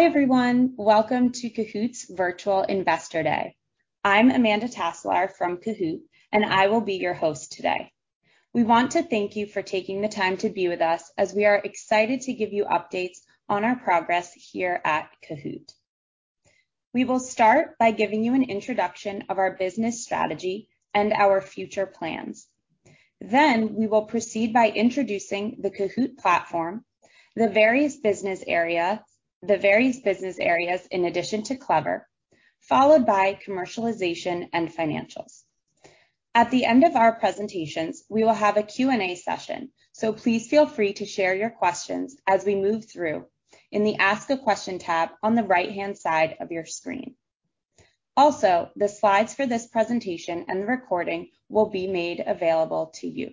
Hi everyone, welcome to Kahoot!'s Virtual Investor Day. I'm Amanda Taselaar from Kahoot!, and I will be your host today. We want to thank you for taking the time to be with us, as we are excited to give you updates on our progress here at Kahoot!. We will start by giving you an introduction of our business strategy and our future plans. Then we will proceed by introducing the Kahoot! platform, the various business areas, the various business areas in addition to Clever, followed by commercialization and financials. At the end of our presentations, we will have a Q&A session, so please feel free to share your questions as we move through in the Ask a Question tab on the right-hand side of your screen. Also, the slides for this presentation and the recording will be made available to you.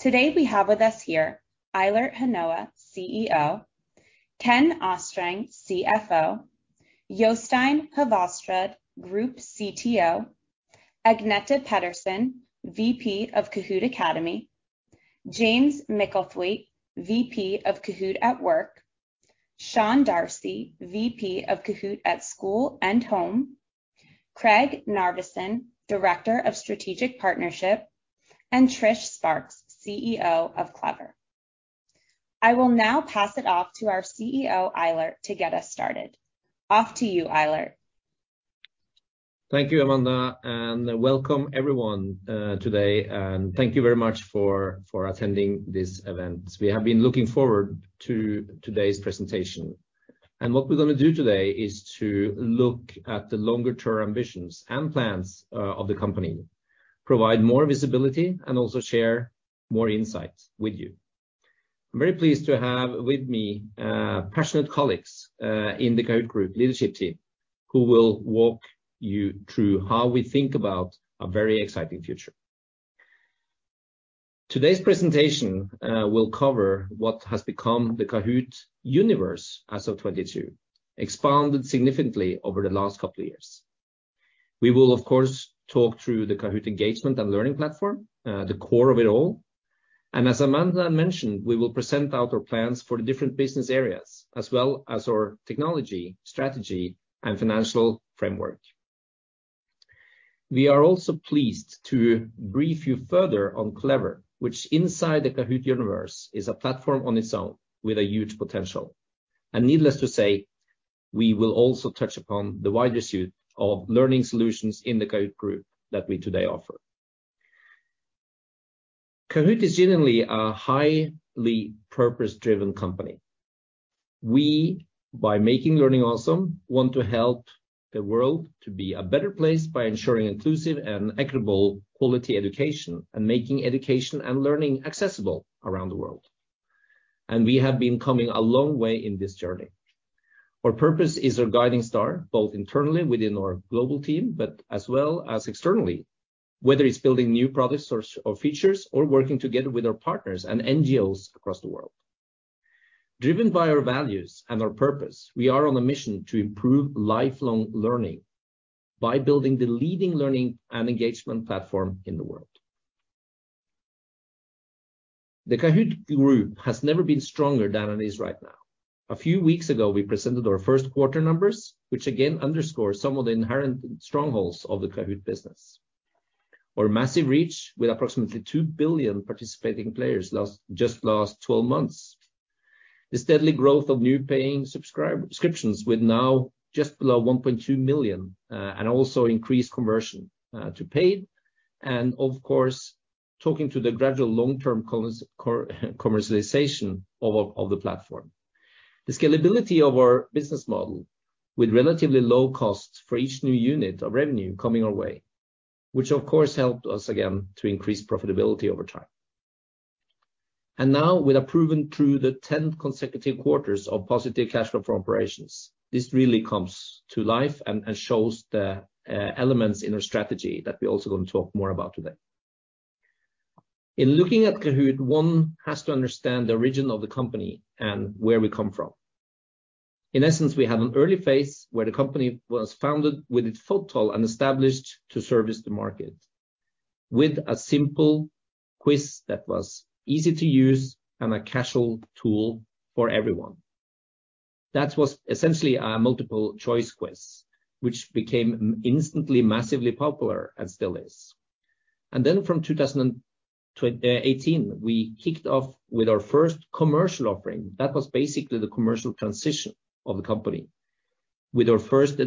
Today we have with us here Eilert Hanoa, CEO, Ken Østreng, CFO, Jostein Håvaldsrud, Group CTO, Agnete Pedersen, VP of Kahoot! Academy, James Micklethwait, VP of Kahoot! at Work, Sean D'Arcy, VP of Kahoot! at School and Home, Craig Narveson, Director of Strategic Partnerships, and Trish Sparks, CEO of Clever. I will now pass it off to our CEO, Eilert, to get us started. Off to you, Eilert. Thank you, Amanda, and welcome everyone today, and thank you very much for attending this event. We have been looking forward to today's presentation, and what we're going to do today is to look at the longer-term ambitions and plans of the company, provide more visibility, and also share more insights with you. I'm very pleased to have with me passionate colleagues in the Kahoot! Group leadership team who will walk you through how we think about a very exciting future. Today's presentation will cover what has become the Kahoot! universe as of 2022, expanded significantly over the last couple of years. We will, of course, talk through the Kahoot! engagement and learning platform, the core of it all, and as Amanda mentioned, we will present our plans for the different business areas, as well as our technology, strategy, and financial framework. We are also pleased to brief you further on Clever, which inside the Kahoot! universe is a platform on its own with a huge potential. And needless to say, we will also touch upon the wider suite of learning solutions in the Kahoot! Group that we today offer. Kahoot! is genuinely a highly purpose-driven company. We, by making learning awesome, want to help the world to be a better place by ensuring inclusive and equitable quality education and making education and learning accessible around the world. And we have been coming a long way in this journey. Our purpose is our guiding star, both internally within our global team, but as well as externally, whether it's building new products or features or working together with our partners and NGOs across the world. Driven by our values and our purpose, we are on a mission to improve lifelong learning by building the leading learning and engagement platform in the world. The Kahoot! Group has never been stronger than it is right now. A few weeks ago, we presented our first quarter numbers, which again underscore some of the inherent strongholds of the Kahoot! business: our massive reach with approximately 2 billion participating players just last 12 months; the steady growth of new paying subscriptions with now just below 1.2 million and also increased conversion to paid, and of course, talking to the gradual long-term commercialization of the platform; the scalability of our business model with relatively low costs for each new unit of revenue coming our way, which of course helped us again to increase profitability over time; and now we're proven through the 10 consecutive quarters of positive cash flow for operations. This really comes to life and shows the elements in our strategy that we're also going to talk more about today. In looking at Kahoot!, one has to understand the origin of the company and where we come from. In essence, we have an early phase where the company was founded with its foothold and established to service the market with a simple quiz that was easy to use and a casual tool for everyone. That was essentially a multiple choice quiz, which became instantly massively popular and still is, and then from 2018, we kicked off with our first commercial offering that was basically the commercial transition of the company with our first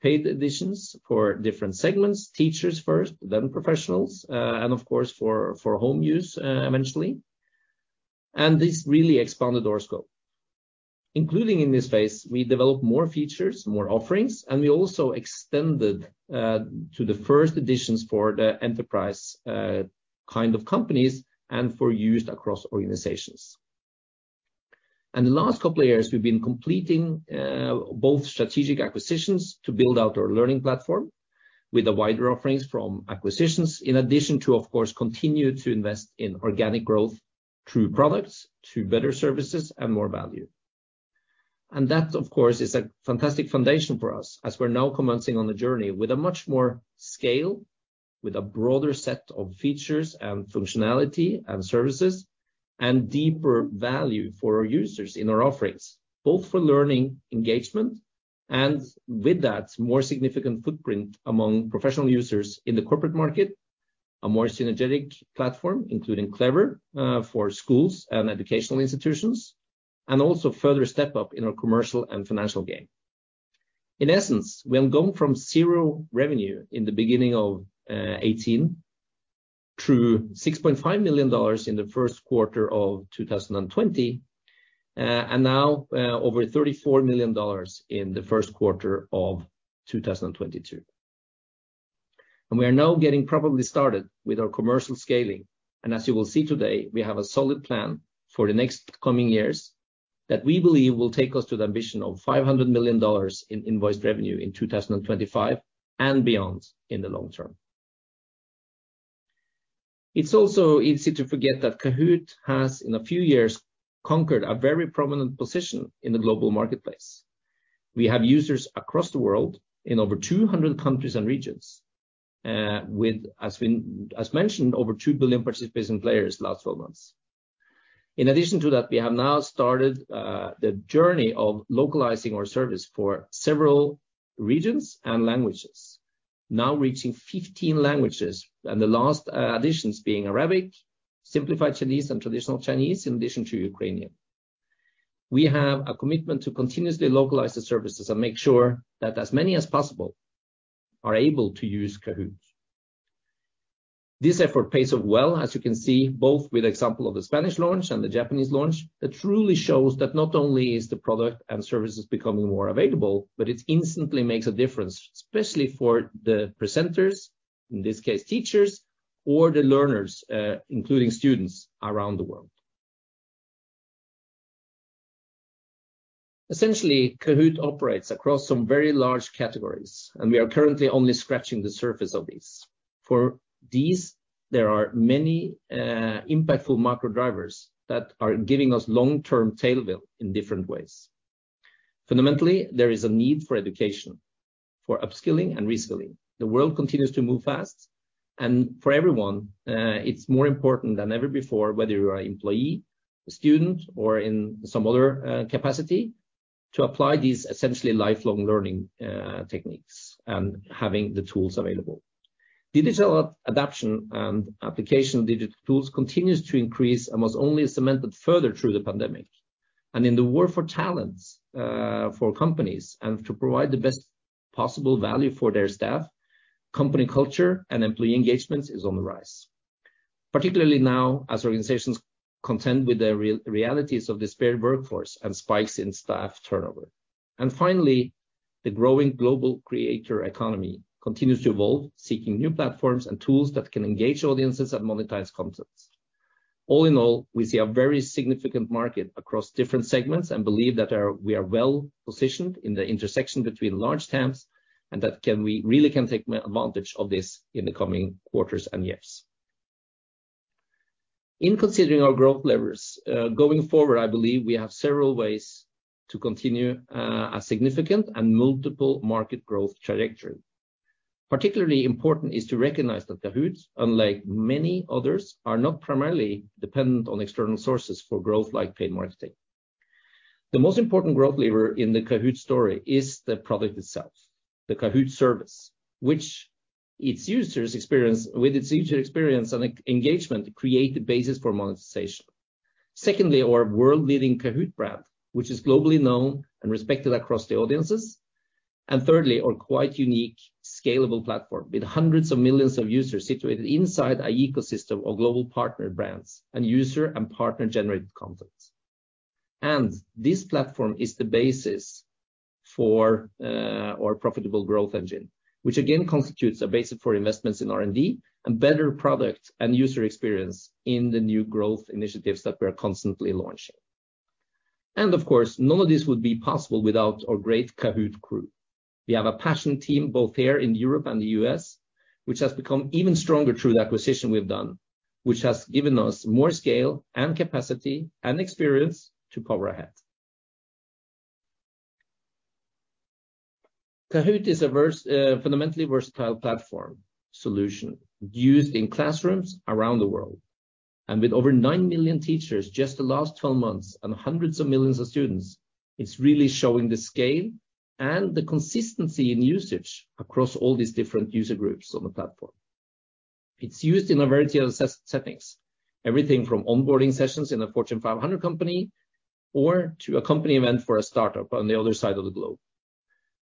paid editions for different segments, teachers first, then professionals, and of course for home use eventually, and this really expanded our scope. Including in this phase, we developed more features, more offerings, and we also extended to the first additions for the enterprise kind of companies and for use across organizations. And the last couple of years, we've been completing both strategic acquisitions to build out our learning platform with the wider offerings from acquisitions, in addition to, of course, continue to invest in organic growth through products to better services and more value. That, of course, is a fantastic foundation for us as we're now commencing on a journey with a much more scale, with a broader set of features and functionality and services, and deeper value for our users in our offerings, both for learning engagement and with that, more significant footprint among professional users in the corporate market, a more synergetic platform including Clever for schools and educational institutions, and also further step up in our commercial and financial game. In essence, we're going from zero revenue in the beginning of 2018 to $6.5 million in the first quarter of 2020, and now over $34 million in the first quarter of 2022. And we are now getting properly started with our commercial scaling, and as you will see today, we have a solid plan for the next coming years that we believe will take us to the ambition of $500 million in invoiced revenue in 2025 and beyond in the long term. It's also easy to forget that Kahoot! has in a few years conquered a very prominent position in the global marketplace. We have users across the world in over 200 countries and regions, with, as mentioned, over 2 billion participating players last 12 months. In addition to that, we have now started the journey of localizing our service for several regions and languages, now reaching 15 languages, and the last additions being Arabic, Simplified Chinese, and Traditional Chinese in addition to Ukrainian. We have a commitment to continuously localize the services and make sure that as many as possible are able to use Kahoot!. This effort pays off well, as you can see, both with the example of the Spanish launch and the Japanese launch. That truly shows that not only is the product and services becoming more available, but it instantly makes a difference, especially for the presenters, in this case teachers, or the learners, including students around the world. Essentially, Kahoot! operates across some very large categories, and we are currently only scratching the surface of these. For these, there are many impactful macro drivers that are giving us long-term tailwind in different ways. Fundamentally, there is a need for education, for upskilling and reskilling. The world continues to move fast, and for everyone, it's more important than ever before, whether you're an employee, a student, or in some other capacity, to apply these essentially lifelong learning techniques and having the tools available. Digital adoption and application of digital tools continues to increase and was only cemented further through the pandemic. And in the war for talent for companies and to provide the best possible value for their staff, company culture and employee engagement is on the rise, particularly now as organizations contend with the realities of the hybrid workforce and spikes in staff turnover. And finally, the growing global creator economy continues to evolve, seeking new platforms and tools that can engage audiences and monetize content. All in all, we see a very significant market across different segments and believe that we are well positioned in the intersection between large TAMs and that we really can take advantage of this in the coming quarters and years. In considering our growth levers going forward, I believe we have several ways to continue a significant and multiple market growth trajectory. Particularly important is to recognize that Kahoot!, unlike many others, are not primarily dependent on external sources for growth like paid marketing. The most important growth lever in the Kahoot! story is the product itself, the Kahoot! service, which its users experience with its user experience and engagement create the basis for monetization. Secondly, our world-leading Kahoot! brand, which is globally known and respected across the audiences. And thirdly, our quite unique scalable platform with hundreds of millions of users situated inside an ecosystem of global partner brands and user and partner-generated content. And this platform is the basis for our profitable growth engine, which again constitutes a basis for investments in R&D and better product and user experience in the new growth initiatives that we are constantly launching. And of course, none of this would be possible without our great Kahoot! crew. We have a passionate team both here in Europe and the U.S., which has become even stronger through the acquisition we've done, which has given us more scale and capacity and experience to power ahead. Kahoot! is a fundamentally versatile platform solution used in classrooms around the world. And with over nine million teachers just the last 12 months and hundreds of millions of students, it's really showing the scale and the consistency in usage across all these different user groups on the platform. It's used in a variety of settings, everything from onboarding sessions in a Fortune 500 company or to a company event for a startup on the other side of the globe.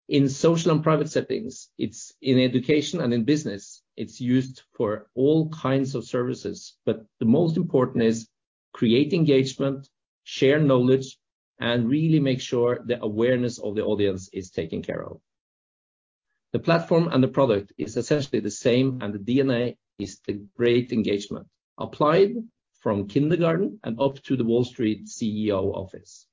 In social and private settings, it's in education and in business, it's used for all kinds of services, but the most important is creating engagement, sharing knowledge, and really making sure the awareness of the audience is taken care of. The platform and the product is essentially the same, and the DNA is the great engagement applied from kindergarten and up to the Wall Street CEO office.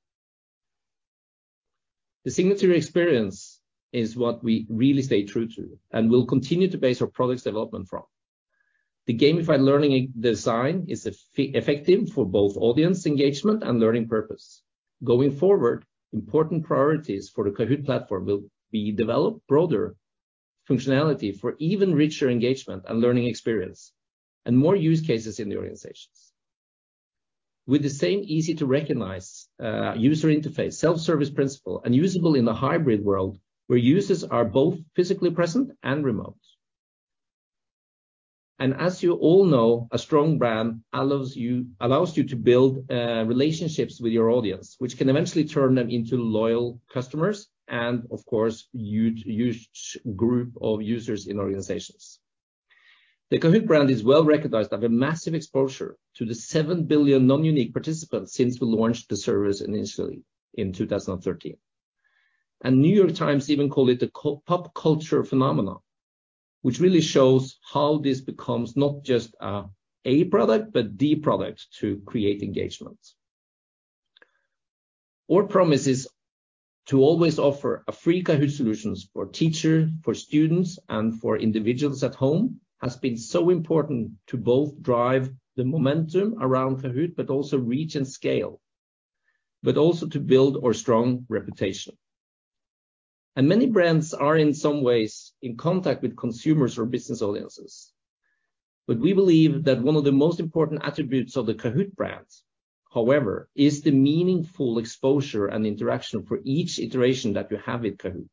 The signature experience is what we really stay true to and will continue to base our product development from. The gamified learning design is effective for both audience engagement and learning purpose. Going forward, important priorities for the Kahoot! platform will be developed broader functionality for even richer engagement and learning experience and more use cases in the organizations, with the same easy-to-recognize user interface, self-service principle, and usable in the hybrid world where users are both physically present and remote, and as you all know, a strong brand allows you to build relationships with your audience, which can eventually turn them into loyal customers and, of course, a huge group of users in organizations. The Kahoot! brand is well recognized as a massive exposure to the 7 billion non-unique participants since we launched the service initially in 2013. The New York Times even called it a pop culture phenomenon, which really shows how this becomes not just a product, but the product to create engagement. Our promise is to always offer a free Kahoot! solution for teachers, for students, and for individuals at home. Has been so important to both drive the momentum around Kahoot!, but also reach and scale, but also to build our strong reputation. Many brands are in some ways in contact with consumers or business audiences. We believe that one of the most important attributes of the Kahoot! brand, however, is the meaningful exposure and interaction for each iteration that you have with Kahoot!,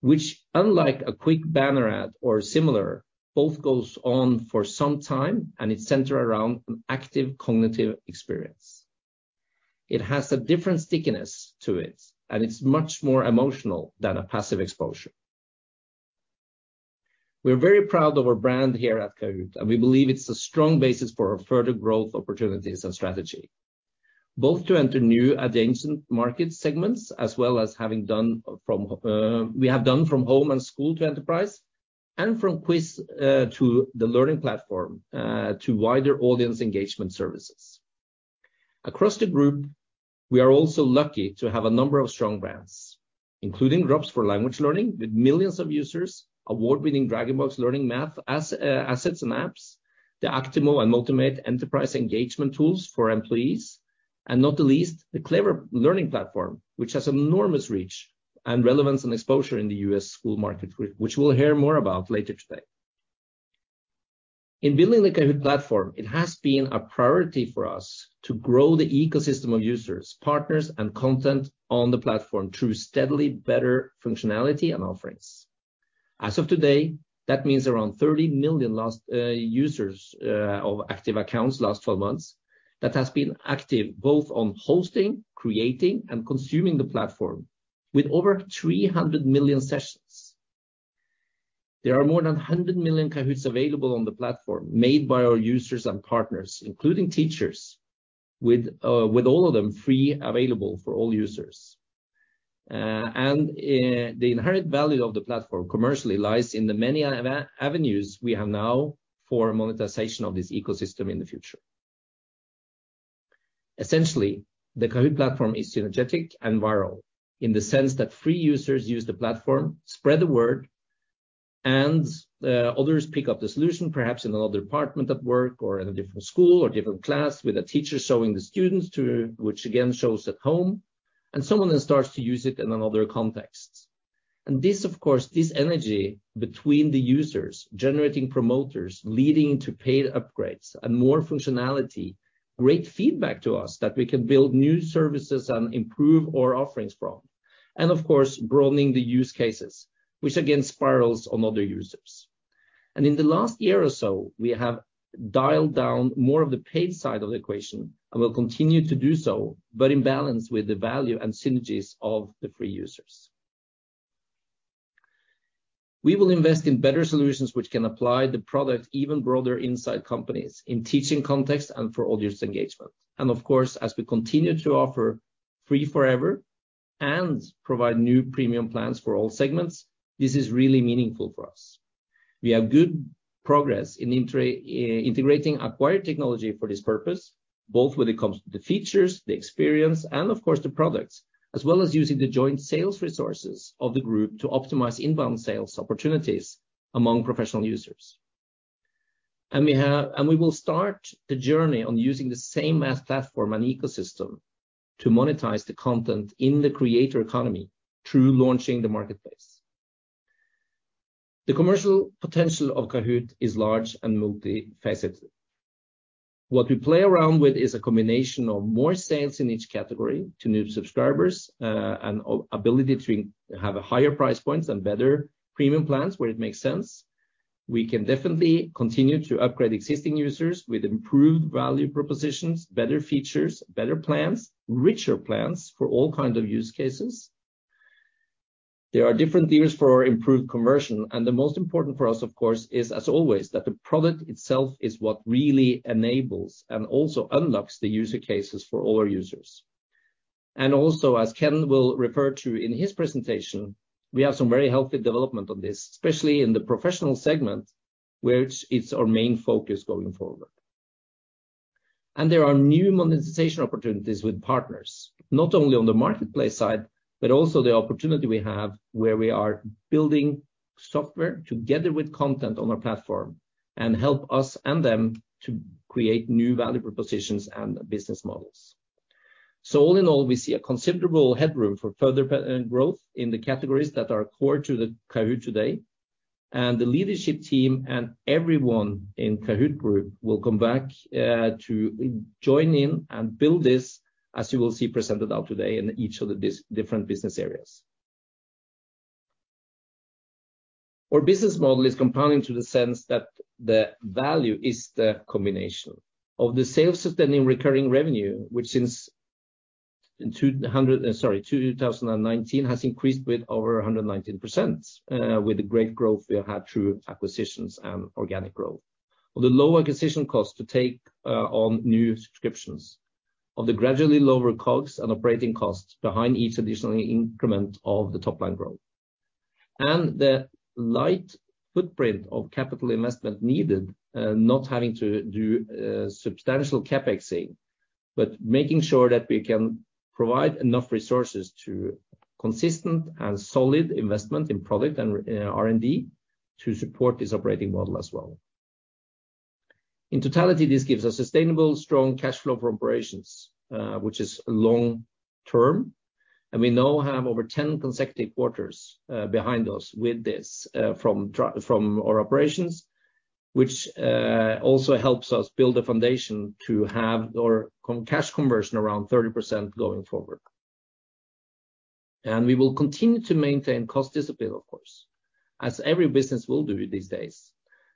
which, unlike a quick banner ad or similar, both goes on for some time and is centered around an active cognitive experience. It has a different stickiness to it, and it's much more emotional than a passive exposure. We're very proud of our brand here at Kahoot!, and we believe it's a strong basis for our further growth opportunities and strategy, both to enter new adjacent market segments as well as having done from we have done from home and school to enterprise and from quiz to the learning platform to wider audience engagement services. Across the Group, we are also lucky to have a number of strong brands, including Drops for language learning with millions of users, award-winning DragonBox learning math assets and apps, the Actimo and Motimate enterprise engagement tools for employees, and not the least, the Clever learning platform, which has enormous reach and relevance and exposure in the U.S. school market, which we'll hear more about la ter today. In building the Kahoot! platform, it has been a priority for us to grow the ecosystem of users, partners, and content on the platform through steadily better functionality and offerings. As of today, that means around 30 million users of active accounts last 12 months that have been active both on hosting, creating, and consuming the platform with over 300 million sessions. There are more than 100 million Kahoots available on the platform made by our users and partners, including teachers, with all of them free available for all users. And the inherent value of the platform commercially lies in the many avenues we have now for monetization of this ecosystem in the future. Essentially, the Kahoot! platform is synergetic and viral in the sense that free users use the platform, spread the word, and others pick up the solution, perhaps in another department at work or in a different school or different class with a teacher showing the students to, which again shows at home, and someone then starts to use it in another context. And this, of course, this energy between the users generating promoters leading to paid upgrades and more functionality, great feedback to us that we can build new services and improve our offerings from, and of course, broadening the use cases, which again spirals on other users. And in the last year or so, we have dialed down more of the paid side of the equation and will continue to do so, but in balance with the value and synergies of the free users. We will invest in better solutions which can apply the product even broader inside companies in teaching context and for audience engagement, and of course, as we continue to offer free forever and provide new premium plans for all segments, this is really meaningful for us. We have good progress in integrating acquired technology for this purpose, both when it comes to the features, the experience, and of course the products, as well as using the joint sales resources of the Group to optimize inbound sales opportunities among professional users, and we will start the journey on using the same math platform and ecosystem to monetize the content in the creator economy through launching the marketplace. The commercial potential of Kahoot! is large and multifaceted. What we play around with is a combination of more sales in each category to new subscribers and ability to have higher price points and better premium plans where it makes sense. We can definitely continue to upgrade existing users with improved value propositions, better features, better plans, richer plans for all kinds of use cases. There are different themes for our improved conversion, and the most important for us, of course, is as always that the product itself is what really enables and also unlocks the user cases for all our users. And also, as Ken will refer to in his presentation, we have some very healthy development on this, especially in the professional segment, which is our main focus going forward. There are new monetization opportunities with partners, not only on the marketplace side, but also the opportunity we have where we are building software together with content on our platform and help us and them to create new value propositions and business models. All in all, we see a considerable headroom for further growth in the categories that are core to the Kahoot! today. The leadership team and everyone in Kahoot! Group will come back to join in and build this, as you will see presented out today in each of the different business areas. Our business model is compounding to the sense that the value is the combination of the sales sustaining recurring revenue, which since 2019 has increased with over 119%, with the great growth we had through acquisitions and organic growth, of the low acquisition cost to take on new subscriptions, of the gradually lower costs and operating costs behind each additional increment of the top line growth, and the light footprint of capital investment needed, not having to do substantial CapEx, but making sure that we can provide enough resources to consistent and solid investment in product and R&D to support this operating model as well. In totality, this gives us sustainable, strong cash flow for operations, which is long term, and we now have over 10 consecutive quarters behind us with this from our operations, which also helps us build a foundation to have our cash conversion around 30% going forward, and we will continue to maintain cost discipline, of course, as every business will do these days,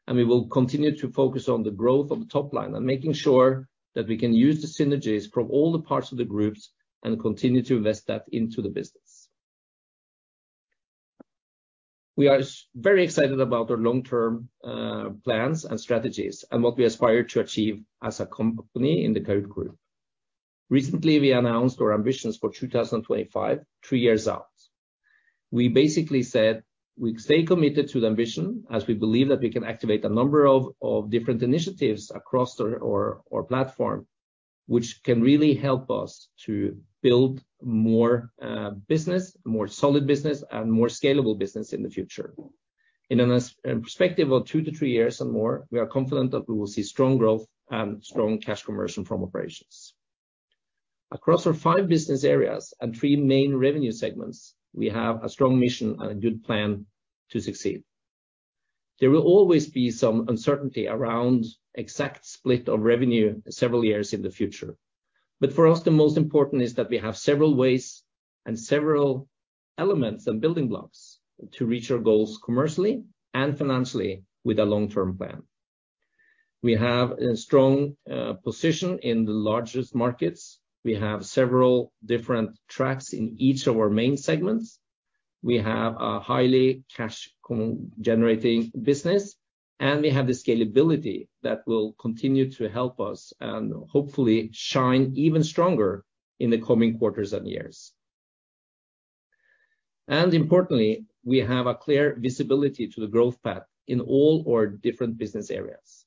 and we will continue to focus on the growth of the top line and making sure that we can use the synergies from all the parts of the groups and continue to invest that into the business. We are very excited about our long-term plans and strategies and what we aspire to achieve as a company in the Kahoot! Group. Recently, we announced our ambitions for 2025, three years out. We basically said we stay committed to the ambition as we believe that we can activate a number of different initiatives across our platform, which can really help us to build more business, more solid business, and more scalable business in the future. In perspective of two to three years and more, we are confident that we will see strong growth and strong cash conversion from operations. Across our five business areas and three main revenue segments, we have a strong mission and a good plan to succeed. There will always be some uncertainty around exact split of revenue several years in the future, but for us, the most important is that we have several ways and several elements and building blocks to reach our goals commercially and financially with a long-term plan. We have a strong position in the largest markets. We have several different tracks in each of our main segments. We have a highly cash-generating business, and we have the scalability that will continue to help us and hopefully shine even stronger in the coming quarters and years. And importantly, we have a clear visibility to the growth path in all our different business areas.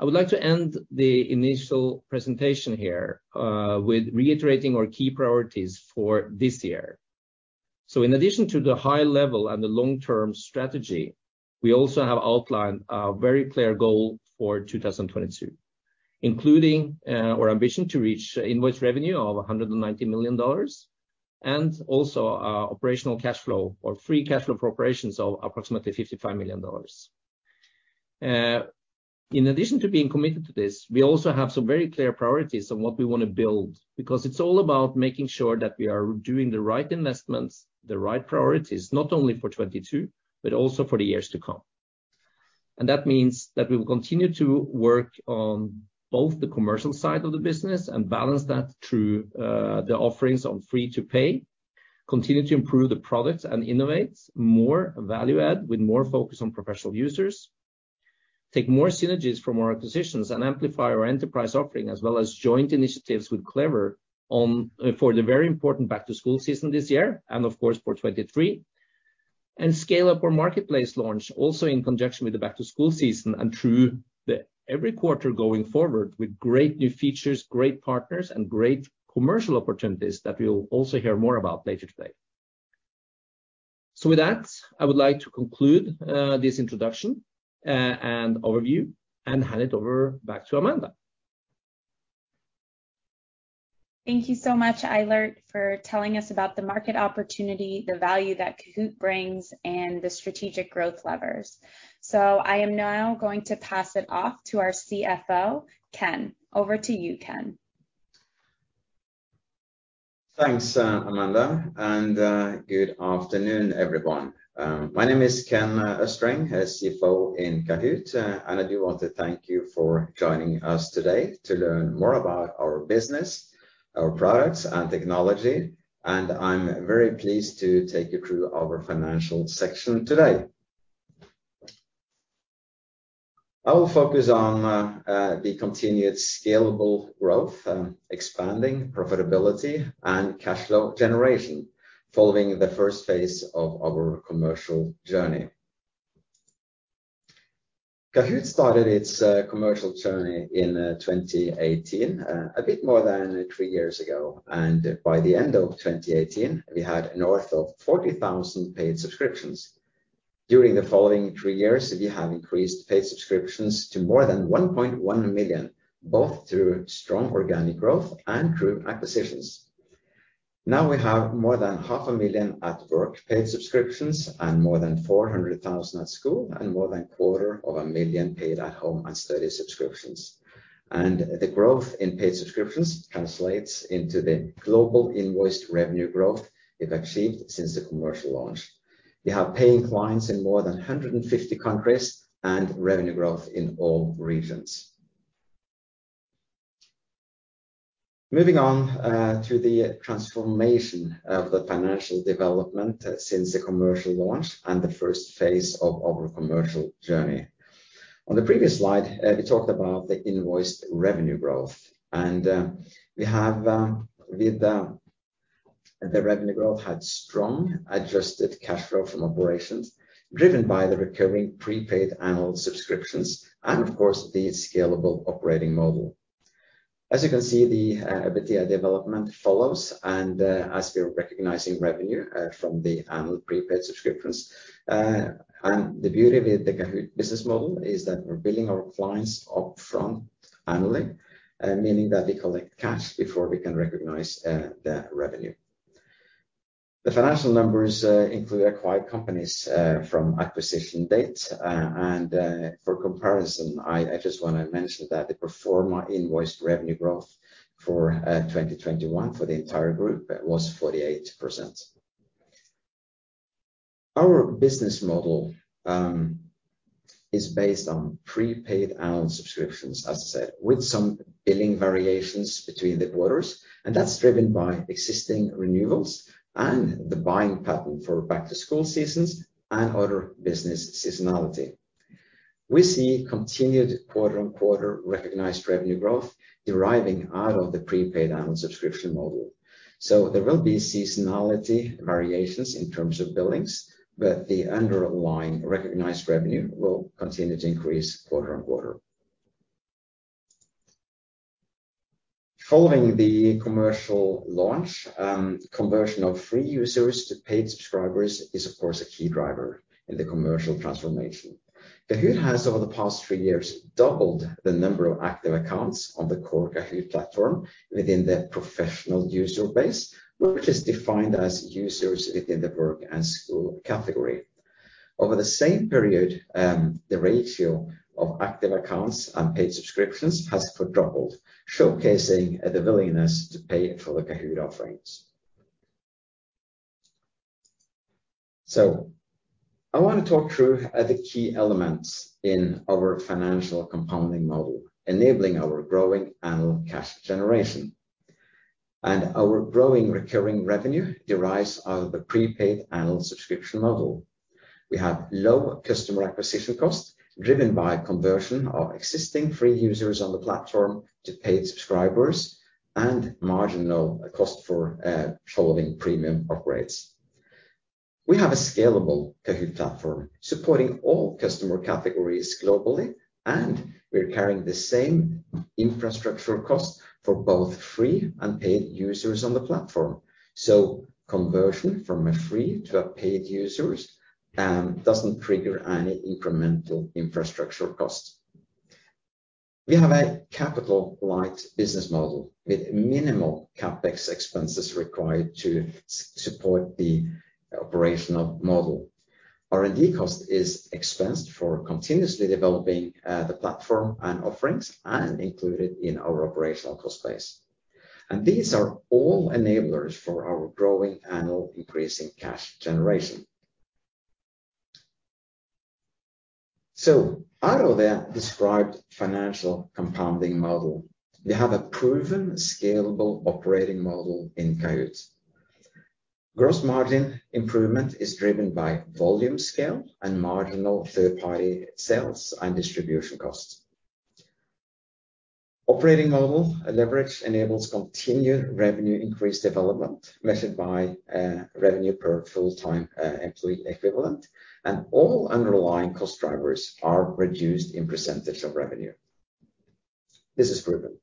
I would like to end the initial presentation here with reiterating our key priorities for this year. So in addition to the high level and the long-term strategy, we also have outlined a very clear goal for 2022, including our ambition to reach invoice revenue of $190 million and also operational cash flow or free cash flow for operations of approximately $55 million. In addition to being committed to this, we also have some very clear priorities on what we want to build because it's all about making sure that we are doing the right investments, the right priorities, not only for 2022, but also for the years to come. And that means that we will continue to work on both the commercial side of the business and balance that through the offerings on free to pay, continue to improve the products and innovate more value add with more focus on professional users, take more synergies from our acquisitions and amplify our enterprise offering as well as joint initiatives with Clever for the very important back-to-school season this year and of course for 2023, and scale up our marketplace launch also in conjunction with the back-to-school season and through every quarter going forward with great new features, great partners, and great commercial opportunities that we'll also hear more about later today. So with that, I would like to conclude this introduction and overview and hand it over back to Amanda. Thank you so much, Eilert, for telling us about the market opportunity, the value that Kahoot! brings, and the strategic growth levers. So I am now going to pass it off to our CFO, Ken. Over to you, Ken. Thanks, Amanda, and good afternoon, everyone. My name is Ken Østreng, CFO of Kahoot!, and I do want to thank you for joining us today to learn more about our business, our products, and technology, and I'm very pleased to take you through our financial section today. I will focus on the continued scalable growth, expanding profitability, and cash flow generation following the first phase of our commercial journey. Kahoot! started its commercial journey in 2018, a bit more than three years ago, and by the end of 2018, we had north of 40,000 paid subscriptions. During the following three years, we have increased paid subscriptions to more than 1.1 million, both through strong organic growth and through acquisitions. Now we have more than 500,000 at Work paid subscriptions and more than 400,000 at School and more than 250,000 paid at Home & Study subscriptions. And the growth in paid subscriptions translates into the global invoiced revenue growth we've achieved since the commercial launch. We have paying clients in more than 150 countries and revenue growth in all regions. Moving on to the transformation of the financial development since the commercial launch and the first phase of our commercial journey. On the previous slide, we talked about the invoiced revenue growth, and we have with the revenue growth had strong adjusted cash flow from operations driven by the recurring prepaid annual subscriptions and, of course, the scalable operating model. As you can see, the profitability development follows, and as we're recognizing revenue from the annual prepaid subscriptions, and the beauty with the Kahoot! business model is that we're billing our clients upfront annually, meaning that we collect cash before we can recognize the revenue. The financial numbers include acquired companies from acquisition date, and for comparison, I just want to mention that the pro forma invoiced revenue growth for 2021 for the entire Group was 48%. Our business model is based on prepaid annual subscriptions, as I said, with some billing variations between the quarters, and that's driven by existing renewals and the buying pattern for back-to-school seasons and other business seasonality. We see continued quarter-on-quarter recognized revenue growth deriving out of the prepaid annual subscription model, so there will be seasonality variations in terms of billings, but the underlying recognized revenue will continue to increase quarter-on-quarter. Following the commercial launch, conversion of free users to paid subscribers is, of course, a key driver in the commercial transformation. Kahoot! has over the past three years doubled the number of active accounts on the core Kahoot! platform within the professional user base, which is defined as users within the work and school category. Over the same period, the ratio of active accounts and paid subscriptions has quadrupled, showcasing the willingness to pay for the Kahoot! offerings. So I want to talk through the key elements in our financial compounding model, enabling our growing annual cash generation. And our growing recurring revenue derives out of the prepaid annual subscription model. We have low customer acquisition costs driven by conversion of existing free users on the platform to paid subscribers and marginal cost for following premium upgrades. We have a scalable Kahoot! platform supporting all customer categories globally, and we're carrying the same infrastructure cost for both free and paid users on the platform. Conversion from a free to a paid user doesn't trigger any incremental infrastructure costs. We have a capital-light business model with minimal CapEx expenses required to support the operational model. R&D cost is expensed for continuously developing the platform and offerings and included in our operational cost base. These are all enablers for our growing annual increasing cash generation. Out of the described financial compounding model, we have a proven scalable operating model in Kahoot!. Gross margin improvement is driven by volume scale and marginal third-party sales and distribution costs. Operating model leverage enables continued revenue increase development measured by revenue per full-time employee equivalent, and all underlying cost drivers are reduced in percentage of revenue. This is proven.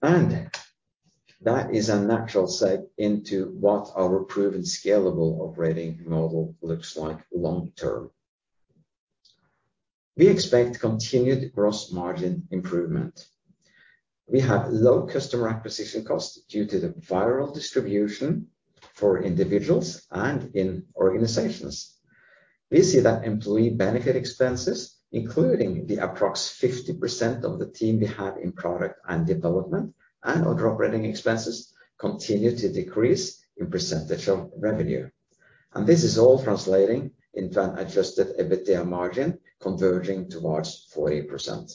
That is a natural step into what our proven scalable operating model looks like long term. We expect continued gross margin improvement. We have low customer acquisition costs due to the viral distribution for individuals and in organizations. We see that employee benefit expenses, including the approximately 50% of the team we have in product and development and other operating expenses, continue to decrease in percentage of revenue. This is all translating into an adjusted EBITDA margin converging towards 40%.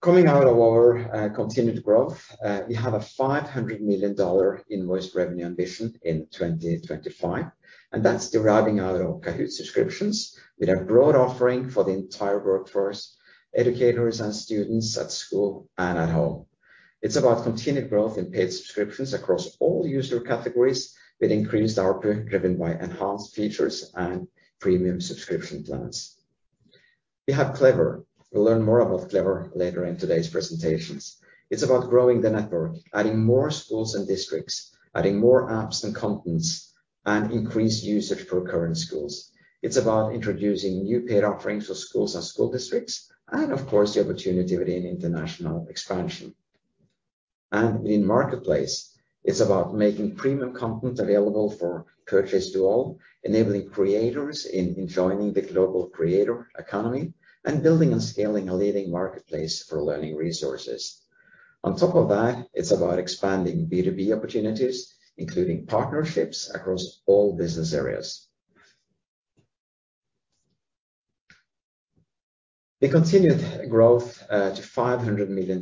Coming out of our continued growth, we have a $500 million invoiced revenue ambition in 2025, and that's deriving out of Kahoot! subscriptions with a broad offering for the entire workforce, educators, and students at school and at home. It's about continued growth in paid subscriptions across all user categories with increased output driven by enhanced features and premium subscription plans. We have Clever. We'll learn more about Clever later in today's presentations. It's about growing the network, adding more schools and districts, adding more apps and contents, and increased usage for current schools. It's about introducing new paid offerings for schools and school districts, and of course, the opportunity within international expansion, and within marketplace, it's about making premium content available for purchase to all, enabling creators in joining the global creator economy and building and scaling a leading marketplace for learning resources. On top of that, it's about expanding B2B opportunities, including partnerships across all business areas. The continued growth to $500 million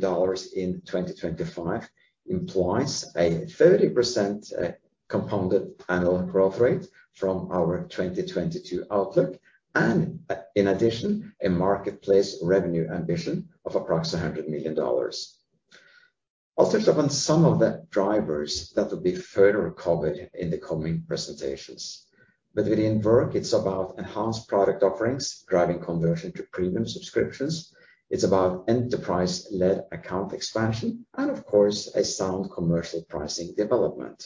in 2025 implies a 30% compounded annual growth rate from our 2022 outlook, and in addition, a marketplace revenue ambition of approximately $100 million. I'll touch upon some of the drivers that will be further covered in the coming presentations, but within Work, it's about enhanced product offerings driving conversion to premium subscriptions. It's about enterprise-led account expansion and, of course, a sound commercial pricing development.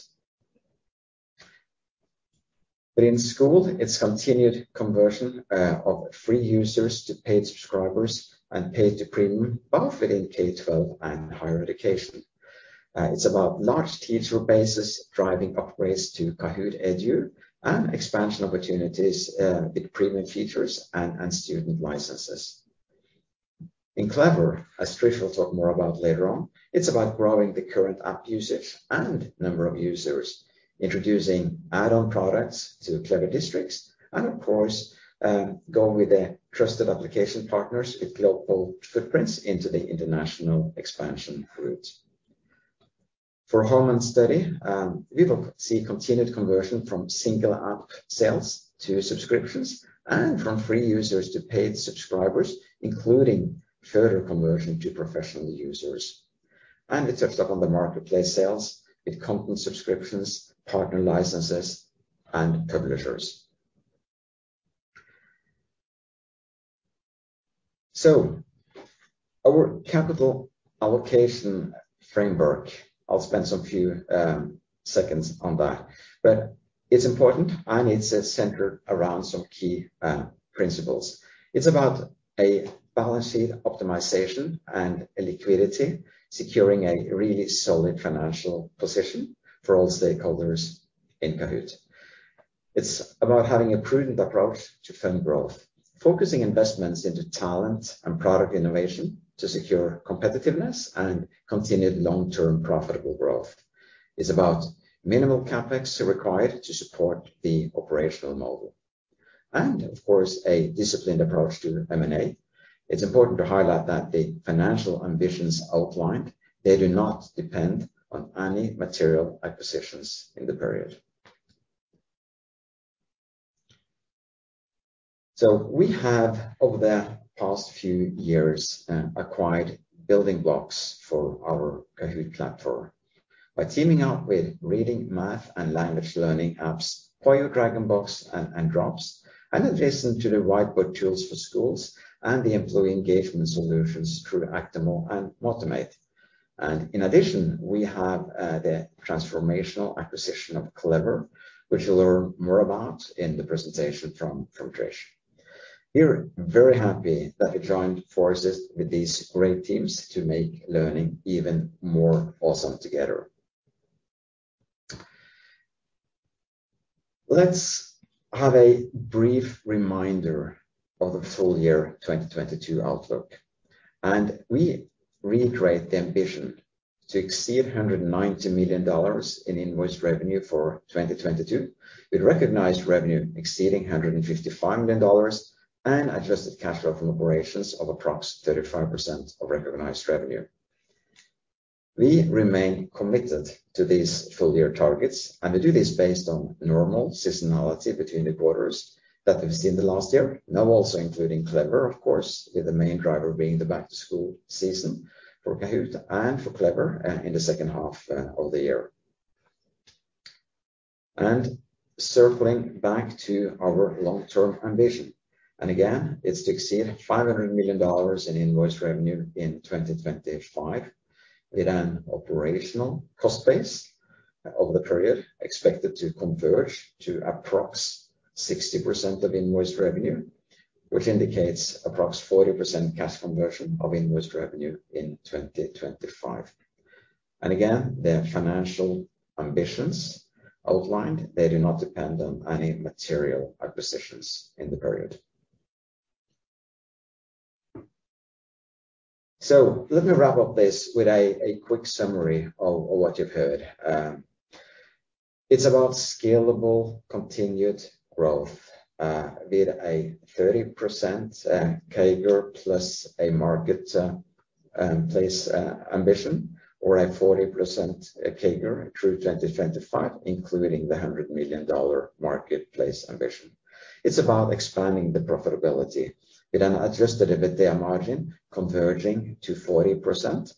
Within School, it's continued conversion of free users to paid subscribers and paid to premium both within K-12 and higher education. It's about large teacher bases driving upgrades to Kahoot! EDU and expansion opportunities with premium features and student licenses. In Clever, as Trish will talk more about later on, it's about growing the current app usage and number of users, introducing add-on products to Clever districts, and of course, going with the trusted application partners with global footprints into the international expansion route. For Home & Study, we will see continued conversion from single app sales to subscriptions and from free users to paid subscribers, including further conversion to professional users, and we touched up on the marketplace sales with content subscriptions, partner licenses, and publishers. So our capital allocation framework, I'll spend some few seconds on that, but it's important and it's centered around some key principles. It's about a balance sheet optimization and liquidity, securing a really solid financial position for all stakeholders in Kahoot!. It's about having a prudent approach to fund growth, focusing investments into talent and product innovation to secure competitiveness and continued long-term profitable growth. It's about minimal CapEx required to support the operational model. And of course, a disciplined approach to M&A. It's important to highlight that the financial ambitions outlined, they do not depend on any material acquisitions in the period. So we have, over the past few years, acquired building blocks for our Kahoot! platform by teaming up with reading, math, and language learning apps, Poio, DragonBox, and Drops, and adjacent to the whiteboard tools for schools and the employee engagement solutions through Actimo and Motimate. In addition, we have the transformational acquisition of Clever, which you'll learn more about in the presentation from Trish. We're very happy that we joined forces with these great teams to make learning even more awesome together. Let's have a brief reminder of the full year 2022 outlook. We reiterate the ambition to exceed $190 million in invoice revenue for 2022 with recognized revenue exceeding $155 million and adjusted cash flow from operations of approximately 35% of recognized revenue. We remain committed to these full year targets, and we do this based on normal seasonality between the quarters that we've seen the last year, now also including Clever, of course, with the main driver being the back-to-school season for Kahoot! and for Clever in the second half of the year. Circling back to our long-term ambition. And again, it's to exceed $500 million in invoiced revenue in 2025 with an operational cost base over the period expected to converge to approximately 60% of invoiced revenue, which indicates approximately 40% cash conversion of invoiced revenue in 2025. And again, the financial ambitions outlined, they do not depend on any material acquisitions in the period. So let me wrap up this with a quick summary of what you've heard. It's about scalable continued growth with a 30% CAGR plus a marketplace ambition or a 40% CAGR through 2025, including the $100 million marketplace ambition. It's about expanding the profitability with an adjusted EBITDA margin converging to 40%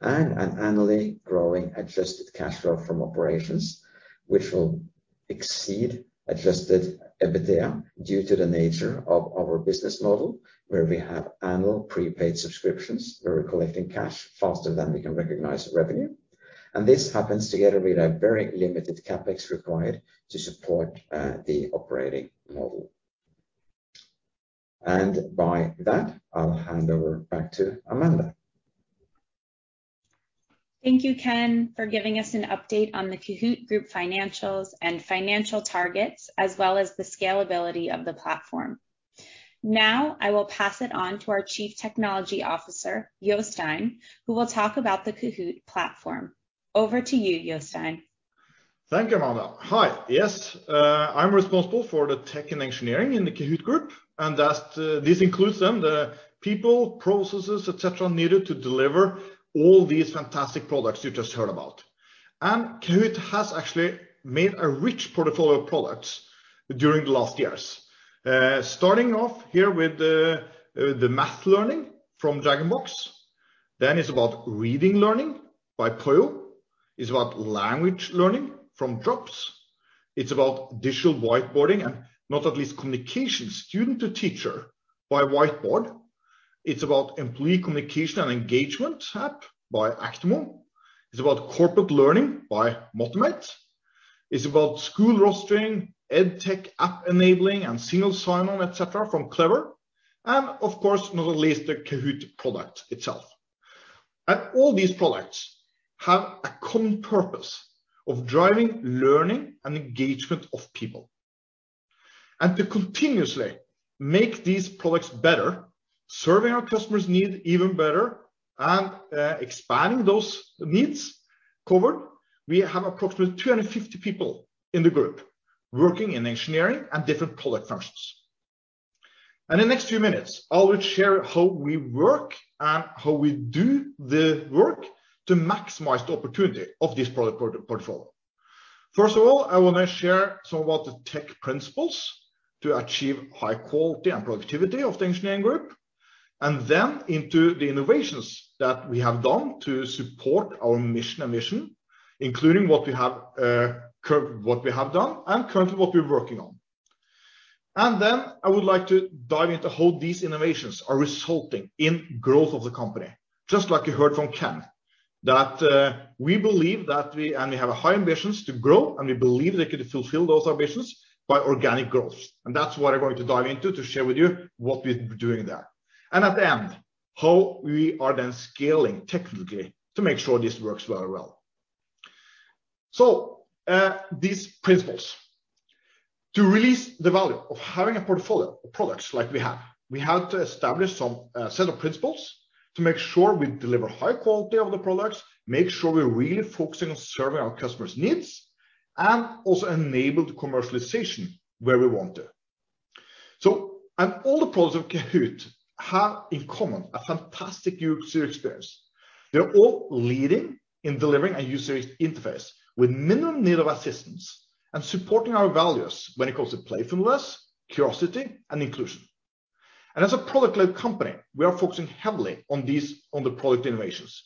and an annually growing adjusted cash flow from operations, which will exceed adjusted EBITDA due to the nature of our business model, where we have annual prepaid subscriptions where we're collecting cash faster than we can recognize revenue. This happens together with a very limited CapEx required to support the operating model. By that, I'll hand over back to Amanda. Thank you, Ken, for giving us an update on the Kahoot! Group financials and financial targets, as well as the scalability of the platform. Now I will pass it on to our Chief Technology Officer, Jostein, who will talk about the Kahoot! platform. Over to you, Jostein. Thank you, Amanda. Hi, yes, I'm responsible for the tech and engineering in the Kahoot! Group, and this includes then the people, processes, et cetera, needed to deliver all these fantastic products you just heard about. Kahoot! has actually made a rich portfolio of products during the last years, starting off here with the math learning from DragonBox. Then it's about reading learning by Poio. It's about language learning from Drops. It's about digital whiteboarding and, not least, communication, student to teacher, by Whiteboard. It's about employee communication and engagement app by Actimo. It's about corporate learning by Motimate. It's about school rostering, edtech app enabling, and single sign-on, et cetera, from Clever. And of course, not least, the Kahoot! product itself. And all these products have a common purpose of driving learning and engagement of people. And to continuously make these products better, serving our customers' needs even better, and expanding those needs covered, we have approximately 250 people in the Group working in engineering and different product functions. And in the next few minutes, I'll share how we work and how we do the work to maximize the opportunity of this product portfolio. First of all, I want to share some about the tech principles to achieve high quality and productivity of the engineering group, and then into the innovations that we have done to support our mission and vision, including what we have done, and currently what we're working on. And then I would like to dive into how these innovations are resulting in growth of the company, just like you heard from Ken, that we believe that we have high ambitions to grow, and we believe they could fulfill those ambitions by organic growth. And that's what I'm going to dive into to share with you what we're doing there. And at the end, how we are then scaling technically to make sure this works very well. So these principles, to release the value of having a portfolio of products like we have, we have to establish some set of principles to make sure we deliver high quality of the products, make sure we're really focusing on serving our customers' needs, and also enable the commercialization where we want to. So all the products of Kahoot! have in common a fantastic user experience. They're all leading in delivering a user interface with minimum need of assistance and supporting our values when it comes to playfulness, curiosity, and inclusion. And as a product-led company, we are focusing heavily on these on the product innovations.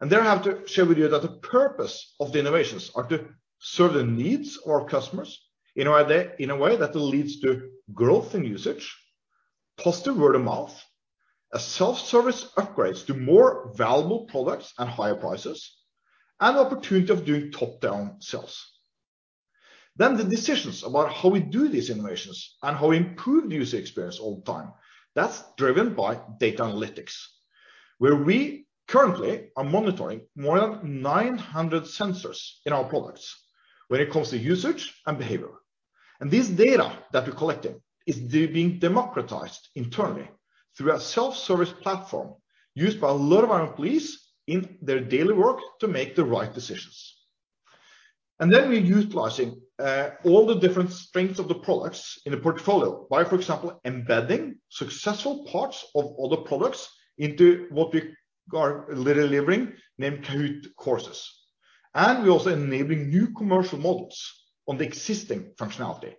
There I have to share with you that the purpose of the innovations is to serve the needs of our customers in a way that leads to growth in usage, positive word of mouth, self-service upgrades to more valuable products and higher prices, and the opportunity of doing top-down sales. The decisions about how we do these innovations and how we improve the user experience all the time, that's driven by data analytics, where we currently are monitoring more than 900 sensors in our products when it comes to usage and behavior. This data that we're collecting is being democratized internally through a self-service platform used by a lot of our employees in their daily work to make the right decisions. Then we're utilizing all the different strengths of the products in the portfolio by, for example, embedding successful parts of other products into what we are delivering, named Kahoot! Courses. We're also enabling new commercial models on the existing functionality.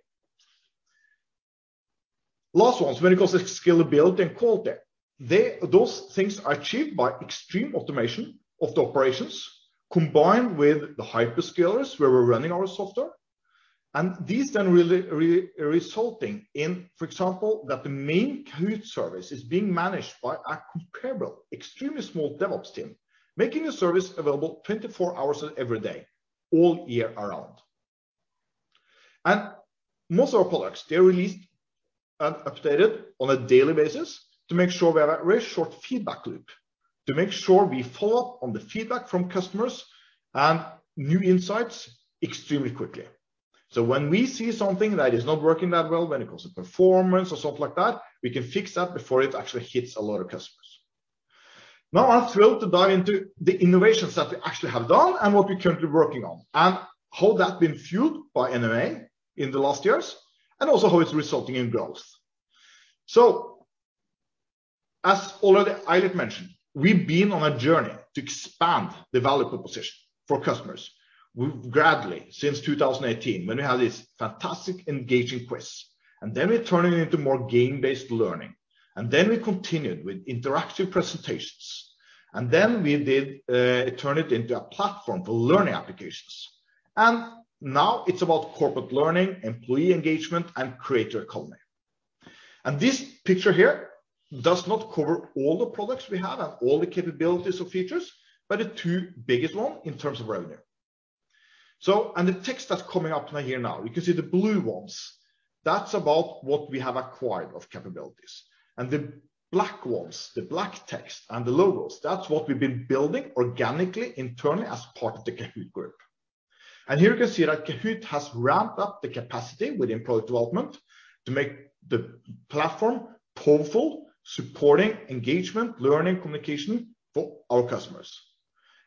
Last ones, when it comes to scalability and quality, those things are achieved by extreme automation of the operations combined with the hyperscalers where we're running our software. These then resulting in, for example, that the main Kahoot! service is being managed by a comparably extremely small DevOps team, making the service available 24 hours every day, all year round. Most of our products, they're released and updated on a daily basis to make sure we have a very short feedback loop, to make sure we follow up on the feedback from customers and new insights extremely quickly. So when we see something that is not working that well, when it comes to performance or something like that, we can fix that before it actually hits a lot of customers. Now I'm thrilled to dive into the innovations that we actually have done and what we're currently working on and how that's been fueled by M&A in the last years and also how it's resulting in growth. So as already Eilert mentioned, we've been on a journey to expand the value proposition for customers. We've gradually, since 2018, when we had these fantastic engaging quests, and then we turned it into more game-based learning, and then we continued with interactive presentations, and then we did turn it into a platform for learning applications, and now it's about corporate learning, employee engagement, and creator economy. And this picture here does not cover all the products we have and all the capabilities of features, but the two biggest ones in terms of revenue. So on the text that's coming up here now, you can see the blue ones, that's about what we have acquired of capabilities. And the black ones, the black text and the logos, that's what we've been building organically internally as part of the Kahoot! Group. And here you can see that Kahoot! has ramped up the capacity with employee development to make the platform powerful, supporting engagement, learning, communication for our customers.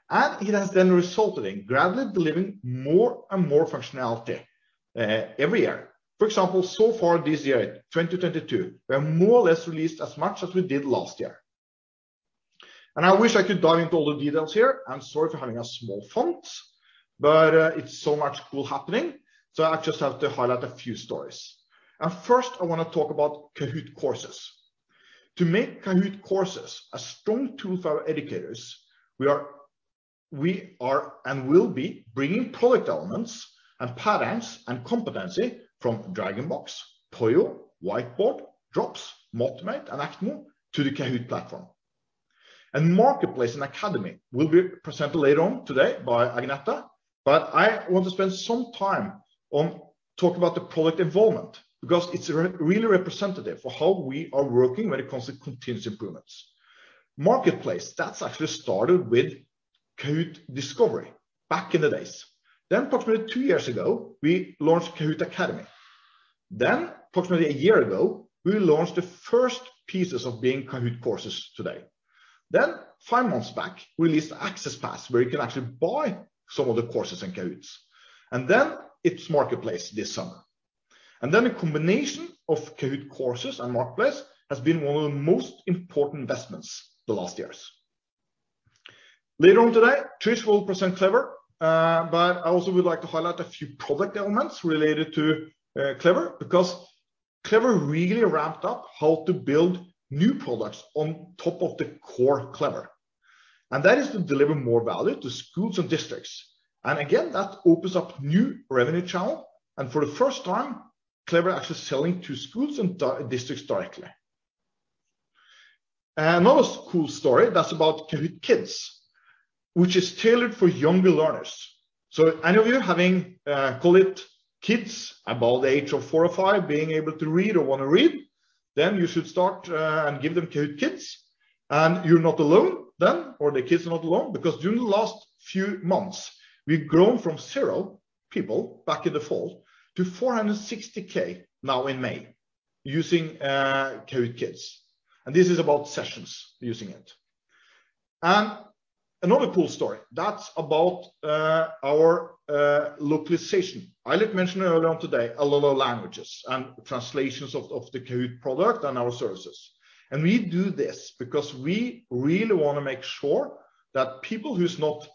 And it has then resulted in gradually delivering more and more functionality every year. For example, so far this year, 2022, we have more or less released as much as we did last year. And I wish I could dive into all the details here. I'm sorry for having a small font, but it's so much cool happening. I just have to highlight a few stories. First, I want to talk about Kahoot! Courses. To make Kahoot! Courses a strong tool for our educators, we are and will be bringing product elements and patterns and competency from DragonBox, Poio, Whiteboard, Drops, Motimate, and Actimo to the Kahoot! platform. Marketplace and Academy will be presented later on today by Agnete, but I want to spend some time on talking about the product involvement because it's really representative for how we are working when it comes to continuous improvements. Marketplace, that's actually started with Kahoot! Discovery back in the days. Approximately two years ago, we launched Kahoot! Academy. Approximately a year ago, we launched the first pieces of being Kahoot! courses today. Then five months back, we released AccessPass, where you can actually buy some of the courses and Kahoots. And then it's Marketplace this summer. And then a combination of Kahoot! Courses and Marketplace has been one of the most important investments the last years. Later on today, Trish will present Clever, but I also would like to highlight a few product elements related to Clever because Clever really ramped up how to build new products on top of the core Clever. And that is to deliver more value to schools and districts. And again, that opens up new revenue channels. And for the first time, Clever is actually selling to schools and districts directly. Another cool story that's about Kahoot! Kids, which is tailored for younger learners. Any of you having colleagues' kids about the age of four or five being able to read or want to read, then you should start and give them Kahoot! Kids. You're not alone then, or the kids are not alone because during the last few months, we've grown from zero people back in the fall to 460k now in May using Kahoot! Kids. This is about sessions using it. Another cool story that's about our localization. Eilert mentioned earlier today a lot of languages and translations of the Kahoot! product and our services. We do this because we really want to make sure that people who are not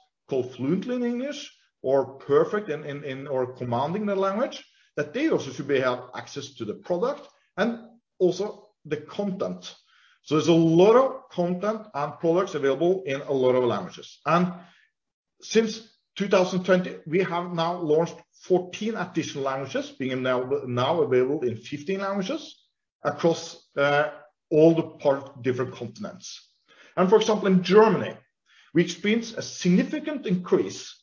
fluent in English or perfect in or commanding the language, that they also should be able to have access to the product and also the content. There's a lot of content and products available in a lot of languages. Since 2020, we have now launched 14 additional languages being now available in 15 languages across all the different continents. For example, in Germany, we experienced a significant increase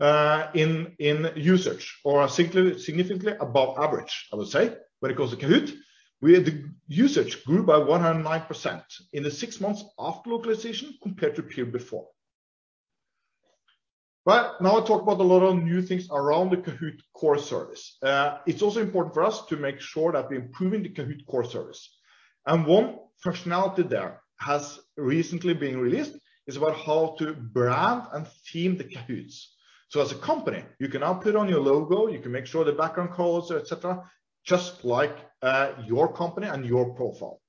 in usage or significantly above average, I would say, when it comes to Kahoot!. The usage grew by 109% in the six months after localization compared to the year before. Now I talk about a lot of new things around the Kahoot! core service. It's also important for us to make sure that we're improving the Kahoot! core service. One functionality there has recently been released is about how to brand and theme the Kahoot!. As a company, you can now put on your logo, you can make sure the background colors, et cetera, just like your company and your profile.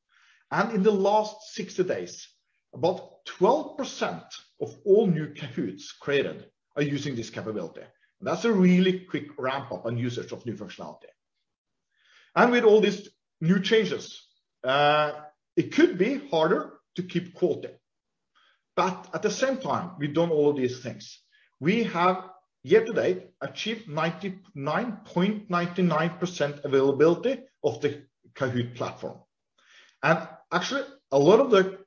And in the last 60 days, about 12% of all new Kahoots created are using this capability. And that's a really quick ramp-up on usage of new functionality. And with all these new changes, it could be harder to keep quality. But at the same time, we've done all of these things. We have to date achieved 99.99% availability of the Kahoot! platform. And actually, a lot of the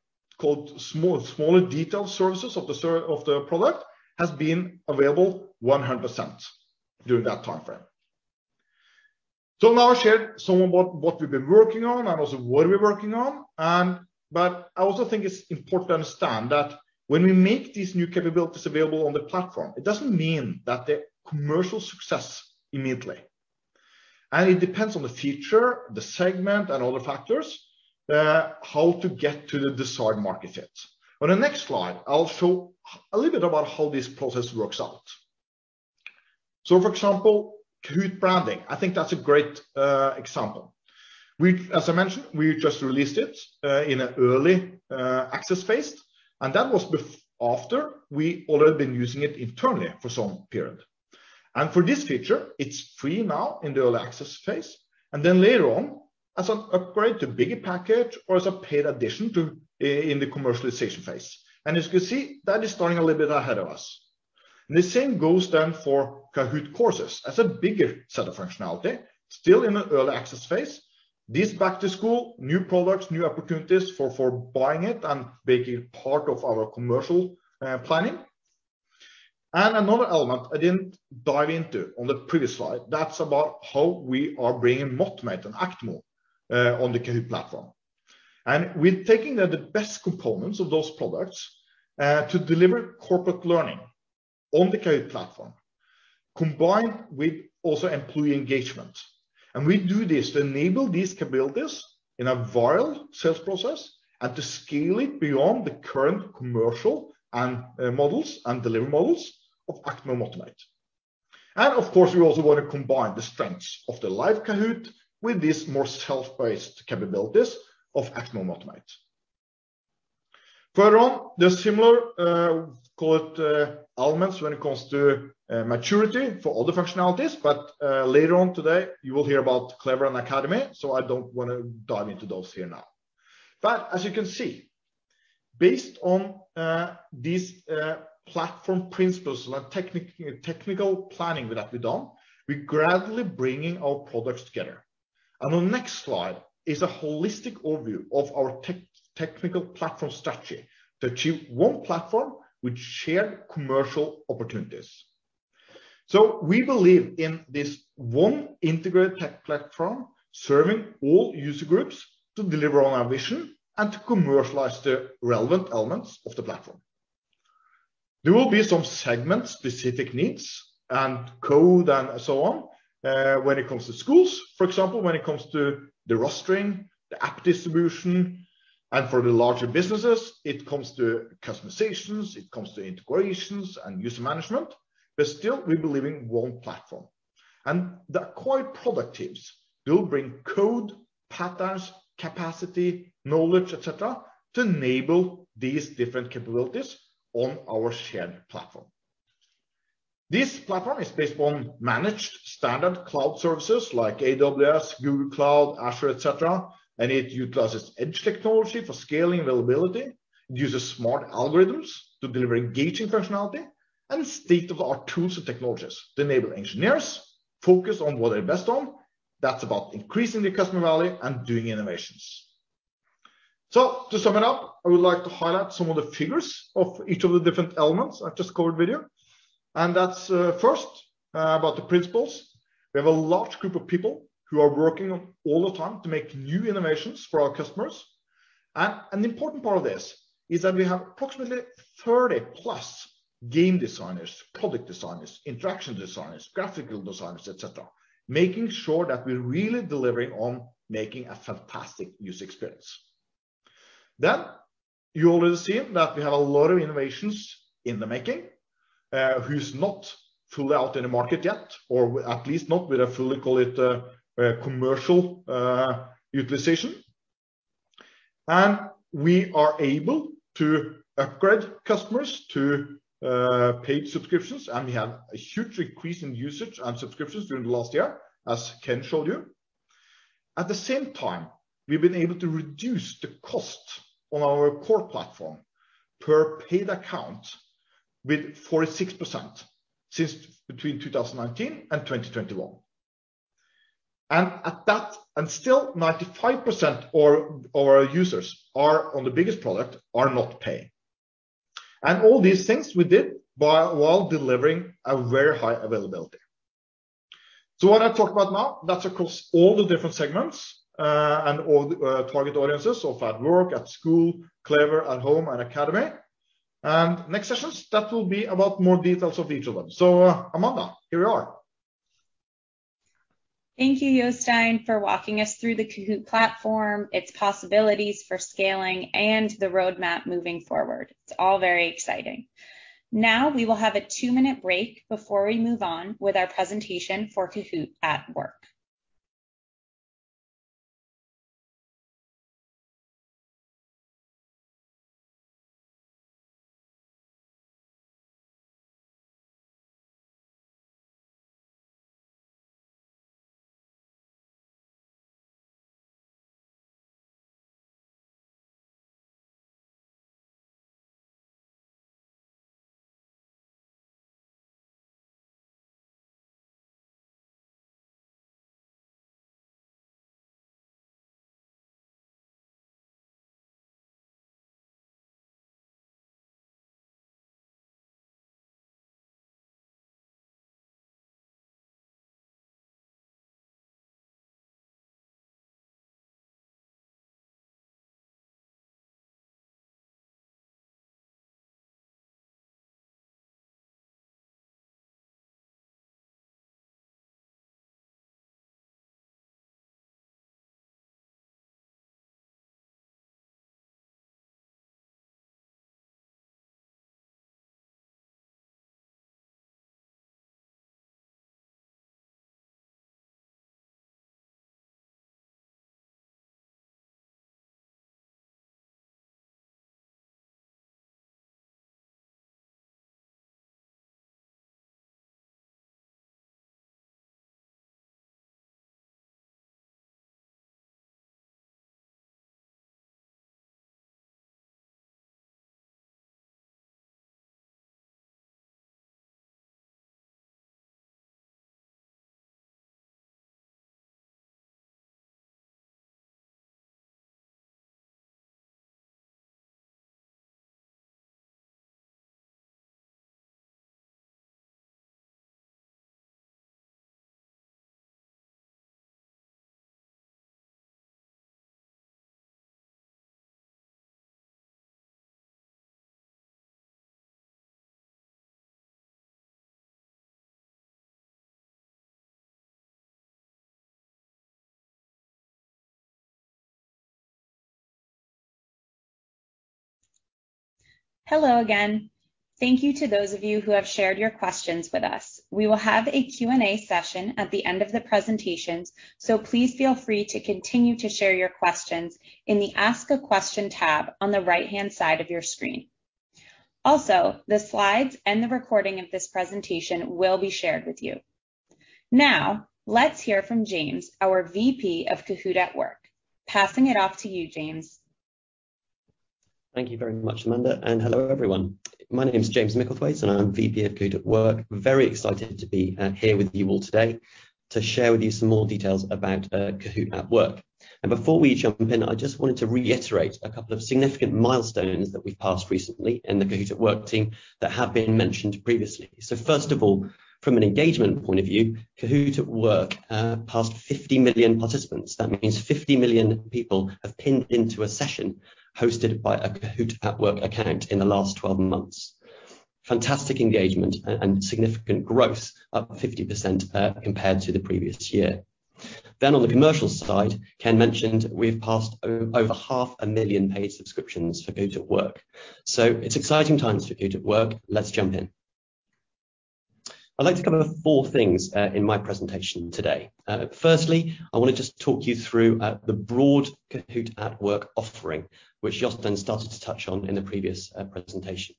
small, smaller detailed services of the product have been available 100% during that timeframe. So now I'll share some of what we've been working on and also what we're working on. But I also think it's important to understand that when we make these new capabilities available on the platform, it doesn't mean that they're commercial success immediately. And it depends on the feature, the segment, and other factors how to get to the desired market fit. On the next slide, I'll show a little bit about how this process works out, so for example, Kahoot! branding, I think that's a great example. As I mentioned, we just released it in an early access phase, and that was after we had already been using it internally for some period, and for this feature, it's free now in the early access phase, and then later on, as an upgrade to a bigger package or as a paid addition in the commercialization phase, and as you can see, that is starting a little bit ahead of us, and the same goes then for Kahoot! Courses as a bigger set of functionality, still in an early access phase. These back-to-school, new products, new opportunities for buying it and making it part of our commercial planning. Another element I didn't dive into on the previous slide, that's about how we are bringing Motimate and Actimo on the Kahoot! platform. And we're taking the best components of those products to deliver corporate learning on the Kahoot! platform, combined with also employee engagement. And we do this to enable these capabilities in a viral sales process and to scale it beyond the current commercial models and delivery models of Actimo and Motimate. And of course, we also want to combine the strengths of the live Kahoot! with these more self-paced capabilities of Actimo and Motimate. Further on, there are similar elements when it comes to maturity for other functionalities. But later on today, you will hear about Clever and Academy. So I don't want to dive into those here now. But as you can see, based on these platform principles and technical planning that we've done, we're gradually bringing our products together. And on the next slide is a holistic overview of our technical platform strategy to achieve one platform with shared commercial opportunities. So we believe in this one integrated tech platform serving all user groups to deliver on our vision and to commercialize the relevant elements of the platform. There will be some segment-specific needs and code and so on when it comes to schools. For example, when it comes to the rostering, the app distribution, and for the larger businesses, it comes to customizations, it comes to integrations and user management. But still, we believe in one platform. And the acquired product teams will bring code, patterns, capacity, knowledge, et cetera, to enable these different capabilities on our shared platform. This platform is based on managed standard cloud services like AWS, Google Cloud, Azure, et cetera. And it utilizes edge technology for scaling availability. It uses smart algorithms to deliver engaging functionality and state-of-the-art tools and technologies to enable engineers to focus on what they're best on. That's about increasing the customer value and doing innovations. So to sum it up, I would like to highlight some of the figures of each of the different elements I've just covered with you. And that's first about the principles. We have a large group of people who are working all the time to make new innovations for our customers. And an important part of this is that we have approximately 30+ game designers, product designers, interaction designers, graphical designers, et cetera, making sure that we're really delivering on making a fantastic user experience. Then you already see that we have a lot of innovations in the making who's not fully out in the market yet, or at least not with a fully commercial utilization. We are able to upgrade customers to paid subscriptions. We have a huge increase in usage and subscriptions during the last year, as Ken showed you. At the same time, we've been able to reduce the cost on our core platform per paid account with 46% since between 2019 and 2021. And at that, still 95% of our users are on the biggest product are not paying. All these things we did while delivering a very high availability, so what I talk about now, that's across all the different segments and all the target audiences of at Work, at School, Clever, at Home, and Academy. Next sessions, that will be about more details of each of them. So Amanda, here we are. Thank you, Jostein, for walking us through the Kahoot! platform, its possibilities for scaling, and the roadmap moving forward. It's all very exciting. Now we will have a two-minute break before we move on with our presentation for Kahoot! at Work. Hello again. Thank you to those of you who have shared your questions with us. We will have a Q&A session at the end of the presentations, so please feel free to continue to share your questions in the Ask a Question tab on the right-hand side of your screen. Also, the slides and the recording of this presentation will be shared with you. Now, let's hear from James, our VP of Kahoot! at Work. Passing it off to you, James. Thank you very much, Amanda. And hello, everyone. My name is James Micklethwait, and I'm VP of Kahoot! at Work. Very excited to be here with you all today to share with you some more details about Kahoot! at Work. And before we jump in, I just wanted to reiterate a couple of significant milestones that we've passed recently in the Kahoot! at Work team that have been mentioned previously. So first of all, from an engagement point of view, Kahoot! at Work passed 50 million participants. That means 50 million people have pinned into a session hosted by a Kahoot! at Work account in the last 12 months. Fantastic engagement and significant growth, up 50% compared to the previous year. Then on the commercial side, Ken mentioned we've passed over 500,000 paid subscriptions for Kahoot! at Work. So it's exciting times for Kahoot! at Work. Let's jump in. I'd like to cover four things in my presentation today. Firstly, I want to just talk you through the broad Kahoot! at Work offering, which Jostein started to touch on in the previous presentation.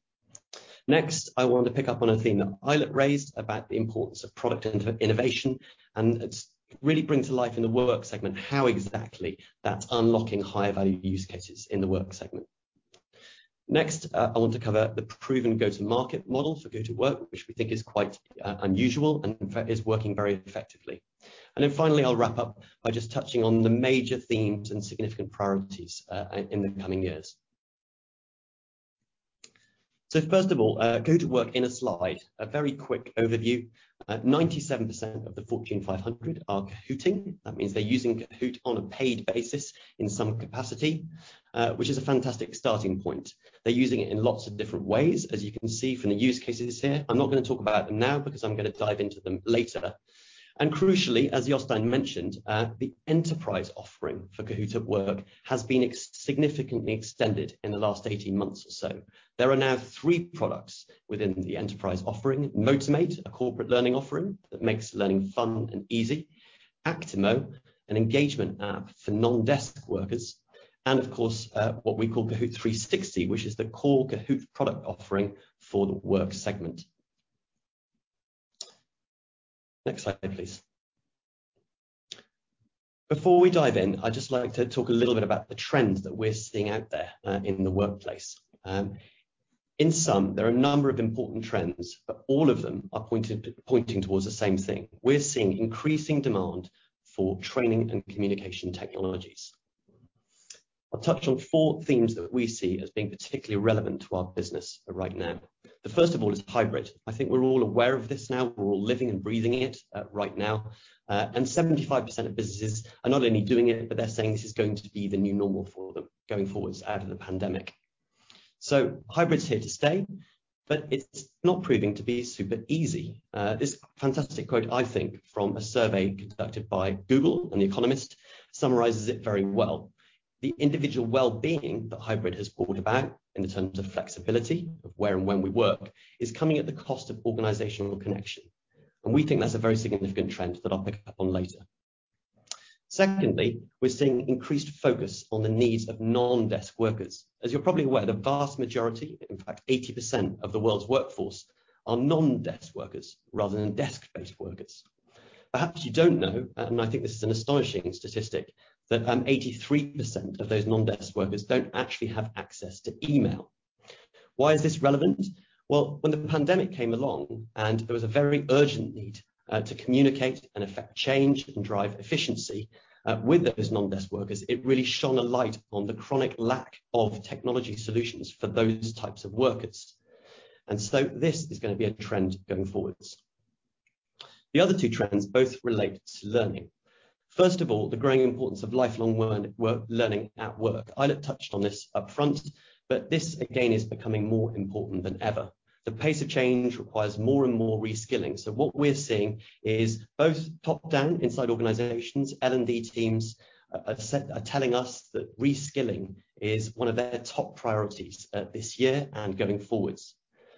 Next, I want to pick up on a theme that Eilert raised about the importance of product innovation and really bring to life in the Work segment how exactly that's unlocking high-value use cases in the Work segment. Next, I want to cover the proven go-to-market model for Kahoot! at Work, which we think is quite unusual and in fact is working very effectively. And then finally, I'll wrap up by just touching on the major themes and significant priorities in the coming years. So first of all, Kahoot! at Work in a slide, a very quick overview. 97% of the Fortune 500 are Kahooting. That means they're using Kahoot! On a paid basis in some capacity, which is a fantastic starting point. They're using it in lots of different ways, as you can see from the use cases here. I'm not going to talk about them now because I'm going to dive into them later, and crucially, as Jostein mentioned, the enterprise offering for Kahoot! at Work has been significantly extended in the last 18 months or so. There are now three products within the enterprise offering: Motimate, a corporate learning offering that makes learning fun and easy; Actimo, an engagement app for non-desk workers; and of course, what we call Kahoot! 360, which is the core Kahoot! product offering for the Work segment. Next slide, please. Before we dive in, I'd just like to talk a little bit about the trends that we're seeing out there in the workplace. In sum, there are a number of important trends, but all of them are pointing towards the same thing. We're seeing increasing demand for training and communication technologies. I'll touch on four themes that we see as being particularly relevant to our business right now. The first of all is hybrid. I think we're all aware of this now. We're all living and breathing it right now. And 75% of businesses are not only doing it, but they're saying this is going to be the new normal for them going forwards out of the pandemic. So hybrid's here to stay, but it's not proving to be super easy. This fantastic quote, I think, from a survey conducted by Google and The Economist summarizes it very well. The individual well-being that hybrid has brought about in terms of flexibility of where and when we work is coming at the cost of organizational connection, and we think that's a very significant trend that I'll pick up on later. Secondly, we're seeing increased focus on the needs of non-desk workers. As you're probably aware, the vast majority, in fact 80% of the world's workforce, are non-desk workers rather than desk-based workers. Perhaps you don't know, and I think this is an astonishing statistic, that 83% of those non-desk workers don't actually have access to email. Why is this relevant? Well, when the pandemic came along and there was a very urgent need to communicate and affect change and drive efficiency with those non-desk workers, it really shone a light on the chronic lack of technology solutions for those types of workers. This is going to be a trend going forwards. The other two trends both relate to learning. First of all, the growing importance of lifelong learning at work. Eilert touched on this upfront, but this again is becoming more important than ever. The pace of change requires more and more reskilling. So what we're seeing is both top-down inside organizations, L&D teams are telling us that reskilling is one of their top priorities this year and going forwards.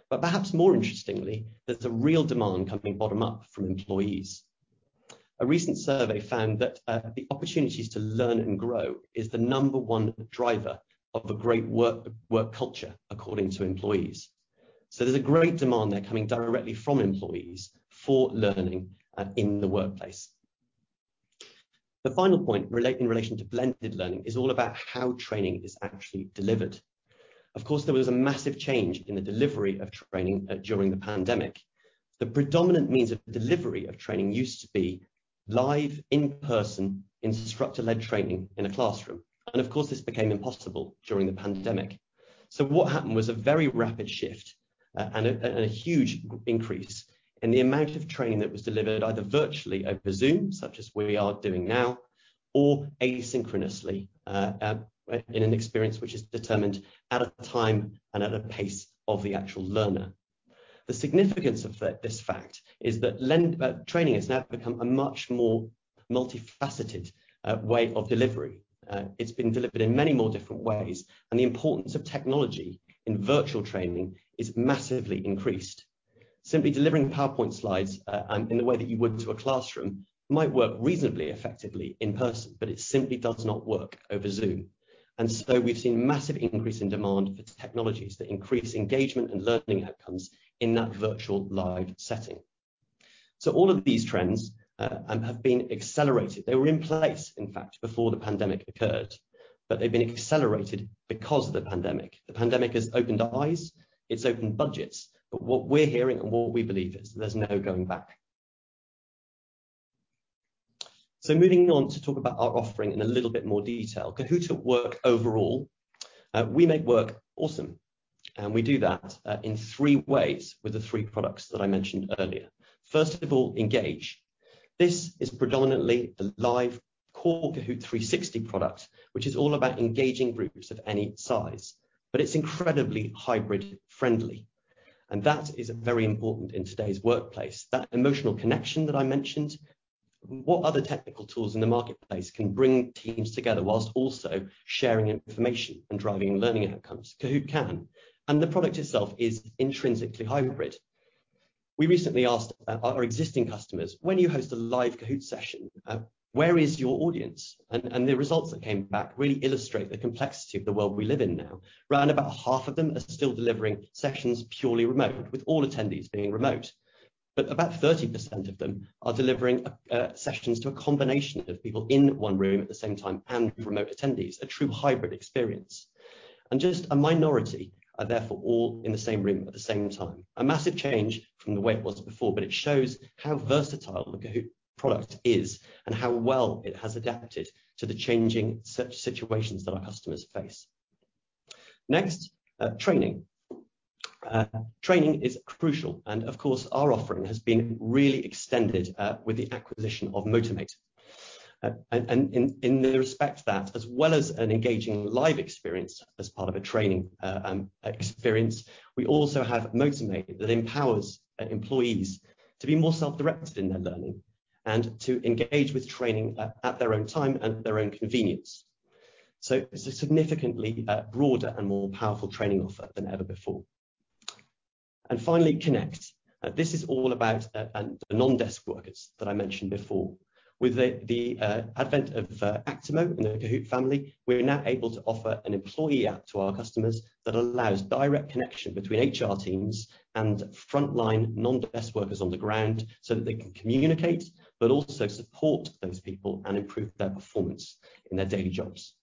But perhaps more interestingly, there's a real demand coming bottom up from employees. A recent survey found that the opportunities to learn and grow is the number one driver of a great work culture, according to employees. So there's a great demand there coming directly from employees for learning in the workplace. The final point in relation to blended learning is all about how training is actually delivered. Of course, there was a massive change in the delivery of training during the pandemic. The predominant means of delivery of training used to be live, in-person, instructor-led training in a classroom, and of course, this became impossible during the pandemic, so what happened was a very rapid shift and a huge increase in the amount of training that was delivered either virtually over Zoom, such as we are doing now, or asynchronously in an experience which is determined at a time and at a pace of the actual learner. The significance of this fact is that training has now become a much more multifaceted way of delivery. It's been delivered in many more different ways, and the importance of technology in virtual training is massively increased. Simply delivering PowerPoint slides in the way that you would to a classroom might work reasonably effectively in person, but it simply does not work over Zoom, and so we've seen a massive increase in demand for technologies that increase engagement and learning outcomes in that virtual live setting. So all of these trends have been accelerated. They were in place, in fact, before the pandemic occurred, but they've been accelerated because of the pandemic. The pandemic has opened eyes. It's opened budgets, but what we're hearing and what we believe is there's no going back, so moving on to talk about our offering in a little bit more detail, Kahoot! at Work overall, we make work awesome, and we do that in three ways with the three products that I mentioned earlier. First of all, Engage. This is predominantly the live core Kahoot! 360 product, which is all about engaging groups of any size. But it's incredibly hybrid-friendly. And that is very important in today's workplace. That emotional connection that I mentioned, what other technical tools in the marketplace can bring teams together whilst also sharing information and driving learning outcomes? Kahoot! can. And the product itself is intrinsically hybrid. We recently asked our existing customers, when you host a live Kahoot! session, where is your audience? And the results that came back really illustrate the complexity of the world we live in now. Around about half of them are still delivering sessions purely remote, with all attendees being remote. But about 30% of them are delivering sessions to a combination of people in one room at the same time and remote attendees, a true hybrid experience. And just a minority are therefore all in the same room at the same time. A massive change from the way it was before, but it shows how versatile the Kahoot! product is and how well it has adapted to the changing situations that our customers face. Next, training. Training is crucial, and of course, our offering has been really extended with the acquisition of Motimate. And in respect to that, as well as an engaging live experience as part of a training experience, we also have Motimate that empowers employees to be more self-directed in their learning and to engage with training at their own time and at their own convenience, so it's a significantly broader and more powerful training offer than ever before, and finally, Connect. This is all about the non-desk workers that I mentioned before. With the advent of Actimo in the Kahoot! family, we're now able to offer an employee app to our customers that allows direct connection between HR teams and frontline non-desk workers on the ground so that they can communicate, but also support those people and improve their performance in their daily jobs.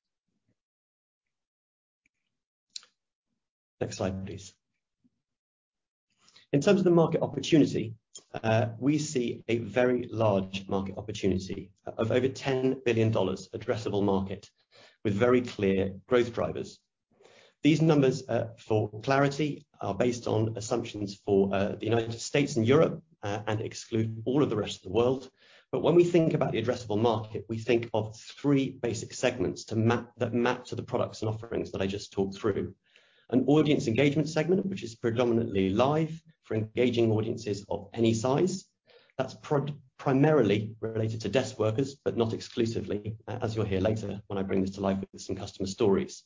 Next slide, please. In terms of the market opportunity, we see a very large market opportunity of over $10 billion addressable market with very clear growth drivers. These numbers for clarity are based on assumptions for the United States and Europe and exclude all of the rest of the world. But when we think about the addressable market, we think of three basic segments that map to the products and offerings that I just talked through. An audience engagement segment, which is predominantly live for engaging audiences of any size. That's primarily related to desk workers, but not exclusively, as you'll hear later when I bring this to life with some customer stories.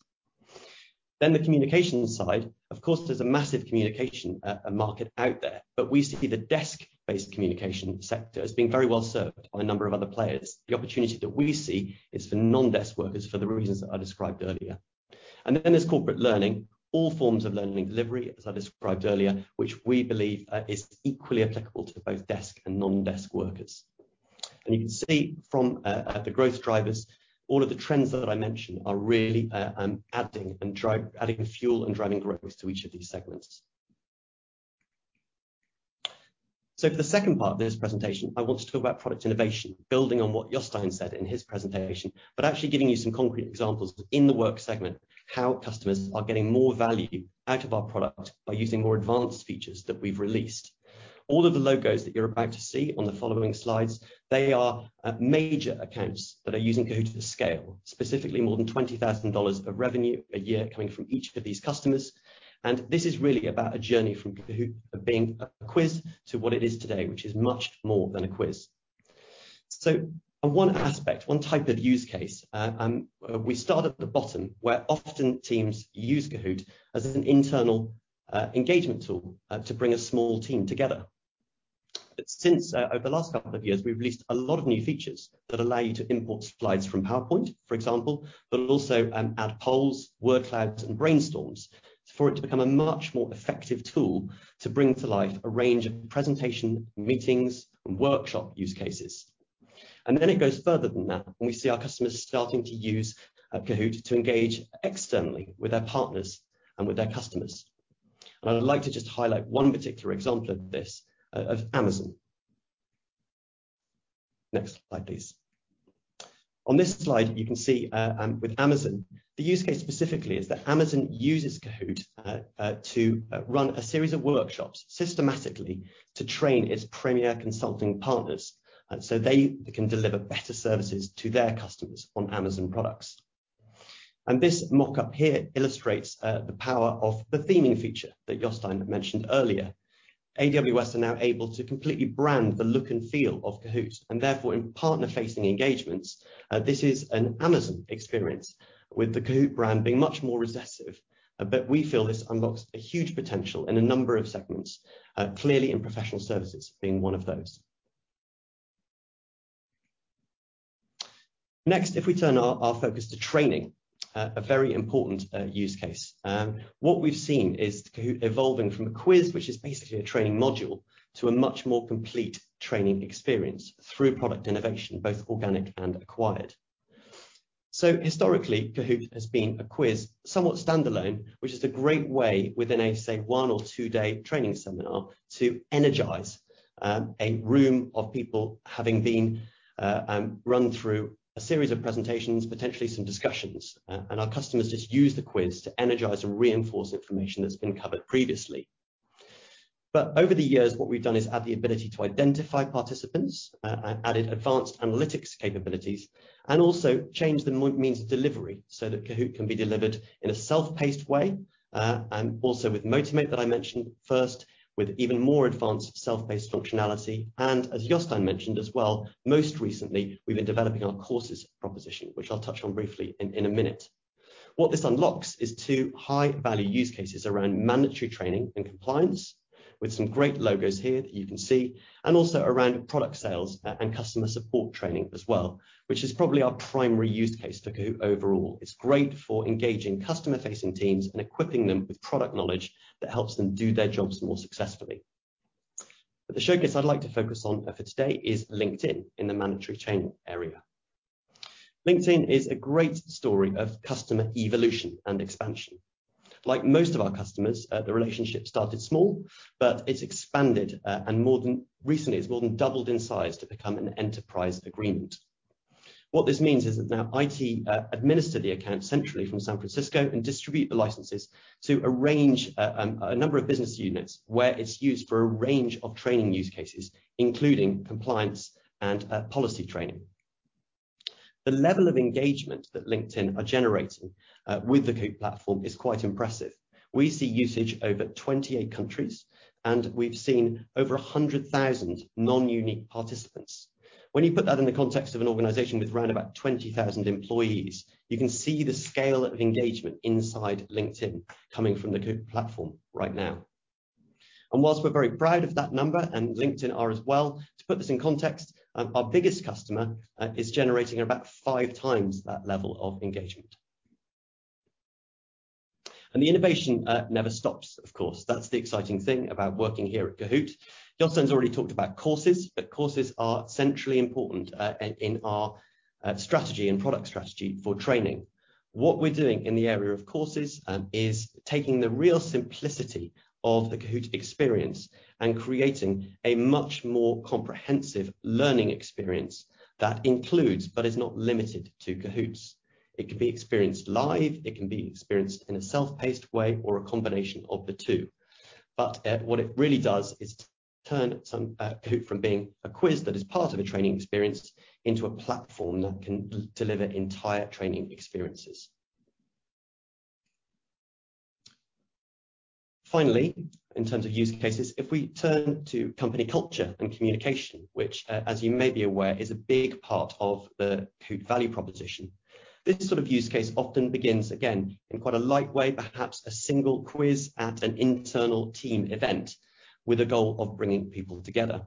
Then the communication side. Of course, there's a massive communication market out there, but we see the desk-based communication sector as being very well served by a number of other players. The opportunity that we see is for non-desk workers for the reasons that I described earlier. And then there's corporate learning, all forms of learning delivery, as I described earlier, which we believe is equally applicable to both desk and non-desk workers. And you can see from the growth drivers, all of the trends that I mentioned are really adding fuel and driving growth to each of these segments. For the second part of this presentation, I want to talk about product innovation, building on what Jostein said in his presentation, but actually giving you some concrete examples in the Work segment, how customers are getting more value out of our product by using more advanced features that we've released. All of the logos that you're about to see on the following slides, they are major accounts that are using Kahoot! to scale, specifically more than $20,000 of revenue a year coming from each of these customers. And this is really about a journey from Kahoot! being a quiz to what it is today, which is much more than a quiz. On one aspect, one type of use case, we start at the bottom, where often teams use Kahoot! as an internal engagement tool to bring a small team together. Since over the last couple of years, we've released a lot of new features that allow you to import slides from PowerPoint, for example, but also add polls, word clouds, and brainstorms for it to become a much more effective tool to bring to life a range of presentation, meetings, and workshop use cases. And then it goes further than that, and we see our customers starting to use Kahoot! to engage externally with their partners and with their customers. And I'd like to just highlight one particular example of this, of Amazon. Next slide, please. On this slide, you can see with Amazon, the use case specifically is that Amazon uses Kahoot! to run a series of workshops systematically to train its premier consulting partners so they can deliver better services to their customers on Amazon products. This mockup here illustrates the power of the theming feature that Jostein mentioned earlier. AWS are now able to completely brand the look and feel of Kahoot! and therefore in partner-facing engagements. This is an Amazon experience with the Kahoot! brand being much more recessive. But we feel this unlocks a huge potential in a number of segments, clearly in professional services being one of those. Next, if we turn our focus to training, a very important use case, what we've seen is Kahoot! evolving from a quiz, which is basically a training module, to a much more complete training experience through product innovation, both organic and acquired. Historically, Kahoot! has been a quiz somewhat standalone, which is a great way within a, say, one or two-day training seminar to energize a room of people having been run through a series of presentations, potentially some discussions. Our customers just use the quiz to energize and reinforce information that's been covered previously. Over the years, what we've done is add the ability to identify participants, added advanced analytics capabilities, and also changed the means of delivery so that Kahoot! can be delivered in a self-paced way, and also with Motimate that I mentioned first, with even more advanced self-paced functionality. As Jostein mentioned as well, most recently, we've been developing our courses proposition, which I'll touch on briefly in a minute. What this unlocks is two high-value use cases around mandatory training and compliance, with some great logos here that you can see, and also around product sales and customer support training as well, which is probably our primary use case for Kahoot! overall. It's great for engaging customer-facing teams and equipping them with product knowledge that helps them do their jobs more successfully. But the showcase I'd like to focus on for today is LinkedIn in the mandatory training area. LinkedIn is a great story of customer evolution and expansion. Like most of our customers, the relationship started small, but it's expanded, and more than recently, it's more than doubled in size to become an enterprise agreement. What this means is that now IT administer the account centrally from San Francisco and distribute the licenses to a range of a number of business units where it's used for a range of training use cases, including compliance and policy training. The level of engagement that LinkedIn are generating with the Kahoot! platform is quite impressive. We see usage over 28 countries, and we've seen over 100,000 non-unique participants. When you put that in the context of an organization with around about 20,000 employees, you can see the scale of engagement inside LinkedIn coming from the Kahoot! platform right now. While we're very proud of that number, and LinkedIn are as well, to put this in context, our biggest customer is generating about five times that level of engagement. The innovation never stops, of course. That's the exciting thing about working here at Kahoot!. Jostein's already talked about courses, but courses are centrally important in our strategy and product strategy for training. What we're doing in the area of courses is taking the real simplicity of the Kahoot! experience and creating a much more comprehensive learning experience that includes, but is not limited to Kahoot!. It can be experienced live. It can be experienced in a self-paced way or a combination of the two. But what it really does is turn Kahoot! from being a quiz that is part of a training experience into a platform that can deliver entire training experiences. Finally, in terms of use cases, if we turn to company culture and communication, which, as you may be aware, is a big part of the Kahoot! value proposition, this sort of use case often begins, again, in quite a light way, perhaps a single quiz at an internal team event with a goal of bringing people together.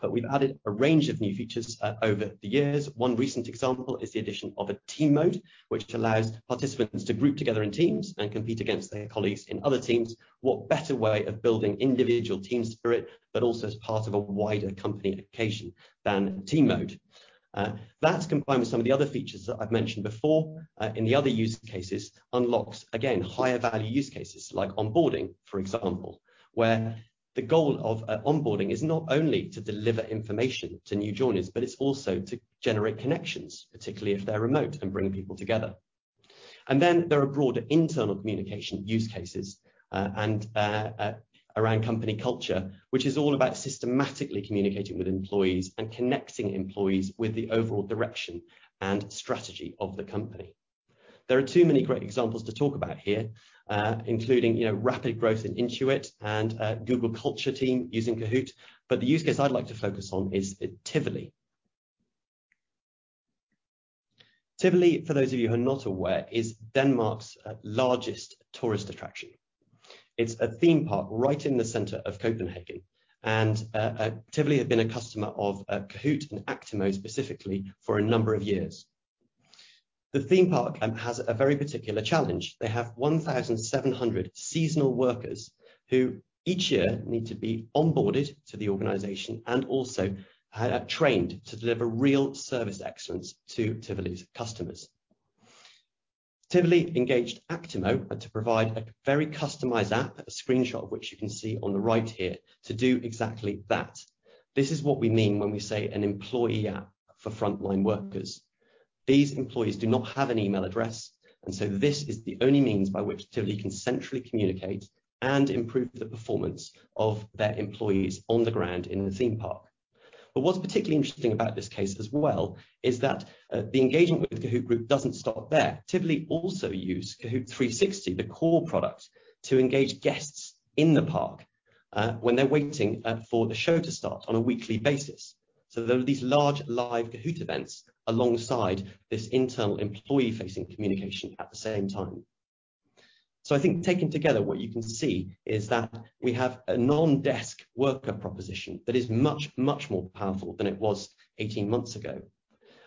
But we've added a range of new features over the years. One recent example is the addition of a Team mode, which allows participants to group together in teams and compete against their colleagues in other teams. What better way of building individual team spirit, but also as part of a wider company occasion than a Team mode? That's combined with some of the other features that I've mentioned before in the other use cases, unlocks, again, higher value use cases like onboarding, for example, where the goal of onboarding is not only to deliver information to new joiners, but it's also to generate connections, particularly if they're remote, and bring people together. And then there are broader internal communication use cases around company culture, which is all about systematically communicating with employees and connecting employees with the overall direction and strategy of the company. There are too many great examples to talk about here, including, you know, rapid growth in Intuit and Google culture team using Kahoot!. But the use case I'd like to focus on is Tivoli. Tivoli, for those of you who are not aware, is Denmark's largest tourist attraction. It's a theme park right in the center of Copenhagen. Tivoli has been a customer of Kahoot! and Actimo specifically for a number of years. The theme park has a very particular challenge. They have 1,700 seasonal workers who each year need to be onboarded to the organization and also trained to deliver real service excellence to Tivoli's customers. Tivoli engaged Actimo to provide a very customized app, a screenshot of which you can see on the right here, to do exactly that. This is what we mean when we say an employee app for frontline workers. These employees do not have an email address. And so this is the only means by which Tivoli can centrally communicate and improve the performance of their employees on the ground in the theme park. What's particularly interesting about this case as well is that the engagement with Kahoot! Group doesn't stop there. Tivoli also uses Kahoot! 360, the core product, to engage guests in the park when they're waiting for the show to start on a weekly basis, so there are these large live Kahoot! events alongside this internal employee-facing communication at the same time, so I think taken together, what you can see is that we have a non-desk worker proposition that is much, much more powerful than it was 18 months ago,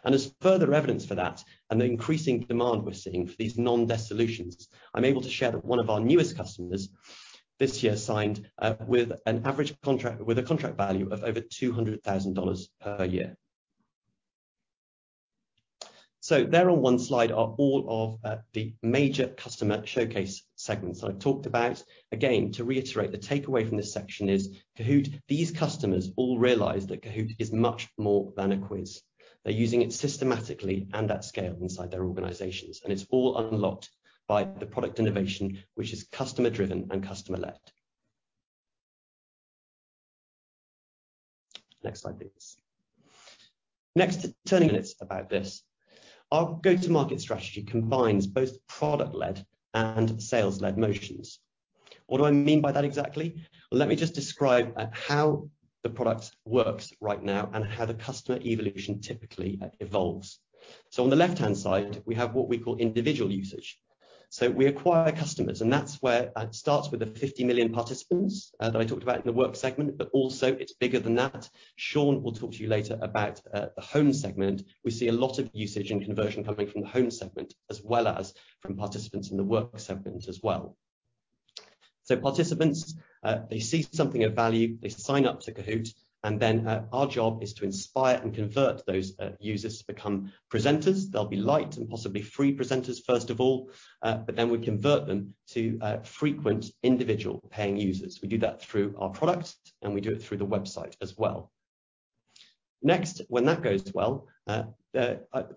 and as further evidence for that and the increasing demand we're seeing for these non-desk solutions, I'm able to share that one of our newest customers this year signed with an average contract with a contract value of over $200,000 per year, so there on one slide are all of the major customer showcase segments I've talked about. Again, to reiterate, the takeaway from this section is Kahoot!. These customers all realize that Kahoot! is much more than a quiz. They're using it systematically and at scale inside their organizations. And it's all unlocked by the product innovation, which is customer-driven and customer-led. Next slide, please. Next, turning a bit about this, our go-to-market strategy combines both product-led and sales-led motions. What do I mean by that exactly? Let me just describe how the product works right now and how the customer evolution typically evolves. So on the left-hand side, we have what we call individual usage. So we acquire customers. And that's where it starts with the 50 million participants that I talked about in the Work segment, but also it's bigger than that. Sean will talk to you later about the Home segment. We see a lot of usage and conversion coming from the Home segment, as well as from participants in the Work segment as well. So participants, they see something of value. They sign up to Kahoot!. And then our job is to inspire and convert those users to become presenters. They'll be light and possibly free presenters, first of all. But then we convert them to frequent individual paying users. We do that through our product, and we do it through the website as well. Next, when that goes well,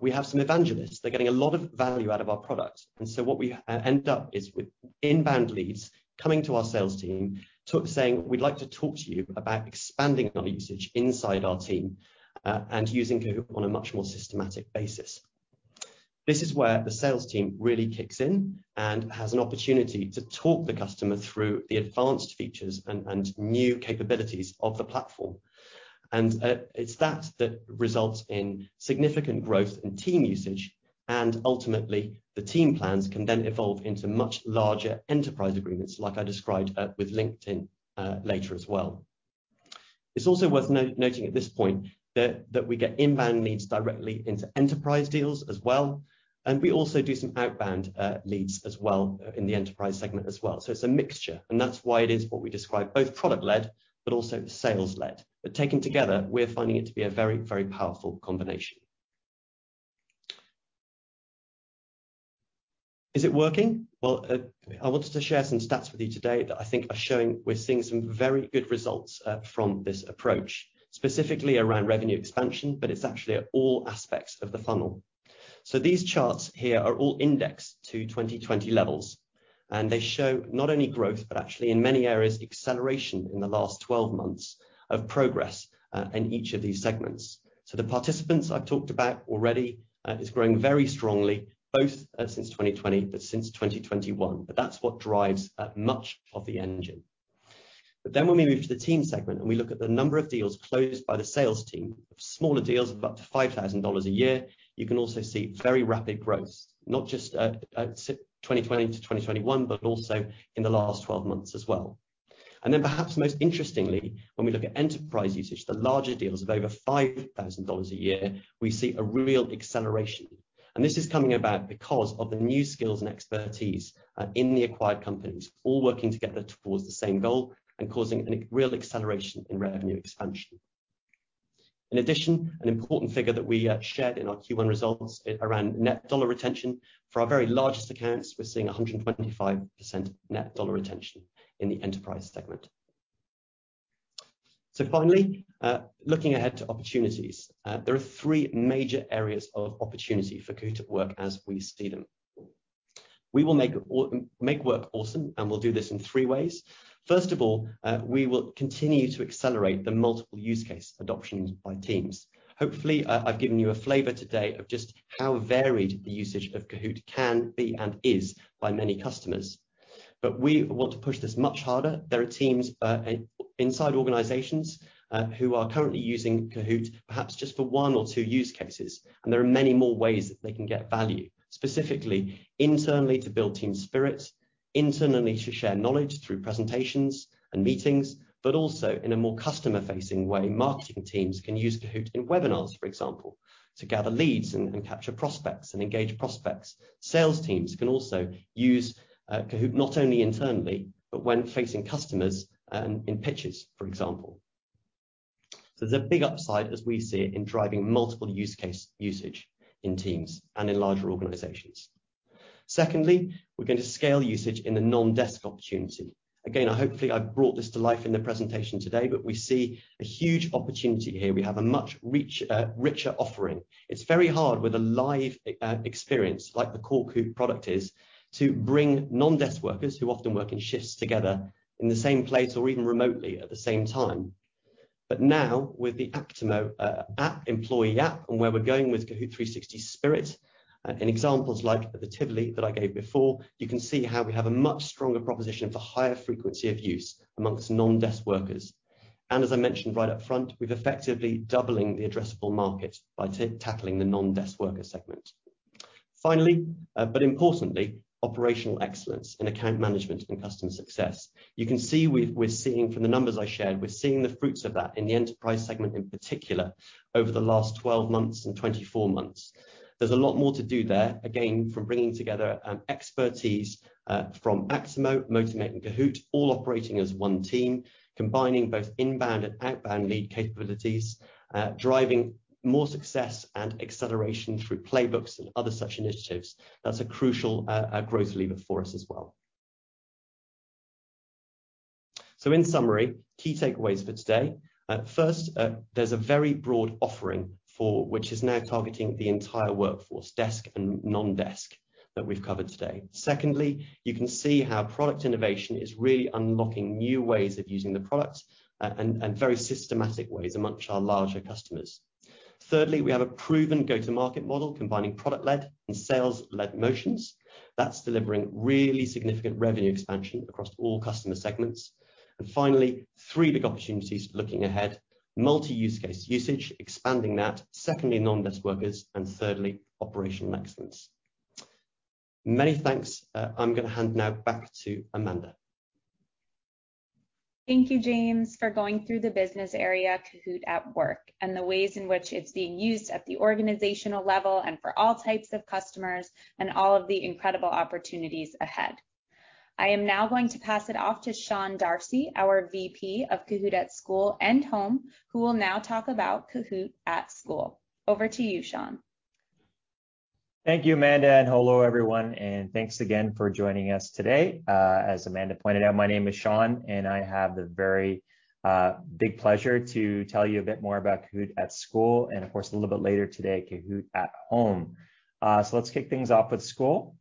we have some evangelists. They're getting a lot of value out of our product. And so what we end up with is inbound leads coming to our sales team saying, "We'd like to talk to you about expanding our usage inside our team and using Kahoot! on a much more systematic basis." This is where the sales team really kicks in and has an opportunity to talk the customer through the advanced features and new capabilities of the platform. And it's that that results in significant growth and team usage. Ultimately, the team plans can then evolve into much larger enterprise agreements, like I described with LinkedIn later as well. It's also worth noting at this point that we get inbound leads directly into enterprise deals as well. We also do some outbound leads as well in the enterprise segment as well. It's a mixture. That's why it is what we describe, both product-led, but also sales-led. Taken together, we're finding it to be a very, very powerful combination. Is it working? I wanted to share some stats with you today that I think are showing we're seeing some very good results from this approach, specifically around revenue expansion, but it's actually at all aspects of the funnel. These charts here are all indexed to 2020 levels. And they show not only growth, but actually, in many areas, acceleration in the last 12 months of progress in each of these segments. So the participants I've talked about already is growing very strongly, both since 2020, but since 2021. But that's what drives much of the engine. But then when we move to the team segment and we look at the number of deals closed by the sales team, smaller deals of up to $5,000 a year, you can also see very rapid growth, not just at 2020 to 2021, but also in the last 12 months as well. And then perhaps most interestingly, when we look at enterprise usage, the larger deals of over $5,000 a year, we see a real acceleration. And this is coming about because of the new skills and expertise in the acquired companies all working together towards the same goal and causing a real acceleration in revenue expansion. In addition, an important figure that we shared in our Q1 results around net dollar retention for our very largest accounts, we're seeing 125% net dollar retention in the enterprise segment. So finally, looking ahead to opportunities, there are three major areas of opportunity for Kahoot! to work as we see them. We will make work awesome, and we'll do this in three ways. First of all, we will continue to accelerate the multiple use case adoptions by teams. Hopefully, I've given you a flavor today of just how varied the usage of Kahoot! can be and is by many customers. But we want to push this much harder. There are teams inside organizations who are currently using Kahoot!, perhaps just for one or two use cases, and there are many more ways that they can get value, specifically internally to build team spirit, internally to share knowledge through presentations and meetings, but also in a more customer-facing way, marketing teams can use Kahoot! in webinars, for example, to gather leads and capture prospects and engage prospects. Sales teams can also use Kahoot! not only internally, but when facing customers in pitches, for example, so there's a big upside, as we see it, in driving multiple use case usage in teams and in larger organizations. Secondly, we're going to scale usage in the non-desk opportunity. Again, hopefully, I've brought this to life in the presentation today, but we see a huge opportunity here. We have a much richer offering. It's very hard with a live experience like the Kahoot! product is to bring non-desk workers who often work in shifts together in the same place or even remotely at the same time. But now, with the Actimo app, employee app, and where we're going with Kahoot! 360 Spirit and examples like the Tivoli that I gave before, you can see how we have a much stronger proposition for higher frequency of use amongst non-desk workers. And as I mentioned right up front, we've effectively doubling the addressable market by tackling the non-desk worker segment. Finally, but importantly, operational excellence in account management and customer success. You can see we're seeing from the numbers I shared, we're seeing the fruits of that in the enterprise segment in particular over the last 12 months and 24 months. There's a lot more to do there, again, from bringing together expertise from Actimo, Motimate, and Kahoot!, all operating as one team, combining both inbound and outbound lead capabilities, driving more success and acceleration through playbooks and other such initiatives. That's a crucial growth lever for us as well. So in summary, key takeaways for today. First, there's a very broad offering, which is now targeting the entire workforce, desk and non-desk, that we've covered today. Secondly, you can see how product innovation is really unlocking new ways of using the products and very systematic ways amongst our larger customers. Thirdly, we have a proven go-to-market model combining product-led and sales-led motions. That's delivering really significant revenue expansion across all customer segments. And finally, three big opportunities looking ahead: multi-use case usage, expanding that; secondly, non-desk workers; and thirdly, operational excellence. Many thanks. I'm going to hand now back to Amanda. Thank you, James, for going through the business area Kahoot! at Work and the ways in which it's being used at the organizational level and for all types of customers and all of the incredible opportunities ahead. I am now going to pass it off to Sean D’Arcy, our VP of Kahoot! at School and Home, who will now talk about Kahoot! at School. Over to you, Sean. Thank you, Amanda, and hello, everyone. And thanks again for joining us today. As Amanda pointed out, my name is Sean, and I have the very big pleasure to tell you a bit more about Kahoot! at School and, of course, a little bit later today, Kahoot! at Home. So let's kick things off with school.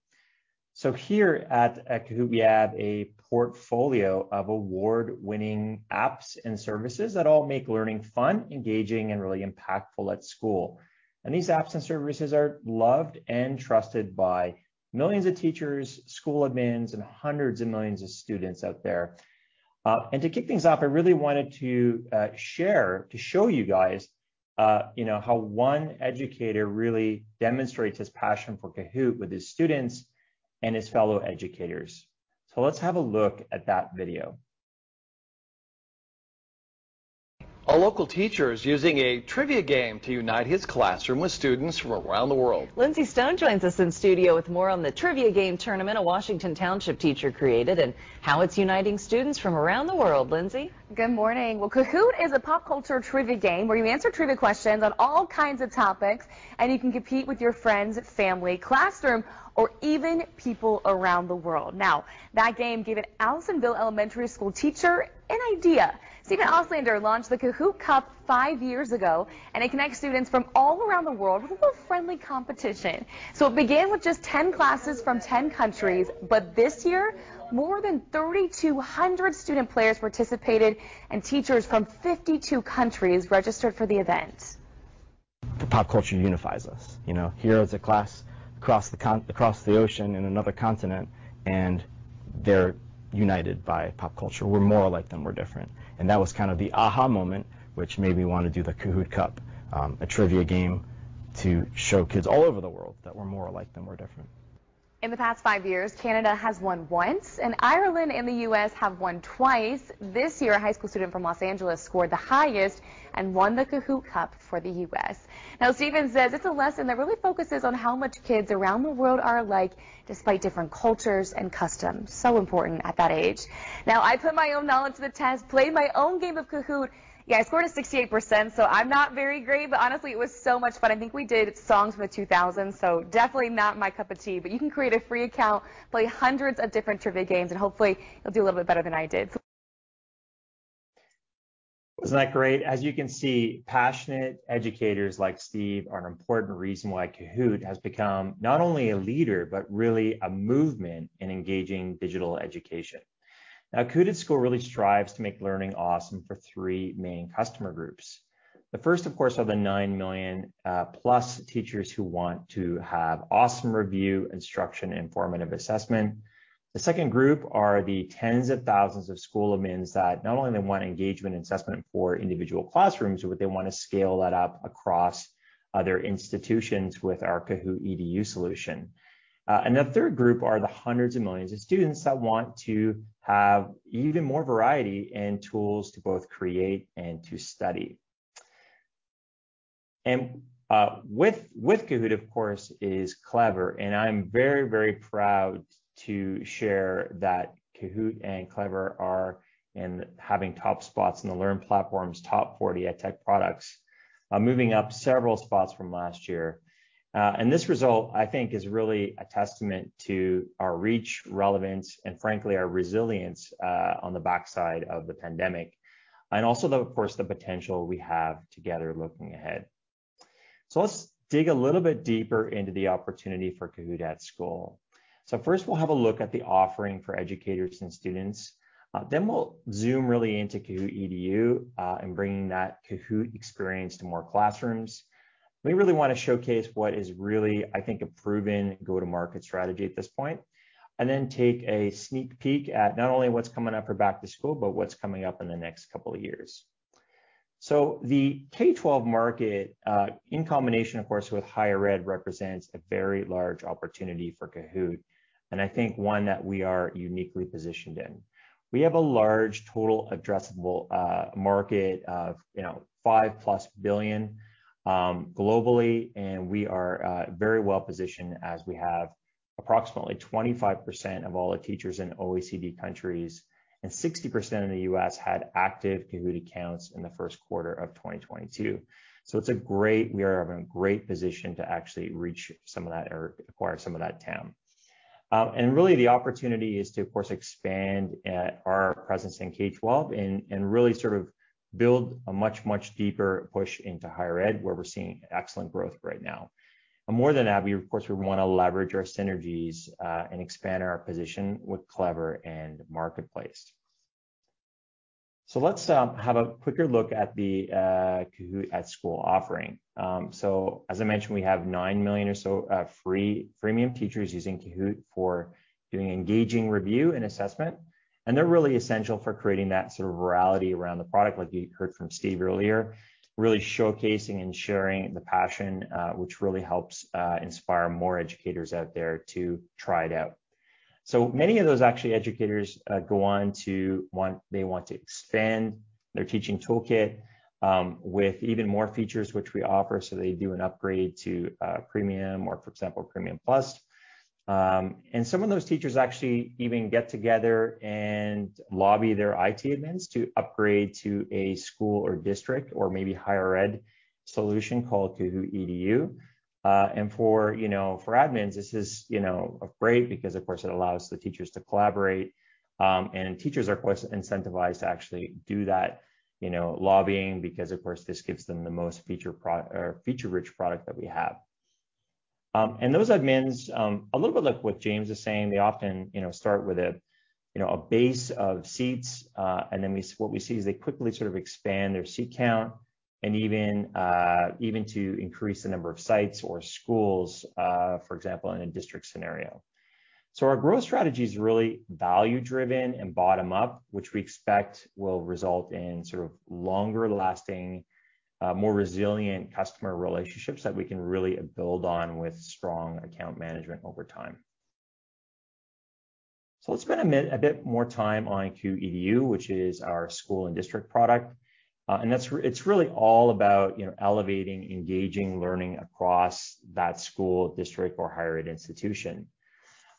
So here at Kahoot!, we have a portfolio of award-winning apps and services that all make learning fun, engaging, and really impactful at school. And these apps and services are loved and trusted by millions of teachers, school admins, and hundreds of millions of students out there. And to kick things off, I really wanted to share, to show you guys how one educator really demonstrates his passion for Kahoot! with his students and his fellow educators. So let's have a look at that video. A local teacher is using a trivia game to unite his classroom with students from around the world. Lindsay Stone joins us in studio with more on the trivia game tournament a Washington Township teacher created and how it's uniting students from around the world. Lindsay? Good morning. Well, Kahoot! is a pop culture trivia game where you answer trivia questions on all kinds of topics, and you can compete with your friends, family, classroom, or even people around the world. Now, that game gave an Allisonville Elementary School teacher an idea. Steven Auslander launched the Kahoot! Cup five years ago, and it connects students from all around the world with a little friendly competition, so it began with just 10 classes from 10 countries, but this year, more than 3,200 student players participated, and teachers from 52 countries registered for the event. The pop culture unifies us. Here is a class across the ocean in another continent, and they're united by pop culture. We're more alike than we're different, and that was kind of the aha moment, which made me want to do the Kahoot! Cup, a trivia game to show kids all over the world that we're more alike than we're different. In the past five years, Canada has won once, and Ireland and the U.S. have won twice. This year, a high school student from Los Angeles scored the highest and won the Kahoot! Cup for the U.S. Now, Steven says it's a lesson that really focuses on how much kids around the world are alike despite different cultures and customs. So important at that age. Now, I put my own knowledge to the test, played my own game of Kahoot!. Yeah, I scored a 68%, so I'm not very great. But honestly, it was so much fun. I think we did songs from the 2000s, so definitely not my cup of tea. But you can create a free account, play hundreds of different trivia games, and hopefully, you'll do a little bit better than I did. Wasn't that great? As you can see, passionate educators like Steve are an important reason why Kahoot! has become not only a leader, but really a movement in engaging digital education. Now, Kahoot! at School really strives to make learning awesome for three main customer groups. The first, of course, are the 9+ million teachers who want to have awesome review, instruction, and formative assessment. The second group are the tens of thousands of school admins that not only want engagement and assessment for individual classrooms, but they want to scale that up across other institutions with our Kahoot! EDU solution. And the third group are the hundreds of millions of students that want to have even more variety and tools to both create and to study. And with Kahoot!, of course, is Clever. And I'm very, very proud to share that Kahoot! and Clever are having top spots in the LearnPlatform's Top 40 EdTech products, moving up several spots from last year. And this result, I think, is really a testament to our reach, relevance, and frankly, our resilience on the backside of the pandemic, and also, of course, the potential we have together looking ahead. So let's dig a little bit deeper into the opportunity for Kahoot! at School. So first, we'll have a look at the offering for educators and students. Then we'll zoom really into Kahoot! EDU and bring that Kahoot! experience to more classrooms. We really want to showcase what is really, I think, a proven go-to-market strategy at this point, and then take a sneak peek at not only what's coming up for back-to-school, but what's coming up in the next couple of years. The K-12 market, in combination, of course, with higher ed, represents a very large opportunity for Kahoot!, and I think one that we are uniquely positioned in. We have a large total addressable market of $5+ billion globally, and we are very well positioned as we have approximately 25% of all the teachers in OECD countries, and 60% of the U.S. had active Kahoot! accounts in the first quarter of 2022. So it's a great. We are in a great position to actually reach some of that or acquire some of that TAM. Really, the opportunity is to, of course, expand our presence in K-12 and really sort of build a much, much deeper push into higher ed, where we're seeing excellent growth right now. More than that, we, of course, want to leverage our synergies and expand our position with Clever and Marketplace. Let's have a quicker look at the Kahoot! at School offering. As I mentioned, we have nine million or so free freemium teachers using Kahoot! for doing engaging review and assessment. They're really essential for creating that sort of reality around the product, like you heard from Steve earlier, really showcasing and sharing the passion, which really helps inspire more educators out there to try it out. Many of those actually educators go on to want to expand their teaching toolkit with even more features, which we offer. So they do an upgrade to Premium or, for example, Premium Plus. And some of those teachers actually even get together and lobby their IT admins to upgrade to a school or district or maybe higher ed solution called Kahoot! EDU. And for admins, this is great because, of course, it allows the teachers to collaborate. And teachers are, of course, incentivized to actually do that lobbying because, of course, this gives them the most feature-rich product that we have. And those admins, a little bit like what James is saying, they often start with a base of seats. And then what we see is they quickly sort of expand their seat count and even to increase the number of sites or schools, for example, in a district scenario. So our growth strategy is really value-driven and bottom-up, which we expect will result in sort of longer-lasting, more resilient customer relationships that we can really build on with strong account management over time. So let's spend a bit more time on Kahoot! EDU, which is our school and district product. And it's really all about elevating, engaging learning across that school, district, or higher ed institution.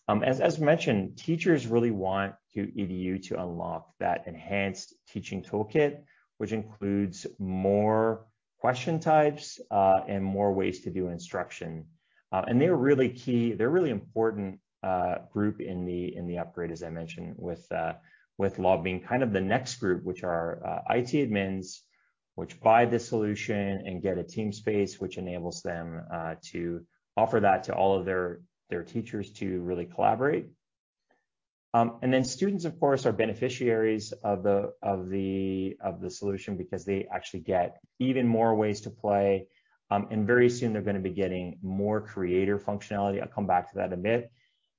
As mentioned, teachers really want Kahoot! EDU to unlock that enhanced teaching toolkit, which includes more question types and more ways to do instruction. And they're really key. They're a really important group in the upgrade, as I mentioned, with lobbying. Kind of the next group, which are IT admins, which buy the solution and get a team space, which enables them to offer that to all of their teachers to really collaborate. And then students, of course, are beneficiaries of the solution because they actually get even more ways to play. And very soon, they're going to be getting more creative functionality. I'll come back to that a bit.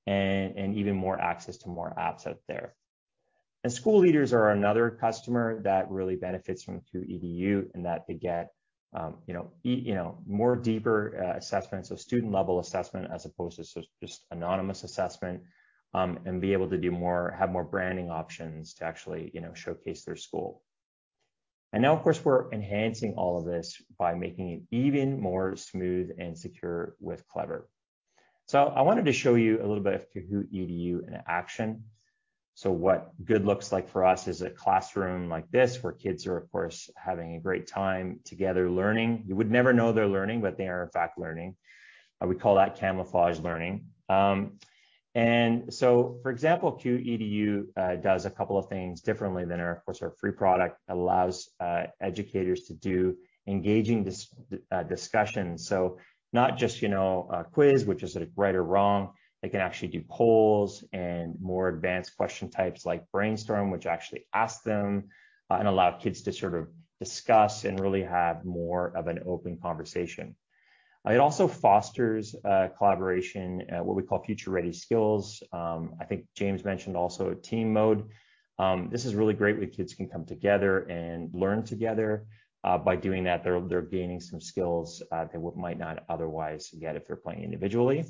And even more access to more apps out there. And school leaders are another customer that really benefits from Kahoot! EDU in that they get more deeper assessments, so student-level assessment as opposed to just anonymous assessment, and be able to have more branding options to actually showcase their school. And now, of course, we're enhancing all of this by making it even more smooth and secure with Clever. So I wanted to show you a little bit of Kahoot! EDU in action. So what good looks like for us is a classroom like this where kids are, of course, having a great time together learning. You would never know they're learning, but they are, in fact, learning. We call that camouflage learning. And so, for example, Kahoot! EDU does a couple of things differently than our, of course, our free product. It allows educators to do engaging discussions, so not just a quiz, which is right or wrong. They can actually do polls and more advanced question types like Brainstorm, which actually asks them and allows kids to sort of discuss and really have more of an open conversation. It also fosters collaboration, what we call future-ready skills. I think James mentioned also Team mode. This is really great where kids can come together and learn together. By doing that, they're gaining some skills they might not otherwise get if they're playing individually.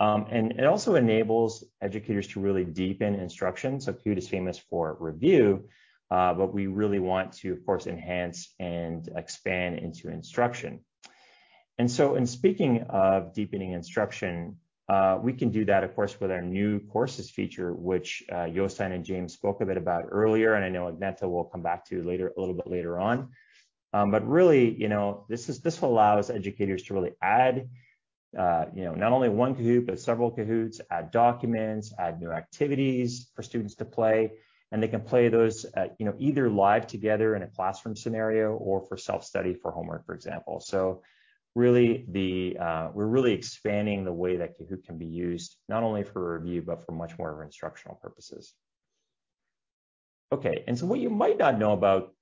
And it also enables educators to really deepen instruction. So Kahoot! is famous for review, but we really want to, of course, enhance and expand into instruction. In speaking of deepening instruction, we can do that, of course, with our new courses feature, which Jostein and James spoke a bit about earlier. I know Agnete will come back to it a little bit later on. Really, this allows educators to really add not only one Kahoot!, but several Kahoots, add documents, add new activities for students to play. They can play those either live together in a classroom scenario or for self-study for homework, for example. Really, we're really expanding the way that Kahoot! can be used not only for review, but for much more of instructional purposes. OK, what you might not know about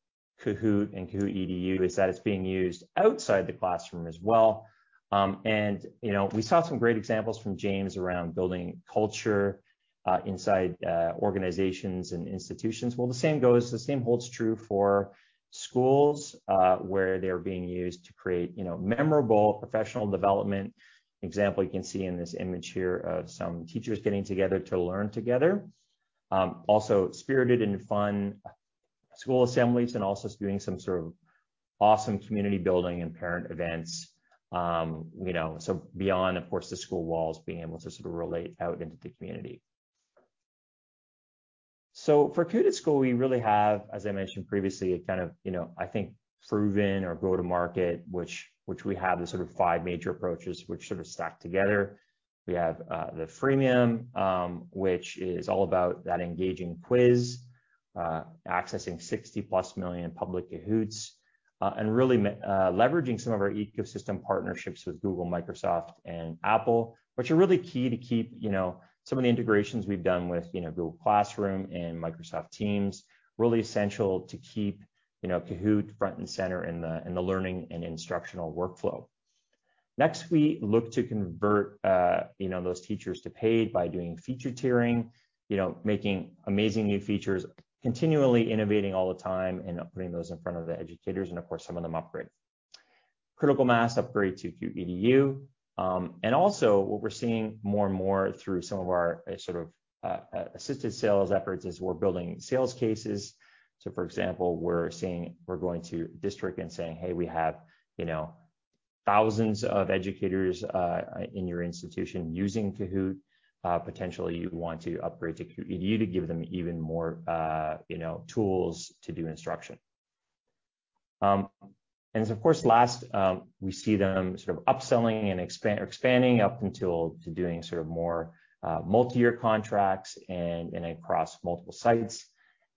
Kahoot! and Kahoot! EDU is that it's being used outside the classroom as well. We saw some great examples from James around building culture inside organizations and institutions. The same holds true for schools where they are being used to create memorable professional development. An example you can see in this image here of some teachers getting together to learn together. Also spirited and fun school assemblies and also doing some sort of awesome community building and parent events. Beyond, of course, the school walls, being able to sort of relate out into the community. For Kahoot! at School, we really have, as I mentioned previously, a kind of, I think, proven or go-to-market, which we have the sort of five major approaches which sort of stack together. We have the freemium, which is all about that engaging quiz, accessing 60+ million public Kahoots, and really leveraging some of our ecosystem partnerships with Google, Microsoft, and Apple, which are really key to keep some of the integrations we've done with Google Classroom and Microsoft Teams really essential to keep Kahoot! front and center in the learning and instructional workflow. Next, we look to convert those teachers to paid by doing feature tiering, making amazing new features, continually innovating all the time and putting those in front of the educators. And of course, some of them upgrade. Critical mass upgrade to Kahoot! EDU. And also, what we're seeing more and more through some of our sort of assisted sales efforts is we're building sales cases. So for example, we're going to a district and saying, hey, we have thousands of educators in your institution using Kahoot!. Potentially, you want to upgrade to Kahoot! EDU to give them even more tools to do instruction. And of course, last, we see them sort of upselling and expanding up until doing sort of more multi-year contracts and across multiple sites,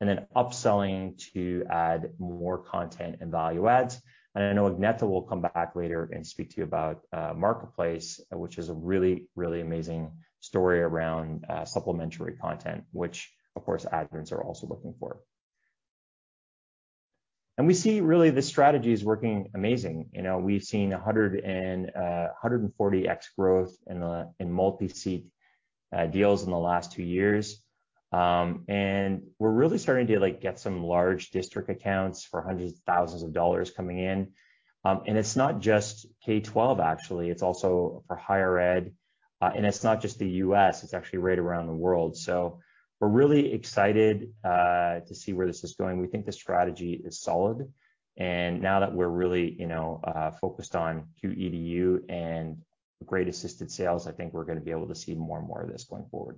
and then upselling to add more content and value adds. And I know Agnete will come back later and speak to you about Marketplace, which is a really, really amazing story around supplementary content, which, of course, admins are also looking for. And we see really the strategy is working amazing. We've seen 140x growth in multi-seat deals in the last two years. And we're really starting to get some large district accounts for hundreds of thousands of dollars coming in. And it's not just K-12, actually. It's also for higher ed. And it's not just the U.S. It's actually right around the world. So we're really excited to see where this is going. We think the strategy is solid. And now that we're really focused on Kahoot! EDU and great assisted sales, I think we're going to be able to see more and more of this going forward.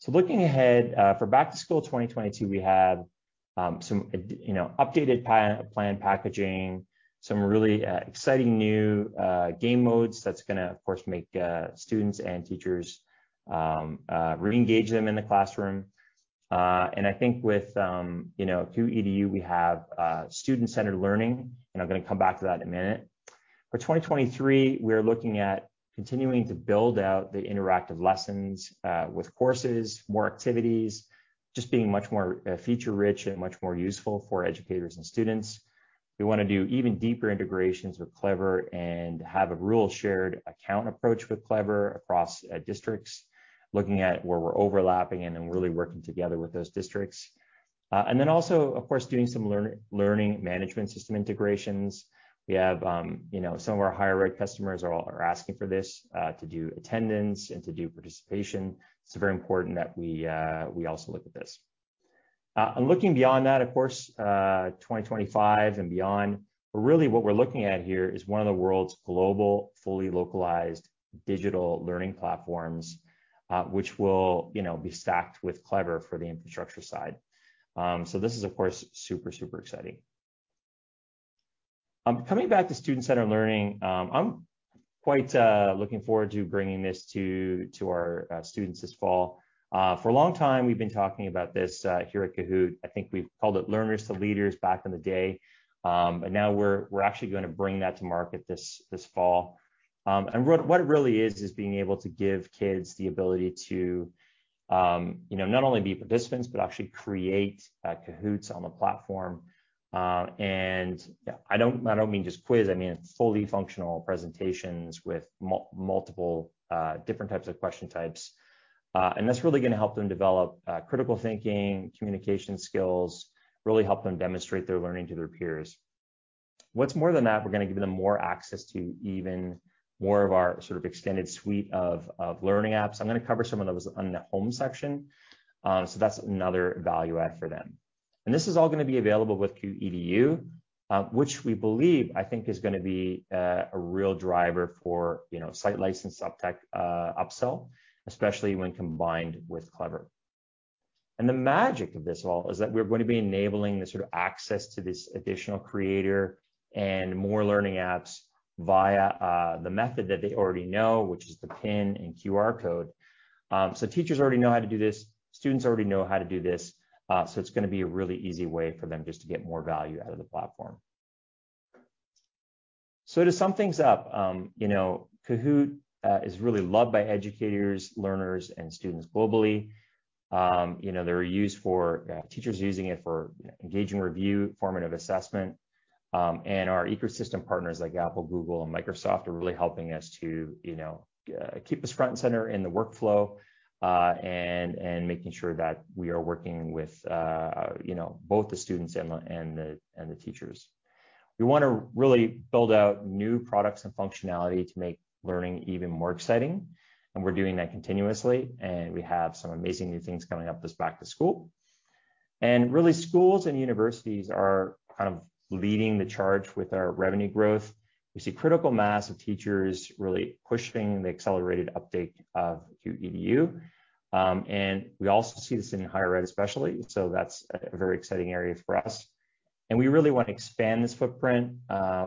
So looking ahead for back-to-school 2022, we have some updated plan packaging, some really exciting new game modes that's going to, of course, make students and teachers reengage them in the classroom. And I think with Kahoot! EDU, we have student-centered learning. And I'm going to come back to that in a minute. For 2023, we are looking at continuing to build out the interactive lessons with courses, more activities, just being much more feature-rich and much more useful for educators and students. We want to do even deeper integrations with Clever and have a roster-shared account approach with Clever across districts, looking at where we're overlapping and then really working together with those districts, and then also, of course, doing some learning management system integrations. We have some of our higher ed customers are asking for this to do attendance and to do participation. It's very important that we also look at this, and looking beyond that, of course, 2025 and beyond, really what we're looking at here is one of the world's global, fully localized digital learning platforms, which will be stacked with Clever for the infrastructure side, so this is, of course, super, super exciting. Coming back to student-centered learning, I'm quite looking forward to bringing this to our students this fall. For a long time, we've been talking about this here at Kahoot!. I think we've called it learners to leaders back in the day, and now we're actually going to bring that to market this fall. And what it really is, is being able to give kids the ability to not only be participants, but actually create Kahoots! on the platform. And I don't mean just quiz. I mean fully functional presentations with multiple different types of question types. And that's really going to help them develop critical thinking, communication skills, really help them demonstrate their learning to their peers. What's more than that, we're going to give them more access to even more of our sort of extended suite of learning apps. I'm going to cover some of those in the home section, so that's another value add for them. And this is all going to be available with Kahoot! EDU, which we believe, I think, is going to be a real driver for site license upsell, especially when combined with Clever. The magic of this all is that we're going to be enabling the sort of access to this additional creators and more learning apps via the method that they already know, which is the PIN and QR code. Teachers already know how to do this. Students already know how to do this. It's going to be a really easy way for them just to get more value out of the platform. To sum things up, Kahoot! is really loved by educators, learners, and students globally. They're used by teachers using it for engaging review, formative assessment. And our ecosystem partners like Apple, Google, and Microsoft are really helping us to keep us front and center in the workflow and making sure that we are working with both the students and the teachers. We want to really build out new products and functionality to make learning even more exciting. And we're doing that continuously. And we have some amazing new things coming up this back-to-school. And really, schools and universities are kind of leading the charge with our revenue growth. We see critical mass of teachers really pushing the accelerated uptake of Kahoot! EDU. And we also see this in higher ed especially. So that's a very exciting area for us. And we really want to expand this footprint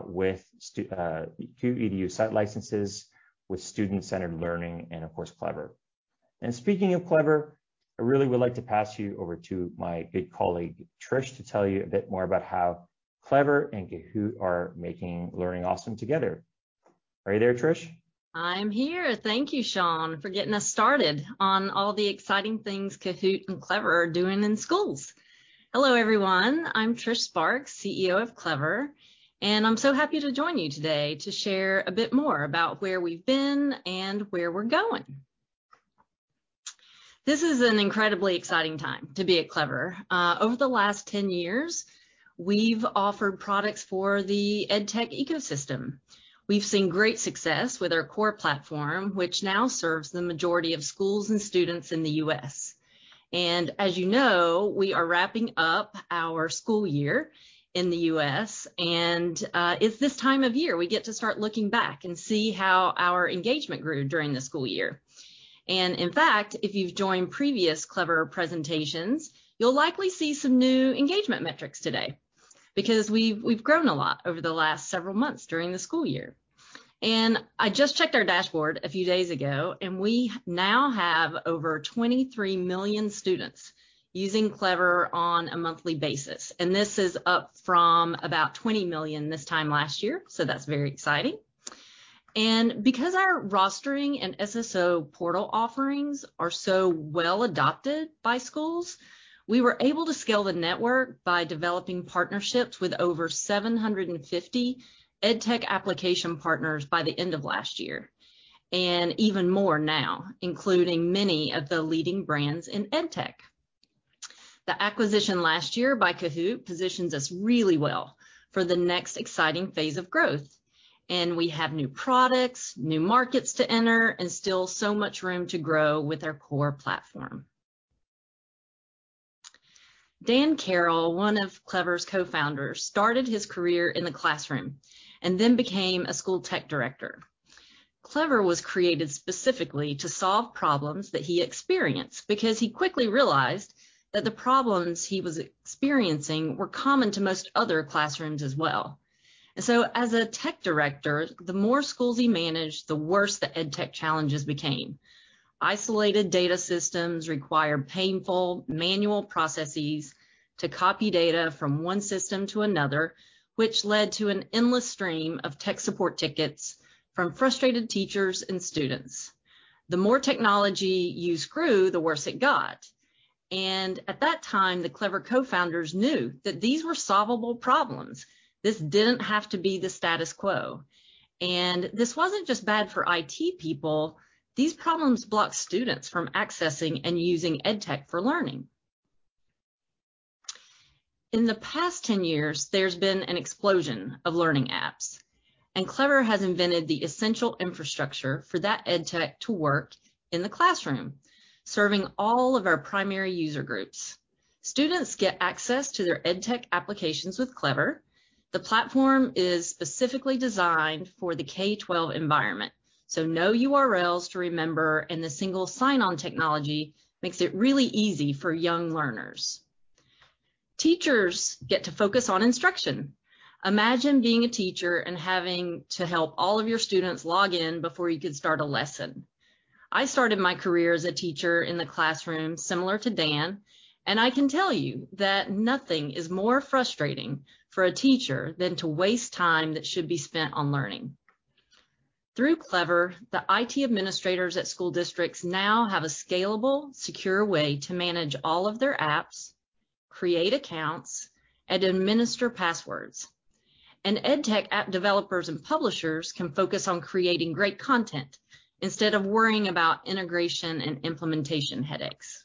with Kahoot! EDU site licenses, with student-centered learning, and of course, Clever. And speaking of Clever, I really would like to pass you over to my good colleague Trish to tell you a bit more about how Clever and Kahoot! are making learning awesome together. Are you there, Trish? I'm here. Thank you, Sean, for getting us started on all the exciting things Kahoot! and Clever are doing in schools. Hello, everyone. I'm Trish Sparks, CEO of Clever. And I'm so happy to join you today to share a bit more about where we've been and where we're going. This is an incredibly exciting time to be at Clever. Over the last 10 years, we've offered products for the edtech ecosystem. We've seen great success with our core platform, which now serves the majority of schools and students in the U.S. And as you know, we are wrapping up our school year in the U.S. And it's this time of year we get to start looking back and see how our engagement grew during the school year. In fact, if you've joined previous Clever presentations, you'll likely see some new engagement metrics today because we've grown a lot over the last several months during the school year. I just checked our dashboard a few days ago, and we now have over 23 million students using Clever on a monthly basis. This is up from about 20 million this time last year. That's very exciting. Because our rostering and SSO portal offerings are so well adopted by schools, we were able to scale the network by developing partnerships with over 750 edtech application partners by the end of last year, and even more now, including many of the leading brands in edtech. The acquisition last year by Kahoot! positions us really well for the next exciting phase of growth. And we have new products, new markets to enter, and still so much room to grow with our core platform. Dan Carroll, one of Clever's co-founders, started his career in the classroom and then became a school tech director. Clever was created specifically to solve problems that he experienced because he quickly realized that the problems he was experiencing were common to most other classrooms as well. And so as a tech director, the more schools he managed, the worse the edtech challenges became. Isolated data systems required painful manual processes to copy data from one system to another, which led to an endless stream of tech support tickets from frustrated teachers and students. The more technology used grew, the worse it got. And at that time, the Clever co-founders knew that these were solvable problems. This didn't have to be the status quo, and this wasn't just bad for IT people. These problems blocked students from accessing and using edtech for learning. In the past 10 years, there's been an explosion of learning apps, and Clever has invented the essential infrastructure for that edtech to work in the classroom, serving all of our primary user groups. Students get access to their edtech applications with Clever. The platform is specifically designed for the K-12 environment, so no URLs to remember and the single sign-on technology makes it really easy for young learners. Teachers get to focus on instruction. Imagine being a teacher and having to help all of your students log in before you could start a lesson. I started my career as a teacher in the classroom, similar to Dan. I can tell you that nothing is more frustrating for a teacher than to waste time that should be spent on learning. Through Clever, the IT administrators at school districts now have a scalable, secure way to manage all of their apps, create accounts, and administer passwords. Edtech app developers and publishers can focus on creating great content instead of worrying about integration and implementation headaches.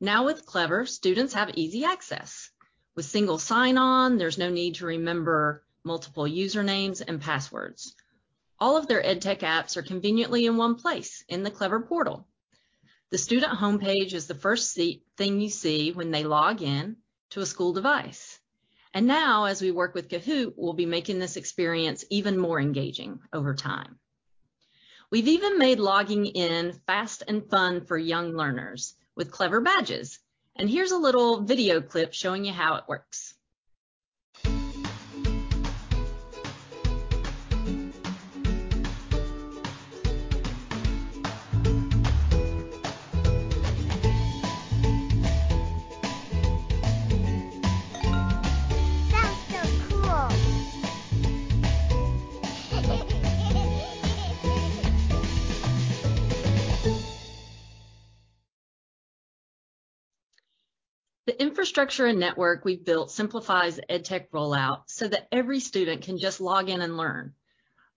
Now with Clever, students have easy access. With single sign-on, there's no need to remember multiple usernames and passwords. All of their edtech apps are conveniently in one place in the Clever Portal. The student home page is the first thing you see when they log in to a school device. Now, as we work with Kahoot!, we'll be making this experience even more engaging over time. We've even made logging in fast and fun for young learners with Clever Badges. Here's a little video clip showing you how it works. That was so cool. The infrastructure and network we've built simplifies edtech rollout so that every student can just log in and learn.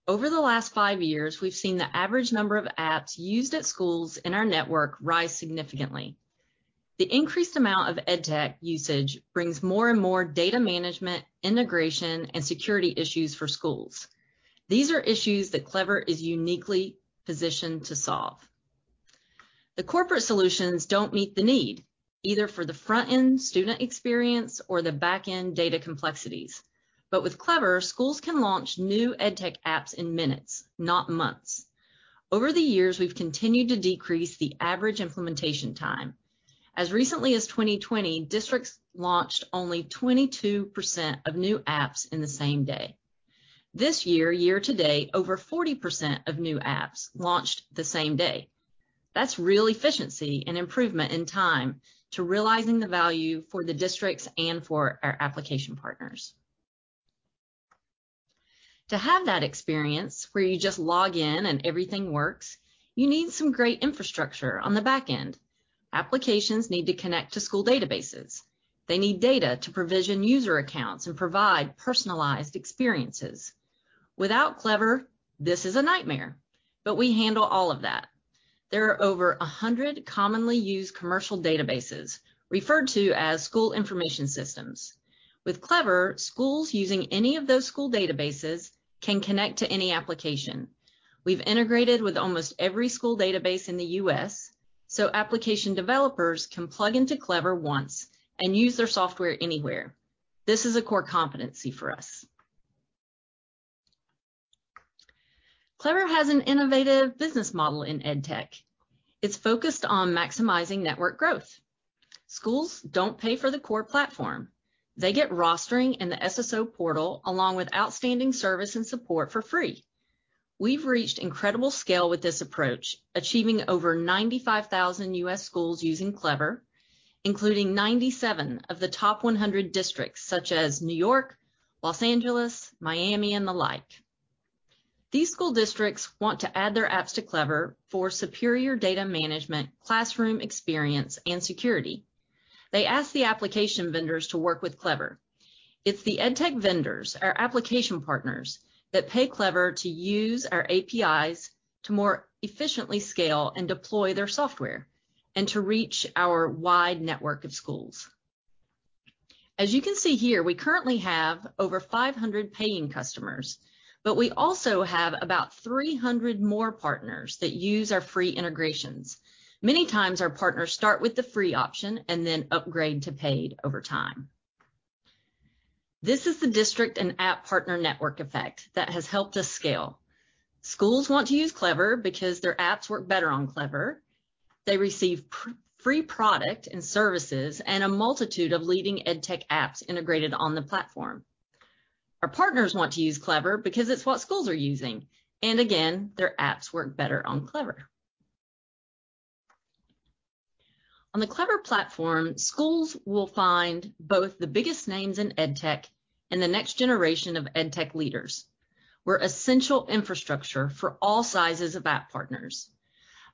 Over the last five years, we've seen the average number of apps used at schools in our network rise significantly. The increased amount of edtech usage brings more and more data management, integration, and security issues for schools. These are issues that Clever is uniquely positioned to solve. The corporate solutions don't meet the need, either for the front-end student experience or the back-end data complexities. But with Clever, schools can launch new edtech apps in minutes, not months. Over the years, we've continued to decrease the average implementation time. As recently as 2020, districts launched only 22% of new apps in the same day. This year, year to date, over 40% of new apps launched the same day. That's real efficiency and improvement in time to realizing the value for the districts and for our application partners. To have that experience where you just log in and everything works, you need some great infrastructure on the back end. Applications need to connect to school databases. They need data to provision user accounts and provide personalized experiences. Without Clever, this is a nightmare. But we handle all of that. There are over 100 commonly used commercial databases, referred to as school information systems. With Clever, schools using any of those school databases can connect to any application. We've integrated with almost every school database in the U.S., so application developers can plug into Clever once and use their software anywhere. This is a core competency for us. Clever has an innovative business model in edtech. It's focused on maximizing network growth. Schools don't pay for the core platform. They get rostering and the SSO portal along with outstanding service and support for free. We've reached incredible scale with this approach, achieving over 95,000 U.S. schools using Clever, including 97 of the top 100 districts, such as New York, Los Angeles, Miami, and the like. These school districts want to add their apps to Clever for superior data management, classroom experience, and security. They ask the application vendors to work with Clever. It's the edtech vendors, our application partners, that pay Clever to use our APIs to more efficiently scale and deploy their software and to reach our wide network of schools. As you can see here, we currently have over 500 paying customers. But we also have about 300 more partners that use our free integrations. Many times, our partners start with the free option and then upgrade to paid over time. This is the district and app partner network effect that has helped us scale. Schools want to use Clever because their apps work better on Clever. They receive free product and services and a multitude of leading edtech apps integrated on the platform. Our partners want to use Clever because it's what schools are using. And again, their apps work better on Clever. On the Clever platform, schools will find both the biggest names in edtech and the next generation of edtech leaders, where essential infrastructure for all sizes of app partners.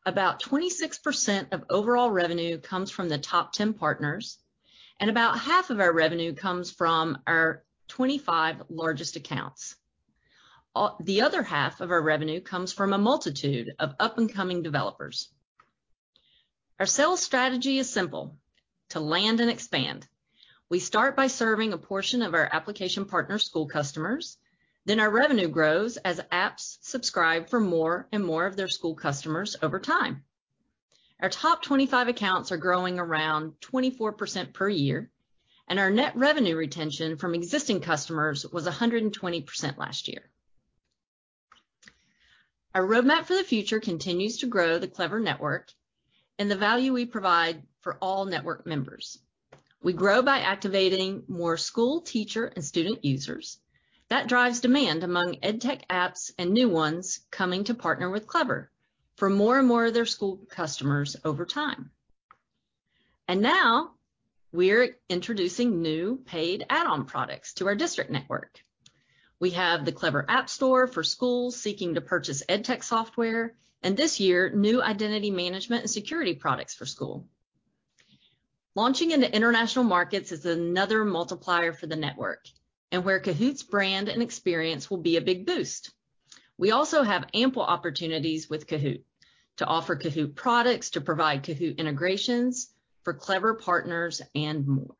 About 26% of overall revenue comes from the top 10 partners, and about half of our revenue comes from our 25 largest accounts. The other half of our revenue comes from a multitude of up-and-coming developers. Our sales strategy is simple: to land and expand. We start by serving a portion of our application partner school customers, then our revenue grows as apps subscribe for more and more of their school customers over time. Our top 25 accounts are growing around 24% per year, and our net revenue retention from existing customers was 120% last year. Our roadmap for the future continues to grow the Clever network and the value we provide for all network members. We grow by activating more school, teacher, and student users. That drives demand among edtech apps and new ones coming to partner with Clever for more and more of their school customers over time, and now we're introducing new paid add-on products to our district network. We have the Clever App Store for schools seeking to purchase edtech software, and this year, new identity management and security products for school. Launching into international markets is another multiplier for the network, and where Kahoot!'s brand and experience will be a big boost. We also have ample opportunities with Kahoot! to offer Kahoot! products, to provide Kahoot! integrations for Clever partners, and more.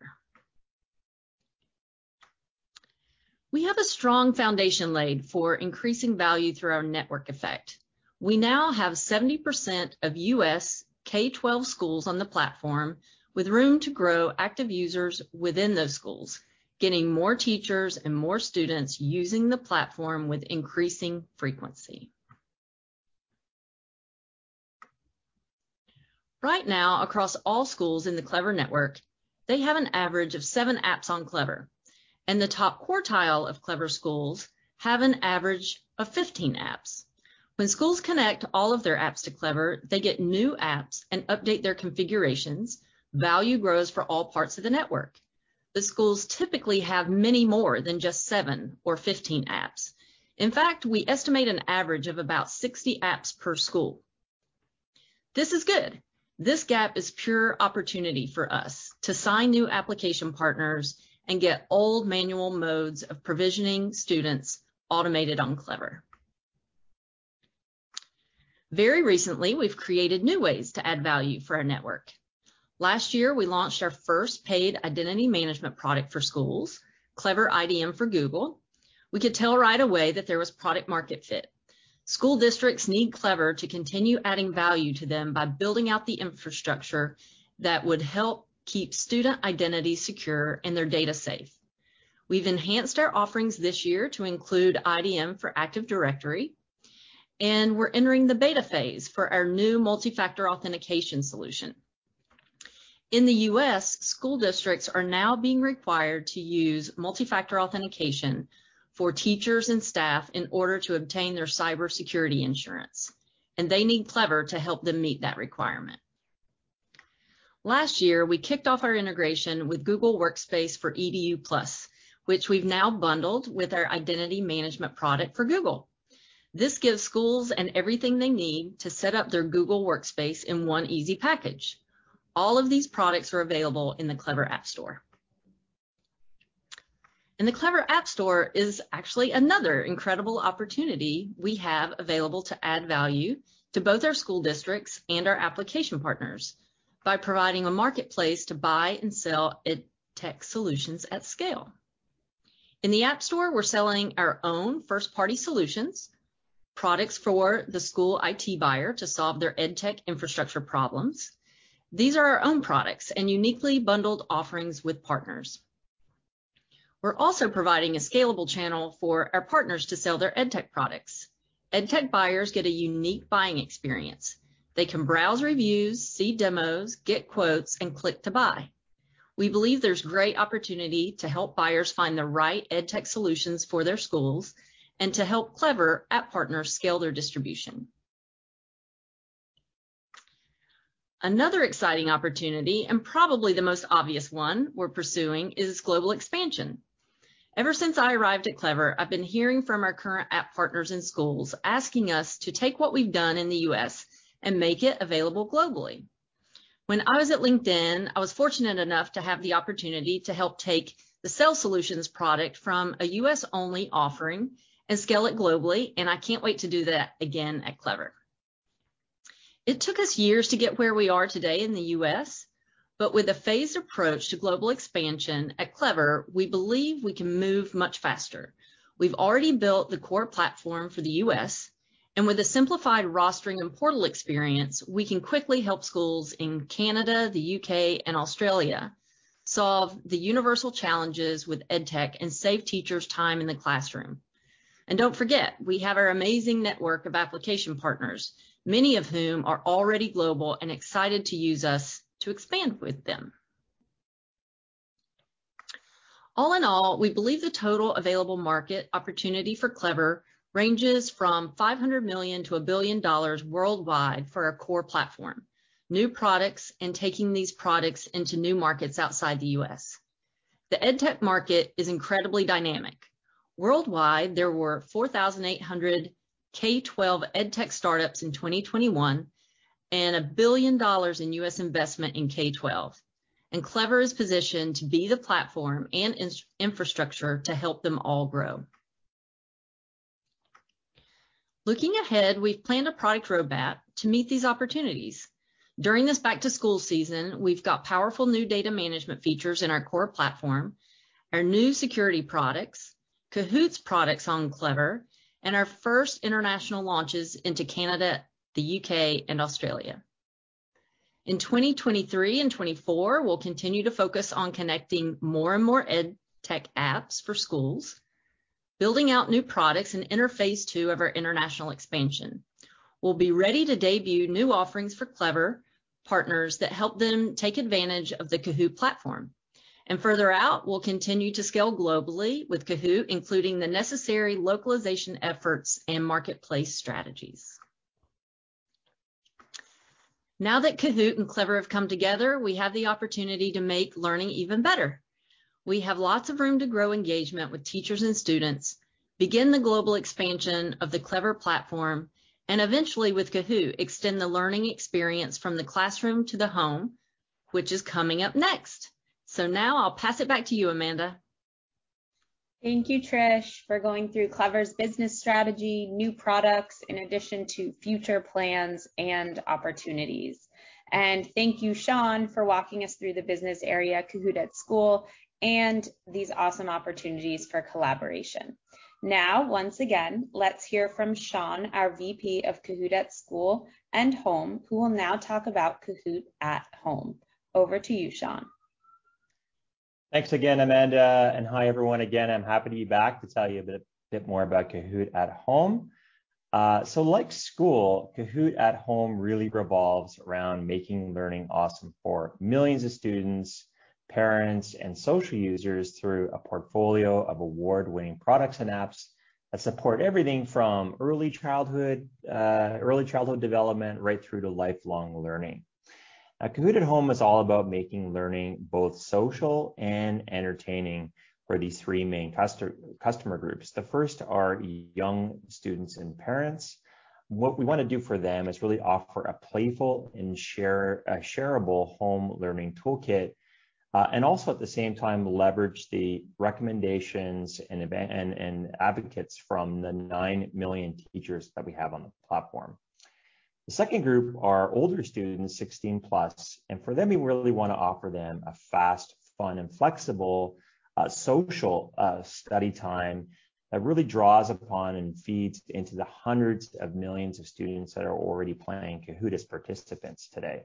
We have a strong foundation laid for increasing value through our network effect. We now have 70% of U.S. K-12 schools on the platform, with room to grow active users within those schools, getting more teachers and more students using the platform with increasing frequency. Right now, across all schools in the Clever network, they have an average of seven apps on Clever, and the top quartile of Clever schools have an average of 15 apps. When schools connect all of their apps to Clever, they get new apps and update their configurations. Value grows for all parts of the network. The schools typically have many more than just seven or 15 apps. In fact, we estimate an average of about 60 apps per school. This is good. This gap is pure opportunity for us to sign new application partners and get old manual modes of provisioning students automated on Clever. Very recently, we've created new ways to add value for our network. Last year, we launched our first paid identity management product for schools, Clever IDM for Google. We could tell right away that there was product-market fit. School districts need Clever to continue adding value to them by building out the infrastructure that would help keep student identity secure and their data safe. We've enhanced our offerings this year to include IDM for Active Directory, and we're entering the beta phase for our new multi-factor authentication solution. In the U.S., school districts are now being required to use multi-factor authentication for teachers and staff in order to obtain their cybersecurity insurance. And they need Clever to help them meet that requirement. Last year, we kicked off our integration with Google Workspace for EDU Plus, which we've now bundled with our identity management product for Google. This gives schools everything they need to set up their Google Workspace in one easy package. All of these products are available in the Clever App Store. And the Clever App Store is actually another incredible opportunity we have available to add value to both our school districts and our application partners by providing a marketplace to buy and sell edtech solutions at scale. In the App Store, we're selling our own first-party solutions, products for the school IT buyer to solve their edtech infrastructure problems. These are our own products and uniquely bundled offerings with partners. We're also providing a scalable channel for our partners to sell their edtech products. Edtech buyers get a unique buying experience. They can browse reviews, see demos, get quotes, and click to buy. We believe there's great opportunity to help buyers find the right edtech solutions for their schools and to help Clever app partners scale their distribution. Another exciting opportunity, and probably the most obvious one we're pursuing, is global expansion. Ever since I arrived at Clever, I've been hearing from our current app partners and schools asking us to take what we've done in the U.S. and make it available globally. When I was at LinkedIn, I was fortunate enough to have the opportunity to help take the sales solutions product from a U.S.-only offering and scale it globally. And I can't wait to do that again at Clever. It took us years to get where we are today in the U.S. But with a phased approach to global expansion at Clever, we believe we can move much faster. We've already built the core platform for the U.S. And with a simplified rostering and portal experience, we can quickly help schools in Canada, the U.K., and Australia solve the universal challenges with edtech and save teachers' time in the classroom. And don't forget, we have our amazing network of application partners, many of whom are already global and excited to use us to expand with them. All in all, we believe the total available market opportunity for Clever ranges from $500 million to $1 billion worldwide for our core platform, new products, and taking these products into new markets outside the U.S. The edtech market is incredibly dynamic. Worldwide, there were 4,800 K-12 edtech startups in 2021 and $1 billion in US investment in K-12. Clever is positioned to be the platform and infrastructure to help them all grow. Looking ahead, we've planned a product roadmap to meet these opportunities. During this back-to-school season, we've got powerful new data management features in our core platform, our new security products, Kahoot! products on Clever, and our first international launches into Canada, the U.K., and Australia. In 2023 and 2024, we'll continue to focus on connecting more and more edtech apps for schools, building out new products, and intensify our international expansion. We'll be ready to debut new offerings for Clever partners that help them take advantage of the Kahoot! platform. Further out, we'll continue to scale globally with Kahoot!, including the necessary localization efforts and marketplace strategies. Now that Kahoot! and Clever have come together. We have the opportunity to make learning even better. We have lots of room to grow engagement with teachers and students, begin the global expansion of the Clever platform, and eventually, with Kahoot!, extend the learning experience from the classroom to the home, which is coming up next. So now I'll pass it back to you, Amanda. Thank you, Trish, for going through Clever's business strategy, new products, in addition to future plans and opportunities. And thank you, Sean, for walking us through the business area at Kahoot! at School and these awesome opportunities for collaboration. Now, once again, let's hear from Sean, our VP of Kahoot! at School and Home, who will now talk about Kahoot! at Home. Over to you, Sean. Thanks again, Amanda. And hi, everyone. Again, I'm happy to be back to tell you a bit more about Kahoot! at Home. So, like school, Kahoot! at Home really revolves around making learning awesome for millions of students, parents, and social users through a portfolio of award-winning products and apps that support everything from early childhood development right through to lifelong learning. Kahoot! at Home is all about making learning both social and entertaining for these three main customer groups. The first are young students and parents. What we want to do for them is really offer a playful and shareable home learning toolkit, and also at the same time, leverage the recommendations and advocates from the nine million teachers that we have on the platform. The second group are older students, 16+. And for them, we really want to offer them a fast, fun, and flexible social study time that really draws upon and feeds into the hundreds of millions of students that are already playing Kahoot! as participants today.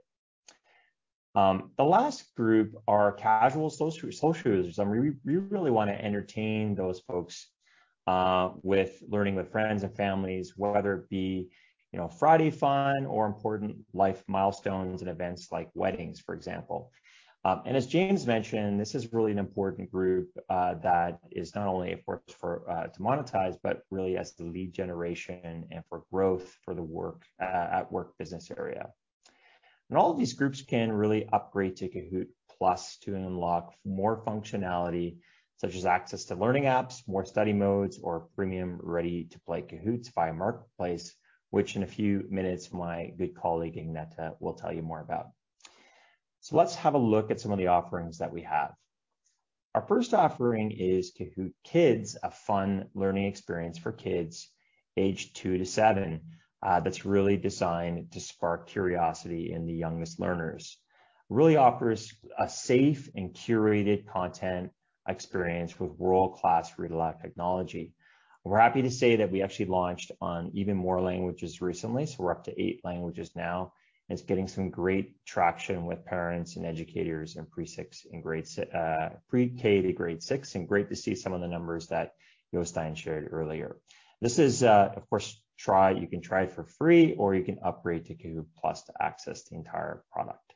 The last group are casual social users. We really want to entertain those folks with learning with friends and families, whether it be Friday Fun or important life milestones and events like weddings, for example. As James mentioned, this is really an important group that is not only, of course, to monetize, but really as the lead generation and for growth for the at Work business area. All of these groups can really upgrade to Kahoot!+ to unlock more functionality, such as access to learning apps, more study modes, or premium ready-to-play Kahoot! by Marketplace, which in a few minutes, my good colleague Agnete will tell you more about. Let's have a look at some of the offerings that we have. Our first offering is Kahoot! Kids, a fun learning experience for kids aged two to seven that's really designed to spark curiosity in the youngest learners. It really offers a safe and curated content experience with world-class read-aloud technology. We're happy to say that we actually launched in even more languages recently. So we're up to eight languages now. And it's getting some great traction with parents and educators in pre-K to grade six. And great to see some of the numbers that Jostein shared earlier. This is, of course, you can try it for free, or you can upgrade to Kahoot!+ to access the entire product.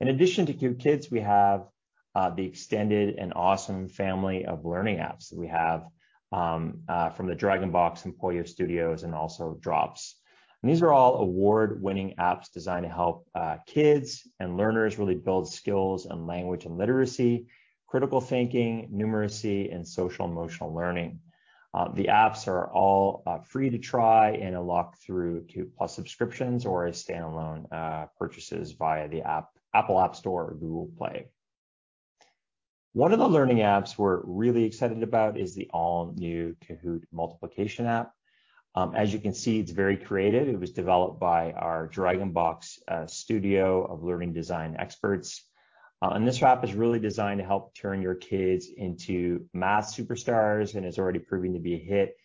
In addition to Kahoot! Kids, we have the extended and awesome family of learning apps. We have from the DragonBox and Poio studios and also Drops. These are all award-winning apps designed to help kids and learners really build skills and language and literacy, critical thinking, numeracy, and social-emotional learning. The apps are all free to try and unlock through Kahoot!+ subscriptions or as standalone purchases via the Apple App Store or Google Play. One of the learning apps we're really excited about is the all-new Kahoot! Multiplication app. As you can see, it's very creative. It was developed by our DragonBox studio of learning design experts. This app is really designed to help turn your kids into math superstars and is already proving to be a hit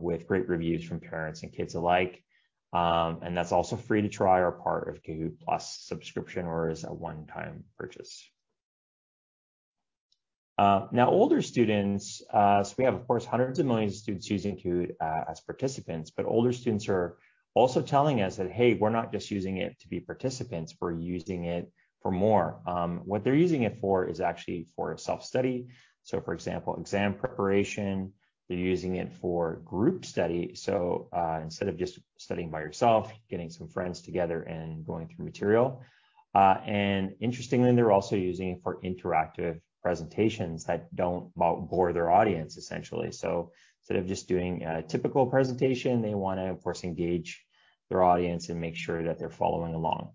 with great reviews from parents and kids alike. That's also free to try or part of Kahoot!+ subscription or as a one-time purchase. Now, older students, so we have, of course, hundreds of millions of students using Kahoot! as participants. But older students are also telling us that, hey, we're not just using it to be participants. We're using it for more. What they're using it for is actually for self-study. So for example, exam preparation, they're using it for group study. So instead of just studying by yourself, getting some friends together and going through material. And interestingly, they're also using it for interactive presentations that don't bore their audience, essentially. So instead of just doing a typical presentation, they want to, of course, engage their audience and make sure that they're following along.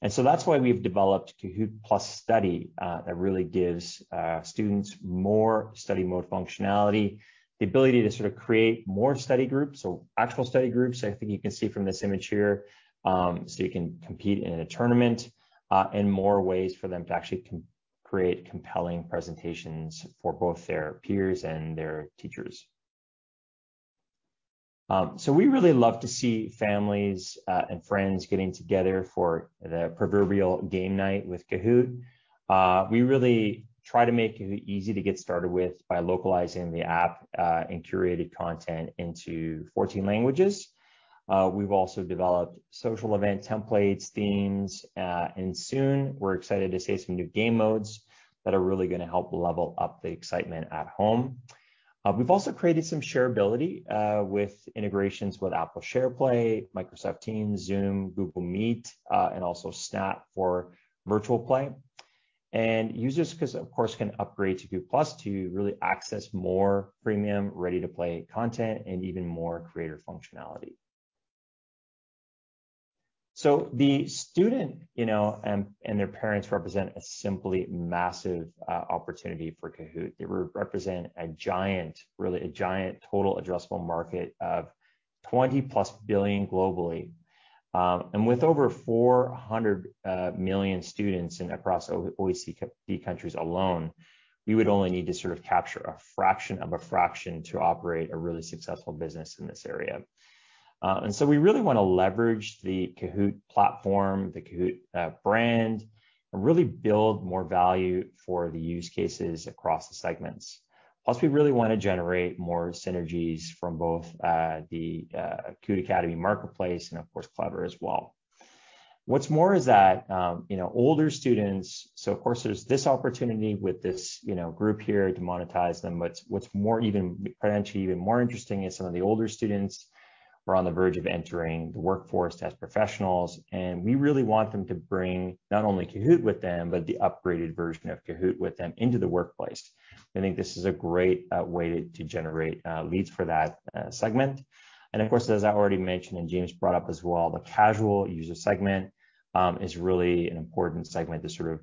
And so that's why we've developed Kahoot!+ Study that really gives students more study mode functionality, the ability to sort of create more study groups, so actual study groups. I think you can see from this image here, so you can compete in a tournament and more ways for them to actually create compelling presentations for both their peers and their teachers. So we really love to see families and friends getting together for the proverbial game night with Kahoot!. We really try to make it easy to get started with by localizing the app and curated content into 14 languages. We've also developed social event templates, themes. And soon, we're excited to say some new game modes that are really going to help level up the excitement at home. We've also created some shareability with integrations with Apple SharePlay, Microsoft Teams, Zoom, Google Meet, and also Snap for virtual play. And users, of course, can upgrade to Kahoot!+ to really access more premium ready-to-play content and even more creative functionality. So the student, you know, and their parents represent a simply massive opportunity for Kahoot!. They represent a giant, really a giant total addressable market of $20+ billion globally. And with over 400 million students across OECD countries alone, we would only need to sort of capture a fraction of a fraction to operate a really successful business in this area. And so we really want to leverage the Kahoot! platform, the Kahoot! brand, and really build more value for the use cases across the segments. Plus, we really want to generate more synergies from both the Kahoot! Academy Marketplace and, of course, Clever as well. What's more is that, you know, older students, so of course, there's this opportunity with this, you know, group here to monetize them. But what's more, even potentially more interesting is some of the older students are on the verge of entering the workforce as professionals. And we really want them to bring not only Kahoot! with them, but the upgraded version of Kahoot! with them into the workplace. I think this is a great way to generate leads for that segment. And of course, as I already mentioned and James brought up as well, the casual user segment is really an important segment to sort of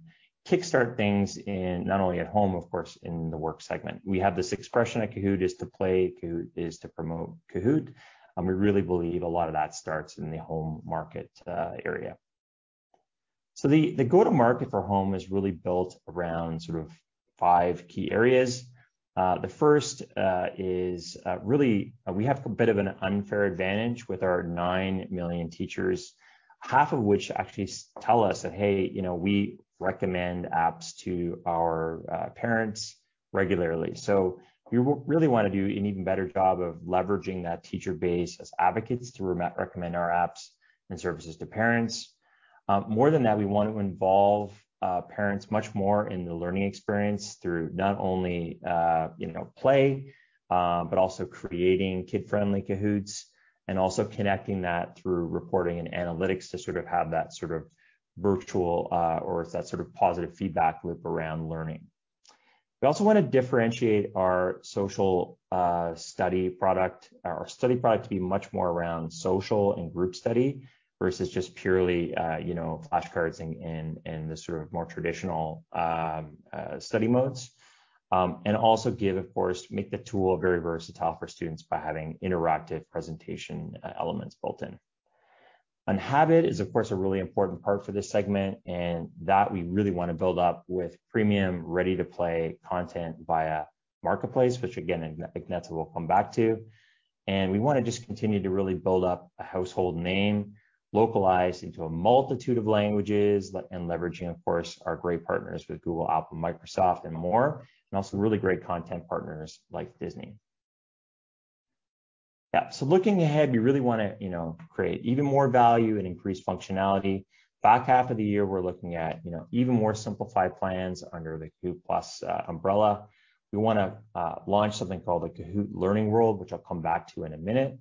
kickstart things in not only at home, of course, in the Work segment. We have this expression at Kahoot! is to play, Kahoot! is to promote Kahoot!. And we really believe a lot of that starts in the home market area. So the go-to-market for home is really built around sort of five key areas. The first is really, we have a bit of an unfair advantage with our nine million teachers, half of which actually tell us that, hey, you know, we recommend apps to our parents regularly. So we really want to do an even better job of leveraging that teacher base as advocates to recommend our apps and services to parents. More than that, we want to involve parents much more in the learning experience through not only, you know, play, but also creating kid-friendly Kahoots and also connecting that through reporting and analytics to sort of have that sort of positive feedback loop around learning. We also want to differentiate our social study product, our study product to be much more around social and group study versus just purely, you know, flashcards and the sort of more traditional study modes. And also give, of course, make the tool very versatile for students by having interactive presentation elements built in. And habit is, of course, a really important part for this segment. And that we really want to build up with premium ready-to-play content via Marketplace, which again, Agnete will come back to. And we want to just continue to really build up a household name localized into a multitude of languages and leveraging, of course, our great partners with Google, Apple, Microsoft, and more, and also really great content partners like Disney. Yeah, so looking ahead, we really want to, you know, create even more value and increase functionality. Back half of the year, we're looking at, you know, even more simplified plans under the Kahoot!+ umbrella. We want to launch something called the Kahoot! Learning World, which I'll come back to in a minute.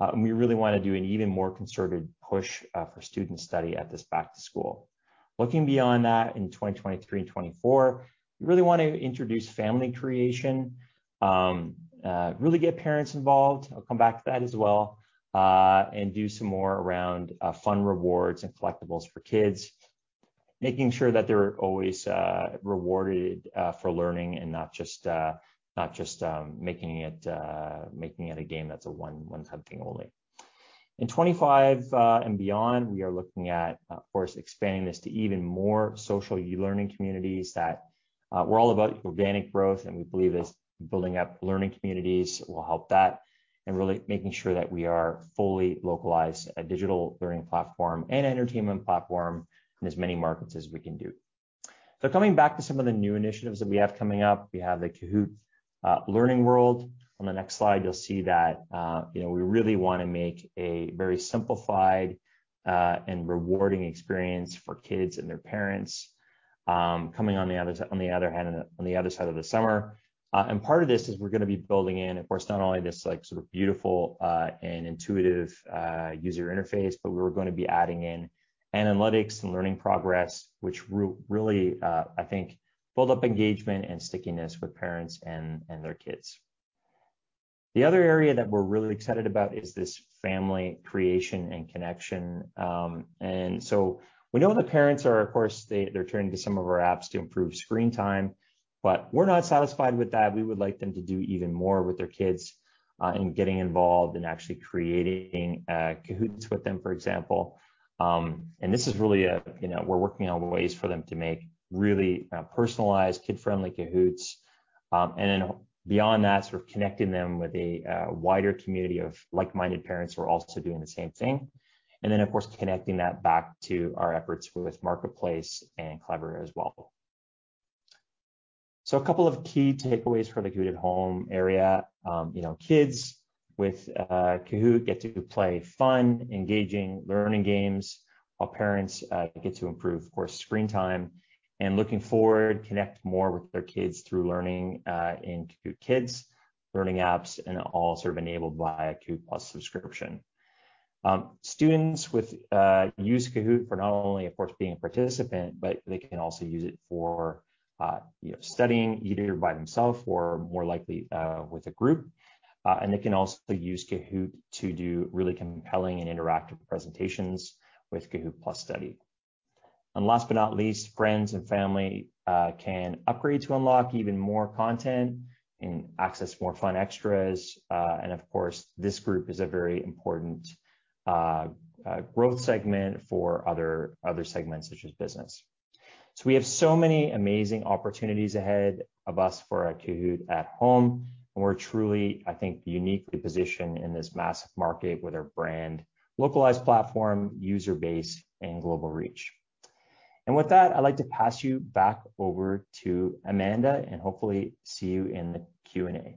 And we really want to do an even more concerted push for student study at this back-to-school. Looking beyond that in 2023 and 2024, we really want to introduce family creation, really get parents involved. I'll come back to that as well and do some more around fun rewards and collectibles for kids, making sure that they're always rewarded for learning and not just making it a game that's a one-time thing only. In 2025 and beyond, we are looking at, of course, expanding this to even more social e-learning communities that we're all about organic growth. And we believe this building up learning communities will help that and really making sure that we are fully localized a digital learning platform and entertainment platform in as many markets as we can do. So coming back to some of the new initiatives that we have coming up, we have the Kahoot! Learning World. On the next slide, you'll see that, you know, we really want to make a very simplified and rewarding experience for kids and their parents coming on the other side of the summer. And part of this is we're going to be building in, of course, not only this like sort of beautiful and intuitive user interface, but we're going to be adding in analytics and learning progress, which really, I think, build up engagement and stickiness with parents and their kids. The other area that we're really excited about is this family creation and connection. And so we know the parents are, of course, they're turning to some of our apps to improve screen time. But we're not satisfied with that. We would like them to do even more with their kids and getting involved and actually creating Kahoots with them, for example, and this is really a, you know, we're working on ways for them to make really personalized, kid-friendly Kahoots, and then beyond that, sort of connecting them with a wider community of like-minded parents who are also doing the same thing, and then, of course, connecting that back to our efforts with Marketplace and Clever as well, so a couple of key takeaways for the Kahoot! at Home area. You know, kids with Kahoot! get to play fun, engaging learning games, while parents get to improve, of course, screen time and looking forward, connect more with their kids through learning in Kahoot! Kids, learning apps, and all sort of enabled via Kahoot!+ subscription. Students use Kahoot! for not only, of course, being a participant, but they can also use it for, you know, studying either by themselves or more likely with a group. And they can also use Kahoot! to do really compelling and interactive presentations with Kahoot!+ Study. And last but not least, friends and family can upgrade to unlock even more content and access more fun extras. And of course, this group is a very important growth segment for other segments, such as business. So we have so many amazing opportunities ahead of us for our Kahoot! at Home. And we're truly, I think, uniquely positioned in this massive market with our brand, localized platform, user base, and global reach. And with that, I'd like to pass you back over to Amanda and hopefully see you in the Q&A.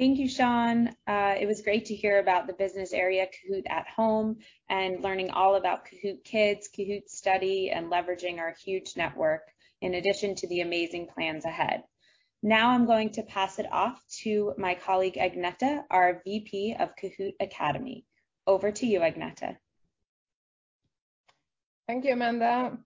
Thank you, Sean. It was great to hear about the business area, Kahoot! at Home and learning all about Kahoot! Kids, Kahoot! Study, and leveraging our huge network in addition to the amazing plans ahead. Now I'm going to pass it off to my colleague Agnete, our VP of Kahoot! Academy. Over to you, Agnete. Thank you, Amanda.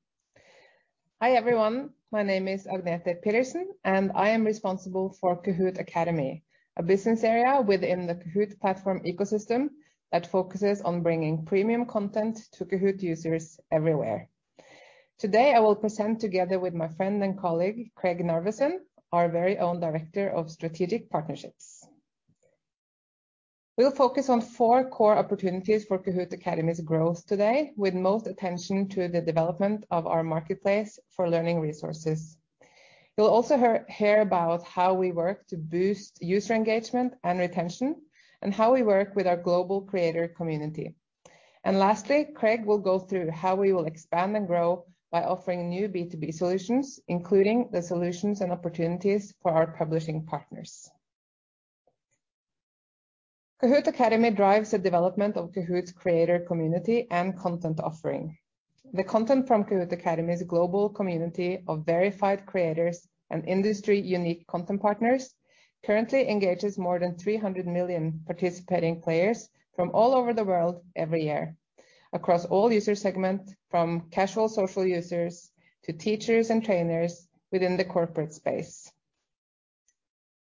Hi, everyone. My name is Agnete Pedersen, and I am responsible for Kahoot! Academy, a business area within the Kahoot! platform ecosystem that focuses on bringing premium content to Kahoot! users everywhere. Today, I will present together with my friend and colleague Craig Narveson, our very own director of strategic partnerships. We'll focus on four core opportunities for Kahoot! Academy's growth today, with most attention to the development of our marketplace for learning resources. You'll also hear about how we work to boost user engagement and retention and how we work with our global creator community. Lastly, Craig will go through how we will expand and grow by offering new B2B solutions, including the solutions and opportunities for our publishing partners. Kahoot! Academy drives the development of Kahoot!'s creator community and content offering. The content from Kahoot! Academy's global community of verified creators and industry-unique content partners currently engages more than 300 million participating players from all over the world every year, across all user segments, from casual social users to teachers and trainers within the corporate space.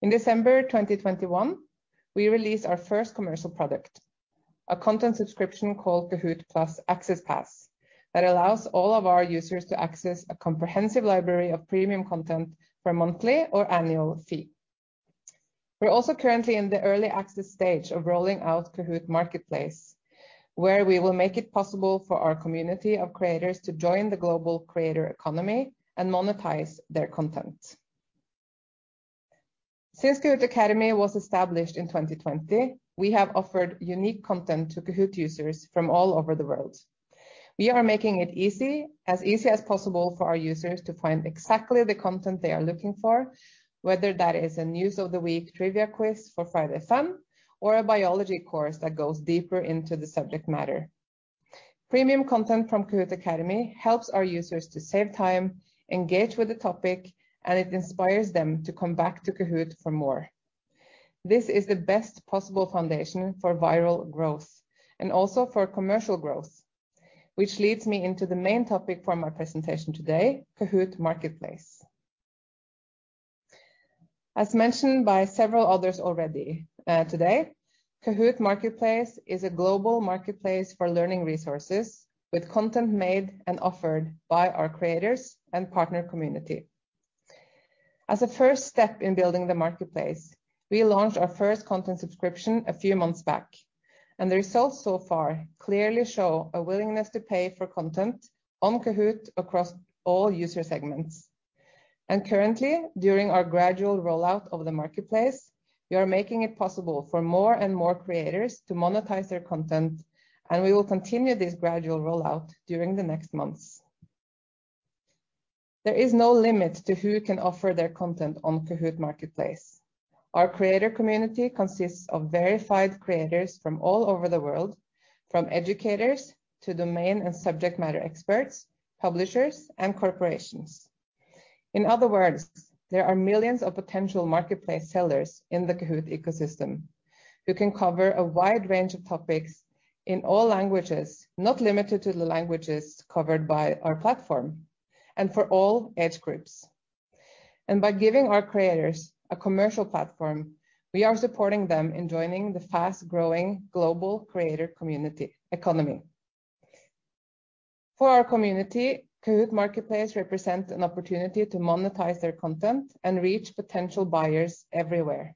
In December 2021, we released our first commercial product, a content subscription called Kahoot!+ AccessPass that allows all of our users to access a comprehensive library of premium content for a monthly or annual fee. We're also currently in the early access stage of rolling out Kahoot! Marketplace, where we will make it possible for our community of creators to join the global creator economy and monetize their content. Since Kahoot! Academy was established in 2020, we have offered unique content to Kahoot! users from all over the world. We are making it easy, as easy as possible for our users to find exactly the content they are looking for, whether that is a news of the week trivia quiz for Friday Fun or a biology course that goes deeper into the subject matter. Premium content from Kahoot! Academy helps our users to save time, engage with the topic, and it inspires them to come back to Kahoot! for more. This is the best possible foundation for viral growth and also for commercial growth, which leads me into the main topic for my presentation today, Kahoot! Marketplace. As mentioned by several others already today, Kahoot! Marketplace is a global marketplace for learning resources with content made and offered by our creators and partner community. As a first step in building the marketplace, we launched our first content subscription a few months back, and the results so far clearly show a willingness to pay for content on Kahoot! across all user segments, and currently, during our gradual rollout of the marketplace, we are making it possible for more and more creators to monetize their content, and we will continue this gradual rollout during the next months. There is no limit to who can offer their content on Kahoot! Marketplace. Our creator community consists of verified creators from all over the world, from educators to domain and subject matter experts, publishers, and corporations. In other words, there are millions of potential marketplace sellers in the Kahoot! ecosystem who can cover a wide range of topics in all languages, not limited to the languages covered by our platform and for all age groups. And by giving our creators a commercial platform, we are supporting them in joining the fast-growing global creator community economy. For our community, Kahoot! Marketplace represents an opportunity to monetize their content and reach potential buyers everywhere.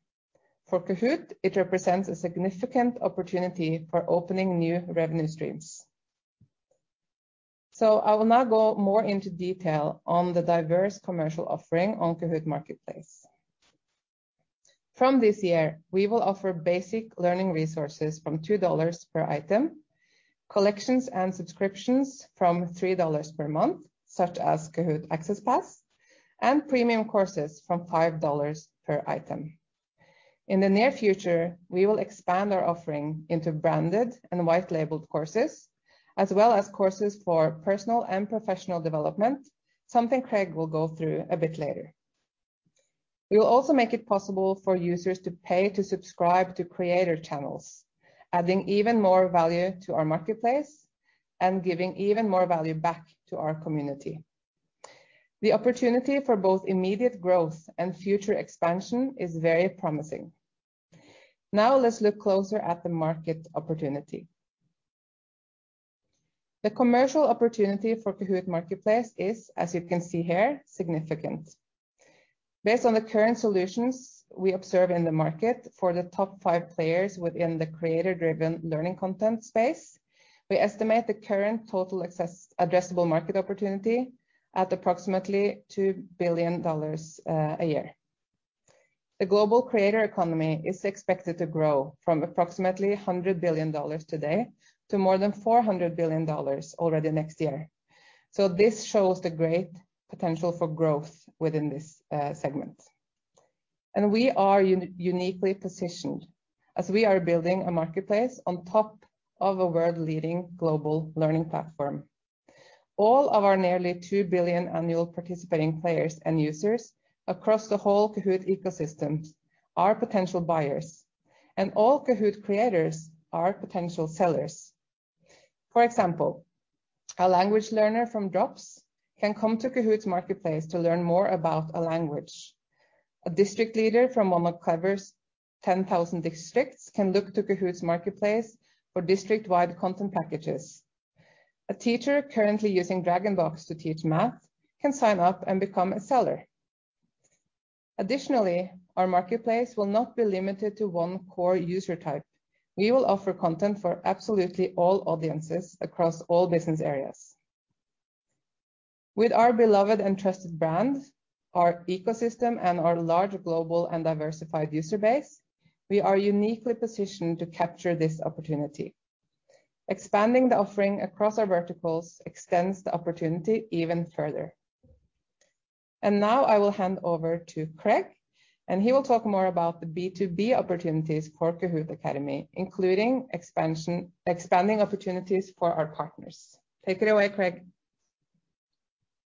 For Kahoot!, it represents a significant opportunity for opening new revenue streams. So I will now go more into detail on the diverse commercial offering on Kahoot! Marketplace. From this year, we will offer basic learning resources from $2 per item, collections and subscriptions from $3 per month, such as Kahoot! AccessPass, and premium courses from $5 per item. In the near future, we will expand our offering into branded and white-labeled courses, as well as courses for personal and professional development, something Craig will go through a bit later. We will also make it possible for users to pay to subscribe to creator channels, adding even more value to our marketplace and giving even more value back to our community. The opportunity for both immediate growth and future expansion is very promising. Now let's look closer at the market opportunity. The commercial opportunity for Kahoot! Marketplace is, as you can see here, significant. Based on the current solutions we observe in the market for the top five players within the creator-driven learning content space, we estimate the current total addressable market opportunity at approximately $2 billion a year. The global creator economy is expected to grow from approximately $100 billion today to more than $400 billion already next year. So this shows the great potential for growth within this segment. And we are uniquely positioned as we are building a marketplace on top of a world-leading global learning platform. All of our nearly 2 billion annual participating players and users across the whole Kahoot! ecosystem are potential buyers, and all Kahoot! creators are potential sellers. For example, a language learner from Drops can come to Kahoot! Marketplace to learn more about a language. A district leader from one of Clever's 10,000 districts can look to Kahoot! Marketplace for district-wide content packages. A teacher currently using DragonBox to teach math can sign up and become a seller. Additionally, our marketplace will not be limited to one core user type. We will offer content for absolutely all audiences across all business areas. With our beloved and trusted brand, our ecosystem, and our large global and diversified user base, we are uniquely positioned to capture this opportunity. Expanding the offering across our verticals extends the opportunity even further, and now I will hand over to Craig, and he will talk more about the B2B opportunities for Kahoot! Academy, including expanding opportunities for our partners. Take it away, Craig.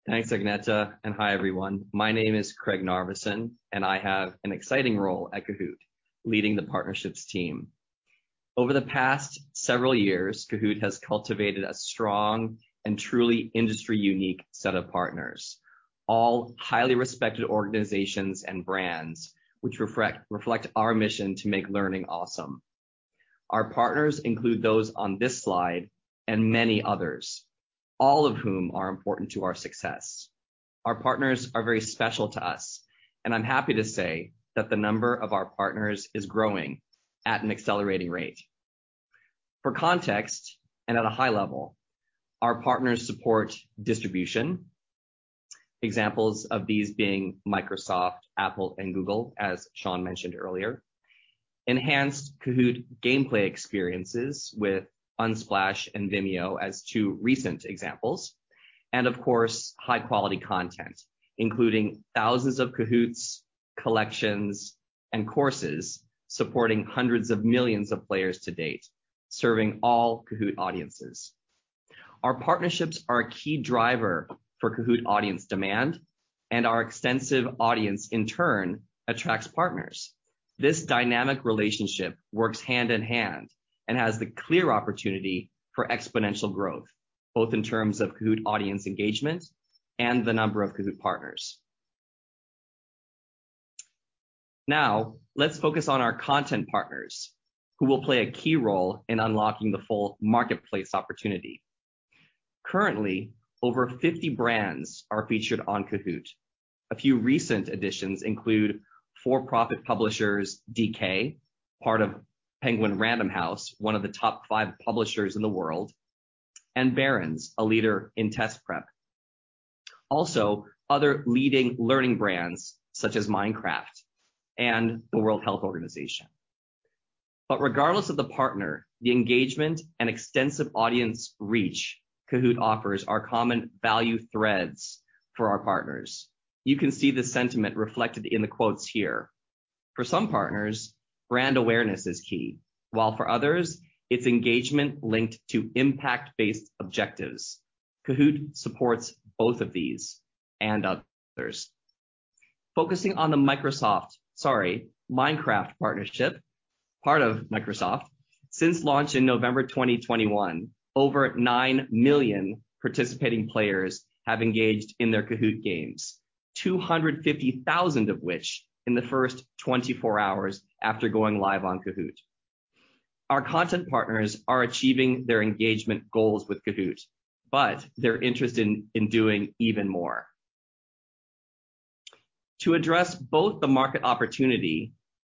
Thanks, Agnete, and hi, everyone. My name is Craig Narveson, and I have an exciting role at Kahoot! leading the partnerships team. Over the past several years, Kahoot! has cultivated a strong and truly industry-unique set of partners, all highly respected organizations and brands, which reflect our mission to make learning awesome. Our partners include those on this slide and many others, all of whom are important to our success. Our partners are very special to us, and I'm happy to say that the number of our partners is growing at an accelerating rate. For context and at a high level, our partners support distribution, examples of these being Microsoft, Apple, and Google, as Sean mentioned earlier, enhanced Kahoot! gameplay experiences with Unsplash and Vimeo as two recent examples, and of course, high-quality content, including thousands of Kahoot! collections and courses supporting hundreds of millions of players to date, serving all Kahoot! audiences. Our partnerships are a key driver for Kahoot! audience demand, and our extensive audience, in turn, attracts partners. This dynamic relationship works hand in hand and has the clear opportunity for exponential growth, both in terms of Kahoot! audience engagement and the number of Kahoot! partners. Now, let's focus on our content partners, who will play a key role in unlocking the full marketplace opportunity. Currently, over 50 brands are featured on Kahoot!. A few recent additions include for-profit publishers DK, part of Penguin Random House, one of the top five publishers in the world, and Barron's, a leader in test prep. Also, other leading learning brands, such as Minecraft and the World Health Organization, but regardless of the partner, the engagement and extensive audience reach Kahoot! offers are common value threads for our partners. You can see the sentiment reflected in the quotes here. For some partners, brand awareness is key, while for others, it's engagement linked to impact-based objectives. Kahoot! supports both of these and others. Focusing on the Microsoft, sorry, Minecraft partnership, part of Microsoft, since launch in November 2021, over nine million participating players have engaged in their Kahoot! games, 250,000 of which in the first 24 hours after going live on Kahoot!. Our content partners are achieving their engagement goals with Kahoot!, but they're interested in doing even more. To address both the market opportunity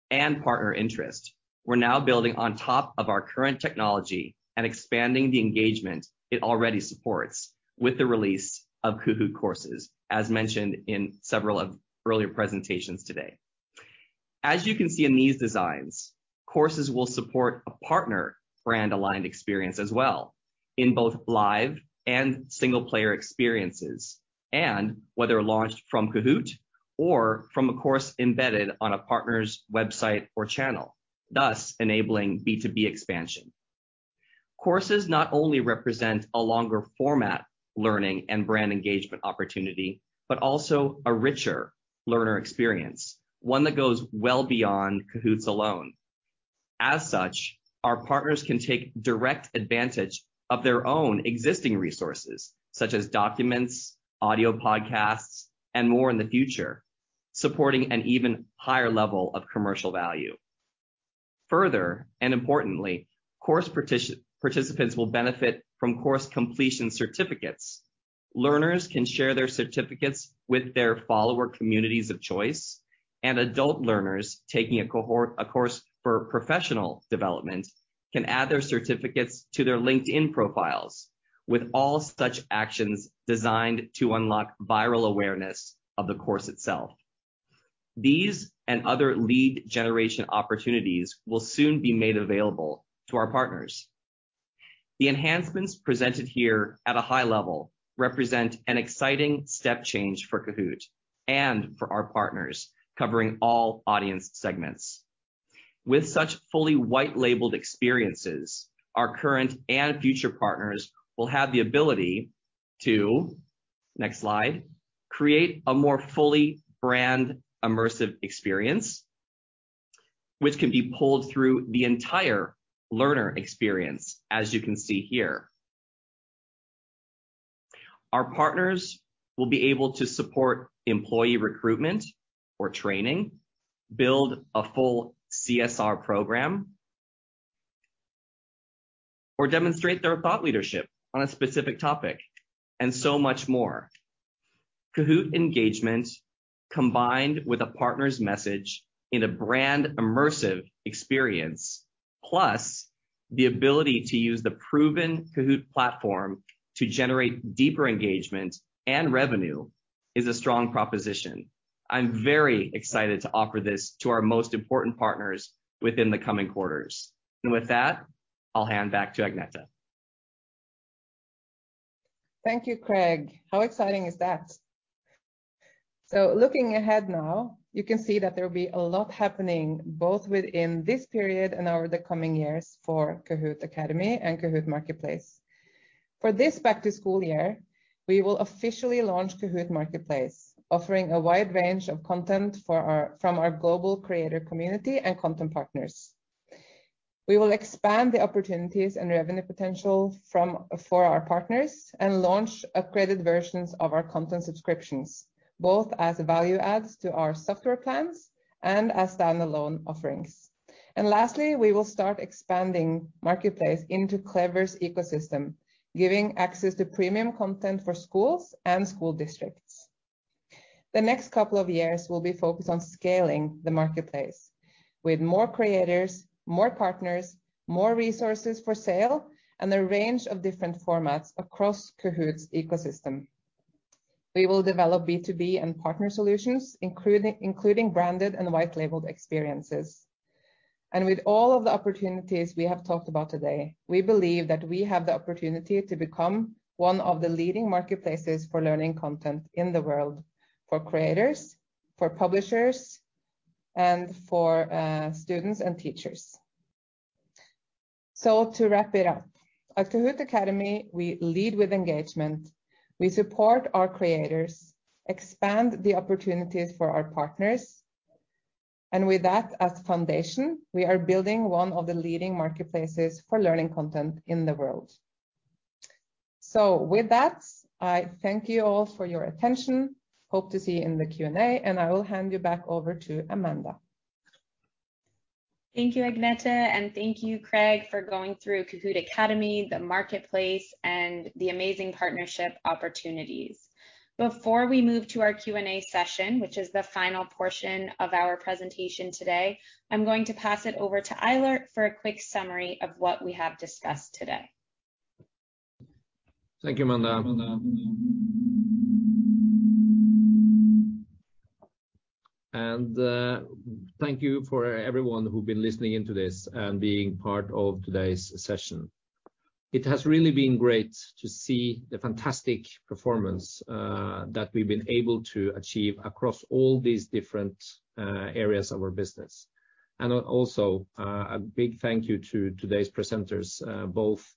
and partner interest, we're now building on top of our current technology and expanding the engagement it already supports with the release of Kahoot! Courses, as mentioned in several of earlier presentations today. As you can see in these designs, Courses will support a partner brand-aligned experience as well in both live and single-player experiences, and whether launched from Kahoot! or from a course embedded on a partner's website or channel, thus enabling B2B expansion. Courses not only represent a longer format learning and brand engagement opportunity, but also a richer learner experience, one that goes well beyond Kahoot! alone. As such, our partners can take direct advantage of their own existing resources, such as documents, audio podcasts, and more in the future, supporting an even higher level of commercial value. Further, and importantly, course participants will benefit from course completion certificates. Learners can share their certificates with their follower communities of choice, and adult learners taking a course for professional development can add their certificates to their LinkedIn profiles, with all such actions designed to unlock viral awareness of the course itself. These and other lead generation opportunities will soon be made available to our partners. The enhancements presented here at a high level represent an exciting step change for Kahoot! and for our partners covering all audience segments. With such fully white-labeled experiences, our current and future partners will have the ability to, next slide, create a more fully brand-immersive experience, which can be pulled through the entire learner experience, as you can see here. Our partners will be able to support employee recruitment or training, build a full CSR program, or demonstrate their thought leadership on a specific topic, and so much more. Kahoot! engagement combined with a partner's message in a brand-immersive experience, plus the ability to use the proven Kahoot! platform to generate deeper engagement and revenue, is a strong proposition. I'm very excited to offer this to our most important partners within the coming quarters, and with that, I'll hand back to Agnete. Thank you, Craig. How exciting is that? So looking ahead now, you can see that there will be a lot happening both within this period and over the coming years for Kahoot! Academy and Kahoot! Marketplace. For this back-to-school year, we will officially launch Kahoot! Marketplace, offering a wide range of content from our global creator community and content partners. We will expand the opportunities and revenue potential for our partners and launch upgraded versions of our content subscriptions, both as value adds to our software plans and as standalone offerings. And lastly, we will start expanding Marketplace into Clever's ecosystem, giving access to premium content for schools and school districts. The next couple of years will be focused on scaling the marketplace with more creators, more partners, more resources for sale, and a range of different formats across Kahoot!'s ecosystem. We will develop B2B and partner solutions, including branded and white-labeled experiences. With all of the opportunities we have talked about today, we believe that we have the opportunity to become one of the leading marketplaces for learning content in the world for creators, for publishers, and for students and teachers. To wrap it up, at Kahoot! Academy, we lead with engagement. We support our creators, expand the opportunities for our partners, and with that, as a foundation, we are building one of the leading marketplaces for learning content in the world. With that, I thank you all for your attention. Hope to see you in the Q&A, and I will hand you back over to Amanda. Thank you, Agnete, and thank you, Craig, for going through Kahoot! Academy, the marketplace, and the amazing partnership opportunities. Before we move to our Q&A session, which is the final portion of our presentation today, I'm going to pass it over to Eilert for a quick summary of what we have discussed today. Thank you, Amanda, and thank you for everyone who's been listening into this and being part of today's session. It has really been great to see the fantastic performance that we've been able to achieve across all these different areas of our business, and also, a big thank you to today's presenters, both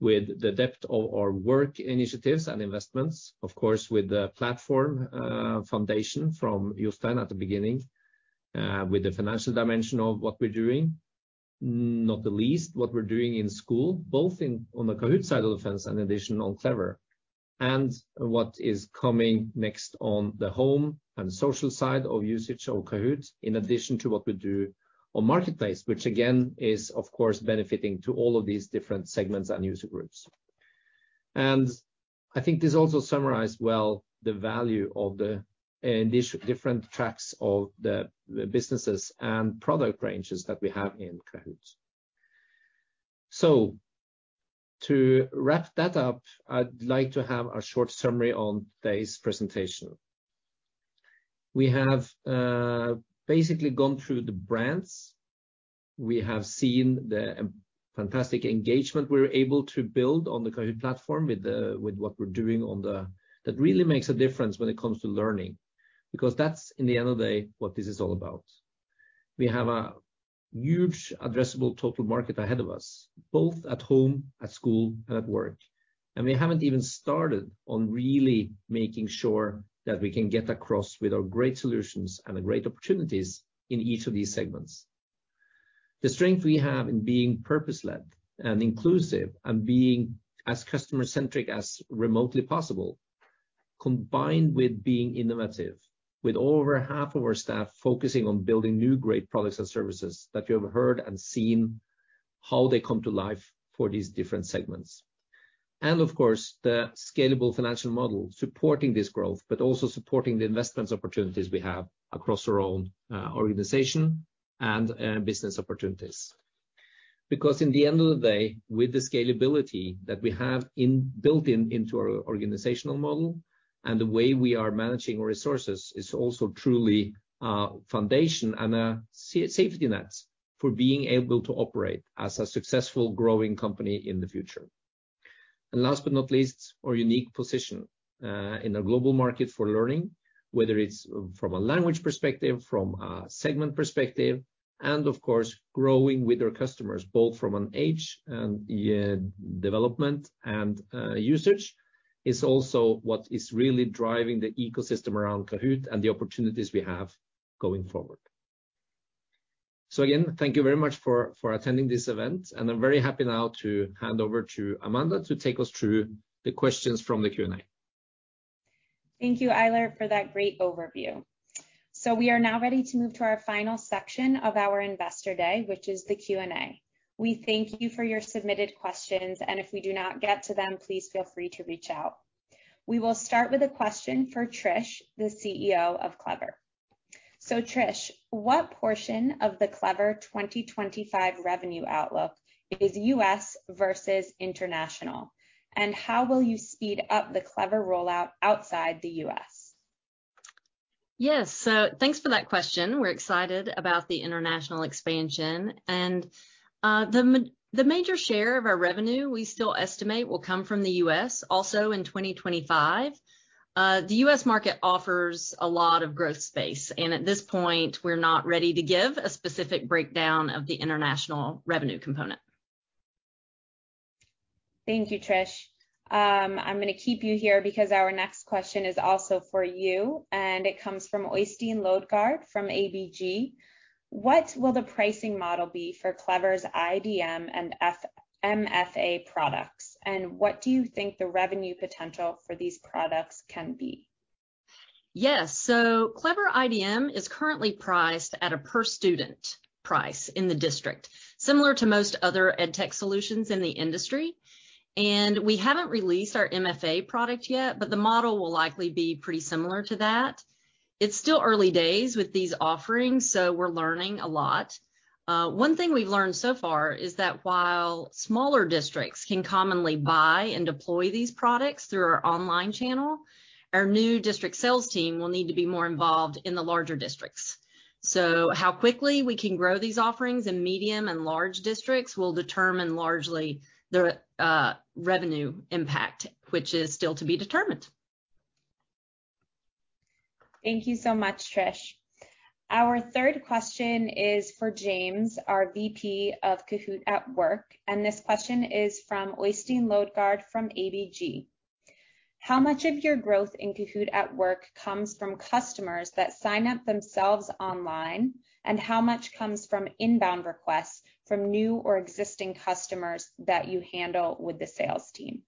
with the depth of our work initiatives and investments, of course, with the platform foundation from Jostein at the beginning, with the financial dimension of what we're doing, not the least what we're doing in school, both on the Kahoot! side of the fence and in addition on Clever, and what is coming next on the home and social side of usage of Kahoot!, in addition to what we do on Marketplace, which again is, of course, benefiting to all of these different segments and user groups. And I think this also summarizes well the value of the different tracks of the businesses and product ranges that we have in Kahoot!. So to wrap that up, I'd like to have a short summary on today's presentation. We have basically gone through the brands. We have seen the fantastic engagement we're able to build on the Kahoot! platform with what we're doing on that really makes a difference when it comes to learning, because that's, in the end of the day, what this is all about. We have a huge addressable total market ahead of us, both at Home, at School, and at Work. And we haven't even started on really making sure that we can get across with our great solutions and the great opportunities in each of these segments. The strength we have in being purpose-led and inclusive and being as customer-centric as remotely possible, combined with being innovative, with over half of our staff focusing on building new great products and services that you have heard and seen how they come to life for these different segments. And of course, the scalable financial model supporting this growth, but also supporting the investment opportunities we have across our own organization and business opportunities. Because in the end of the day, with the scalability that we have built into our organizational model and the way we are managing our resources, it's also truly a foundation and a safety net for being able to operate as a successful, growing company in the future, and last but not least, our unique position in our global market for learning, whether it's from a language perspective, from a segment perspective, and of course, growing with our customers, both from an age and development and usage, is also what is really driving the ecosystem around Kahoot! and the opportunities we have going forward, so again, thank you very much for attending this event. And I'm very happy now to hand over to Amanda to take us through the questions from the Q&A. Thank you, Eilert, for that great overview. We are now ready to move to our final section of our investor day, which is the Q&A. We thank you for your submitted questions. And if we do not get to them, please feel free to reach out. We will start with a question for Trish, the CEO of Clever. So Trish, what portion of the Clever 2025 revenue outlook is U.S. versus international? And how will you speed up the Clever rollout outside the U.S.? Yes, so thanks for that question. We're excited about the international expansion. And the major share of our revenue we still estimate will come from the U.S. also in 2025. The U.S. market offers a lot of growth space. And at this point, we're not ready to give a specific breakdown of the international revenue component. Thank you, Trish. I'm going to keep you here because our next question is also for you, and it comes from Øystein Lodgaard from ABG. What will the pricing model be for Clever's IDM and MFA products? And what do you think the revenue potential for these products can be? Yes, so Clever IDM is currently priced at a per-student price in the district, similar to most other edtech solutions in the industry, and we haven't released our MFA product yet, but the model will likely be pretty similar to that. It's still early days with these offerings, so we're learning a lot. One thing we've learned so far is that while smaller districts can commonly buy and deploy these products through our online channel, our new district sales team will need to be more involved in the larger districts. So how quickly we can grow these offerings in medium and large districts will determine largely the revenue impact, which is still to be determined. Thank you so much, Trish. Our third question is for James, our VP of Kahoot! at Work. And this question is from Øystein Lodgaard from ABG. How much of your growth in Kahoot! at Work comes from customers that sign up themselves online, and how much comes from inbound requests from new or existing customers that you handle with the sales team?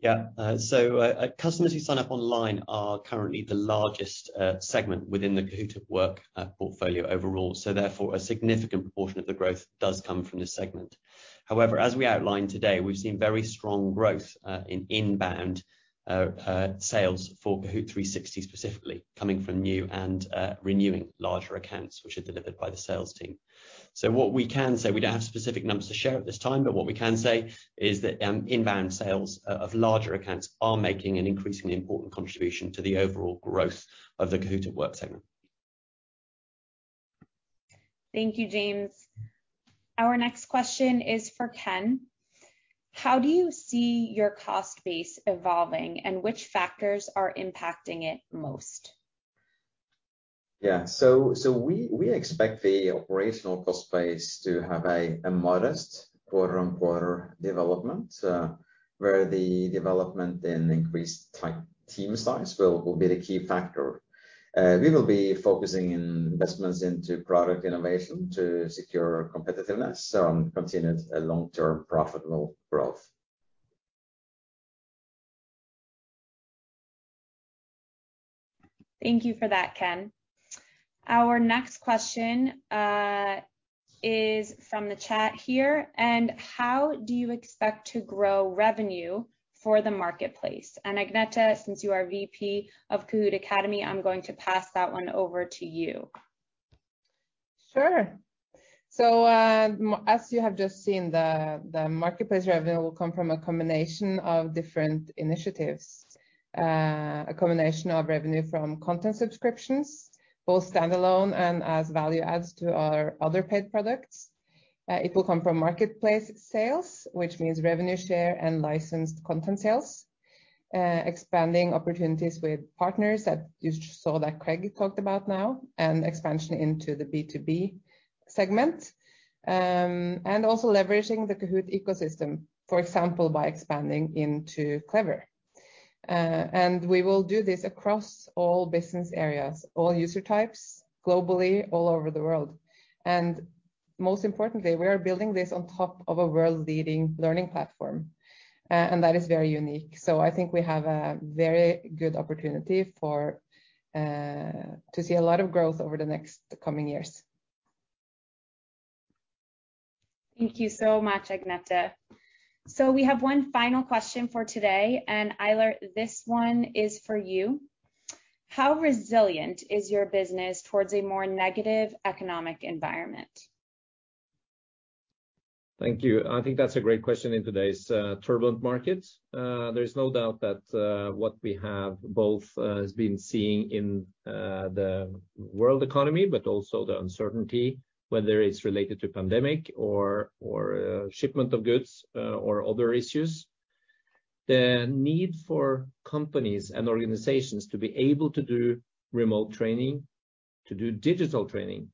Yeah, so customers who sign up online are currently the largest segment within the Kahoot! at Work portfolio overall. So therefore, a significant portion of the growth does come from this segment. However, as we outlined today, we've seen very strong growth in inbound sales for Kahoot! 360 specifically, coming from new and renewing larger accounts, which are delivered by the sales team. So what we can say, we don't have specific numbers to share at this time, but what we can say is that inbound sales of larger accounts are making an increasingly important contribution to the overall growth of the Kahoot! at Work segment. Thank you, James. Our next question is for Ken. How do you see your cost base evolving, and which factors are impacting it most? Yeah, so we expect the operational cost base to have a modest quarter-on-quarter development, where the development and increased team size will be the key factor. We will be focusing on investments into product innovation to secure competitiveness and continued long-term profitable growth. Thank you for that, Ken. Our next question is from the chat here. And how do you expect to grow revenue for the marketplace? And Agnete, since you are VP of Kahoot! Academy, I'm going to pass that one over to you. Sure. So as you have just seen, the marketplace revenue will come from a combination of different initiatives, a combination of revenue from content subscriptions, both standalone and as value adds to our other paid products. It will come from marketplace sales, which means revenue share and licensed content sales, expanding opportunities with partners that you saw that Craig talked about now, and expansion into the B2B segment, and also leveraging the Kahoot! ecosystem, for example, by expanding into Clever. We will do this across all business areas, all user types globally, all over the world. Most importantly, we are building this on top of a world-leading learning platform. That is very unique. I think we have a very good opportunity to see a lot of growth over the next coming years. Thank you so much, Agnete. So we have one final question for today. And Eilert, this one is for you. How resilient is your business towards a more negative economic environment? Thank you. I think that's a great question in today's turbulent market. There is no doubt that what we have both been seeing in the world economy, but also the uncertainty, whether it's related to pandemic or shipment of goods or other issues, the need for companies and organizations to be able to do remote training, to do digital training,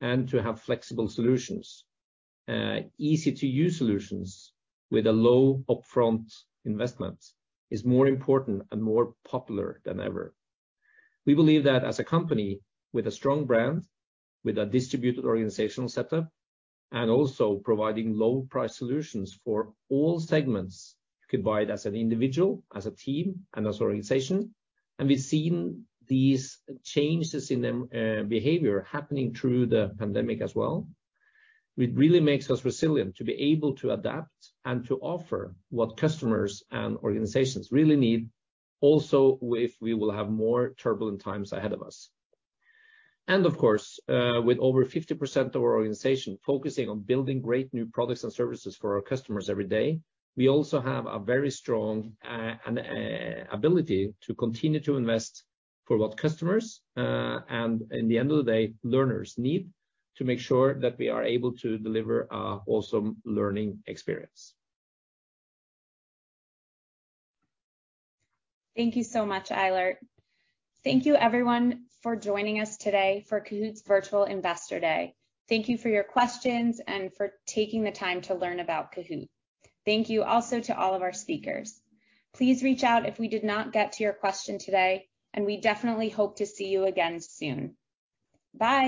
and to have flexible solutions, easy-to-use solutions with a low upfront investment is more important and more popular than ever. We believe that as a company with a strong brand, with a distributed organizational setup, and also providing low-priced solutions for all segments, you could buy it as an individual, as a team, and as an organization. We've seen these changes in behavior happening through the pandemic as well, which really makes us resilient to be able to adapt and to offer what customers and organizations really need, also if we will have more turbulent times ahead of us. Of course, with over 50% of our organization focusing on building great new products and services for our customers every day, we also have a very strong ability to continue to invest for what customers and, in the end of the day, learners need to make sure that we are able to deliver an awesome learning experience. Thank you so much, Eilert. Thank you, everyone, for joining us today for Kahoot! Virtual Investor Day. Thank you for your questions and for taking the time to learn about Kahoot!. Thank you also to all of our speakers. Please reach out if we did not get to your question today, and we definitely hope to see you again soon. Bye.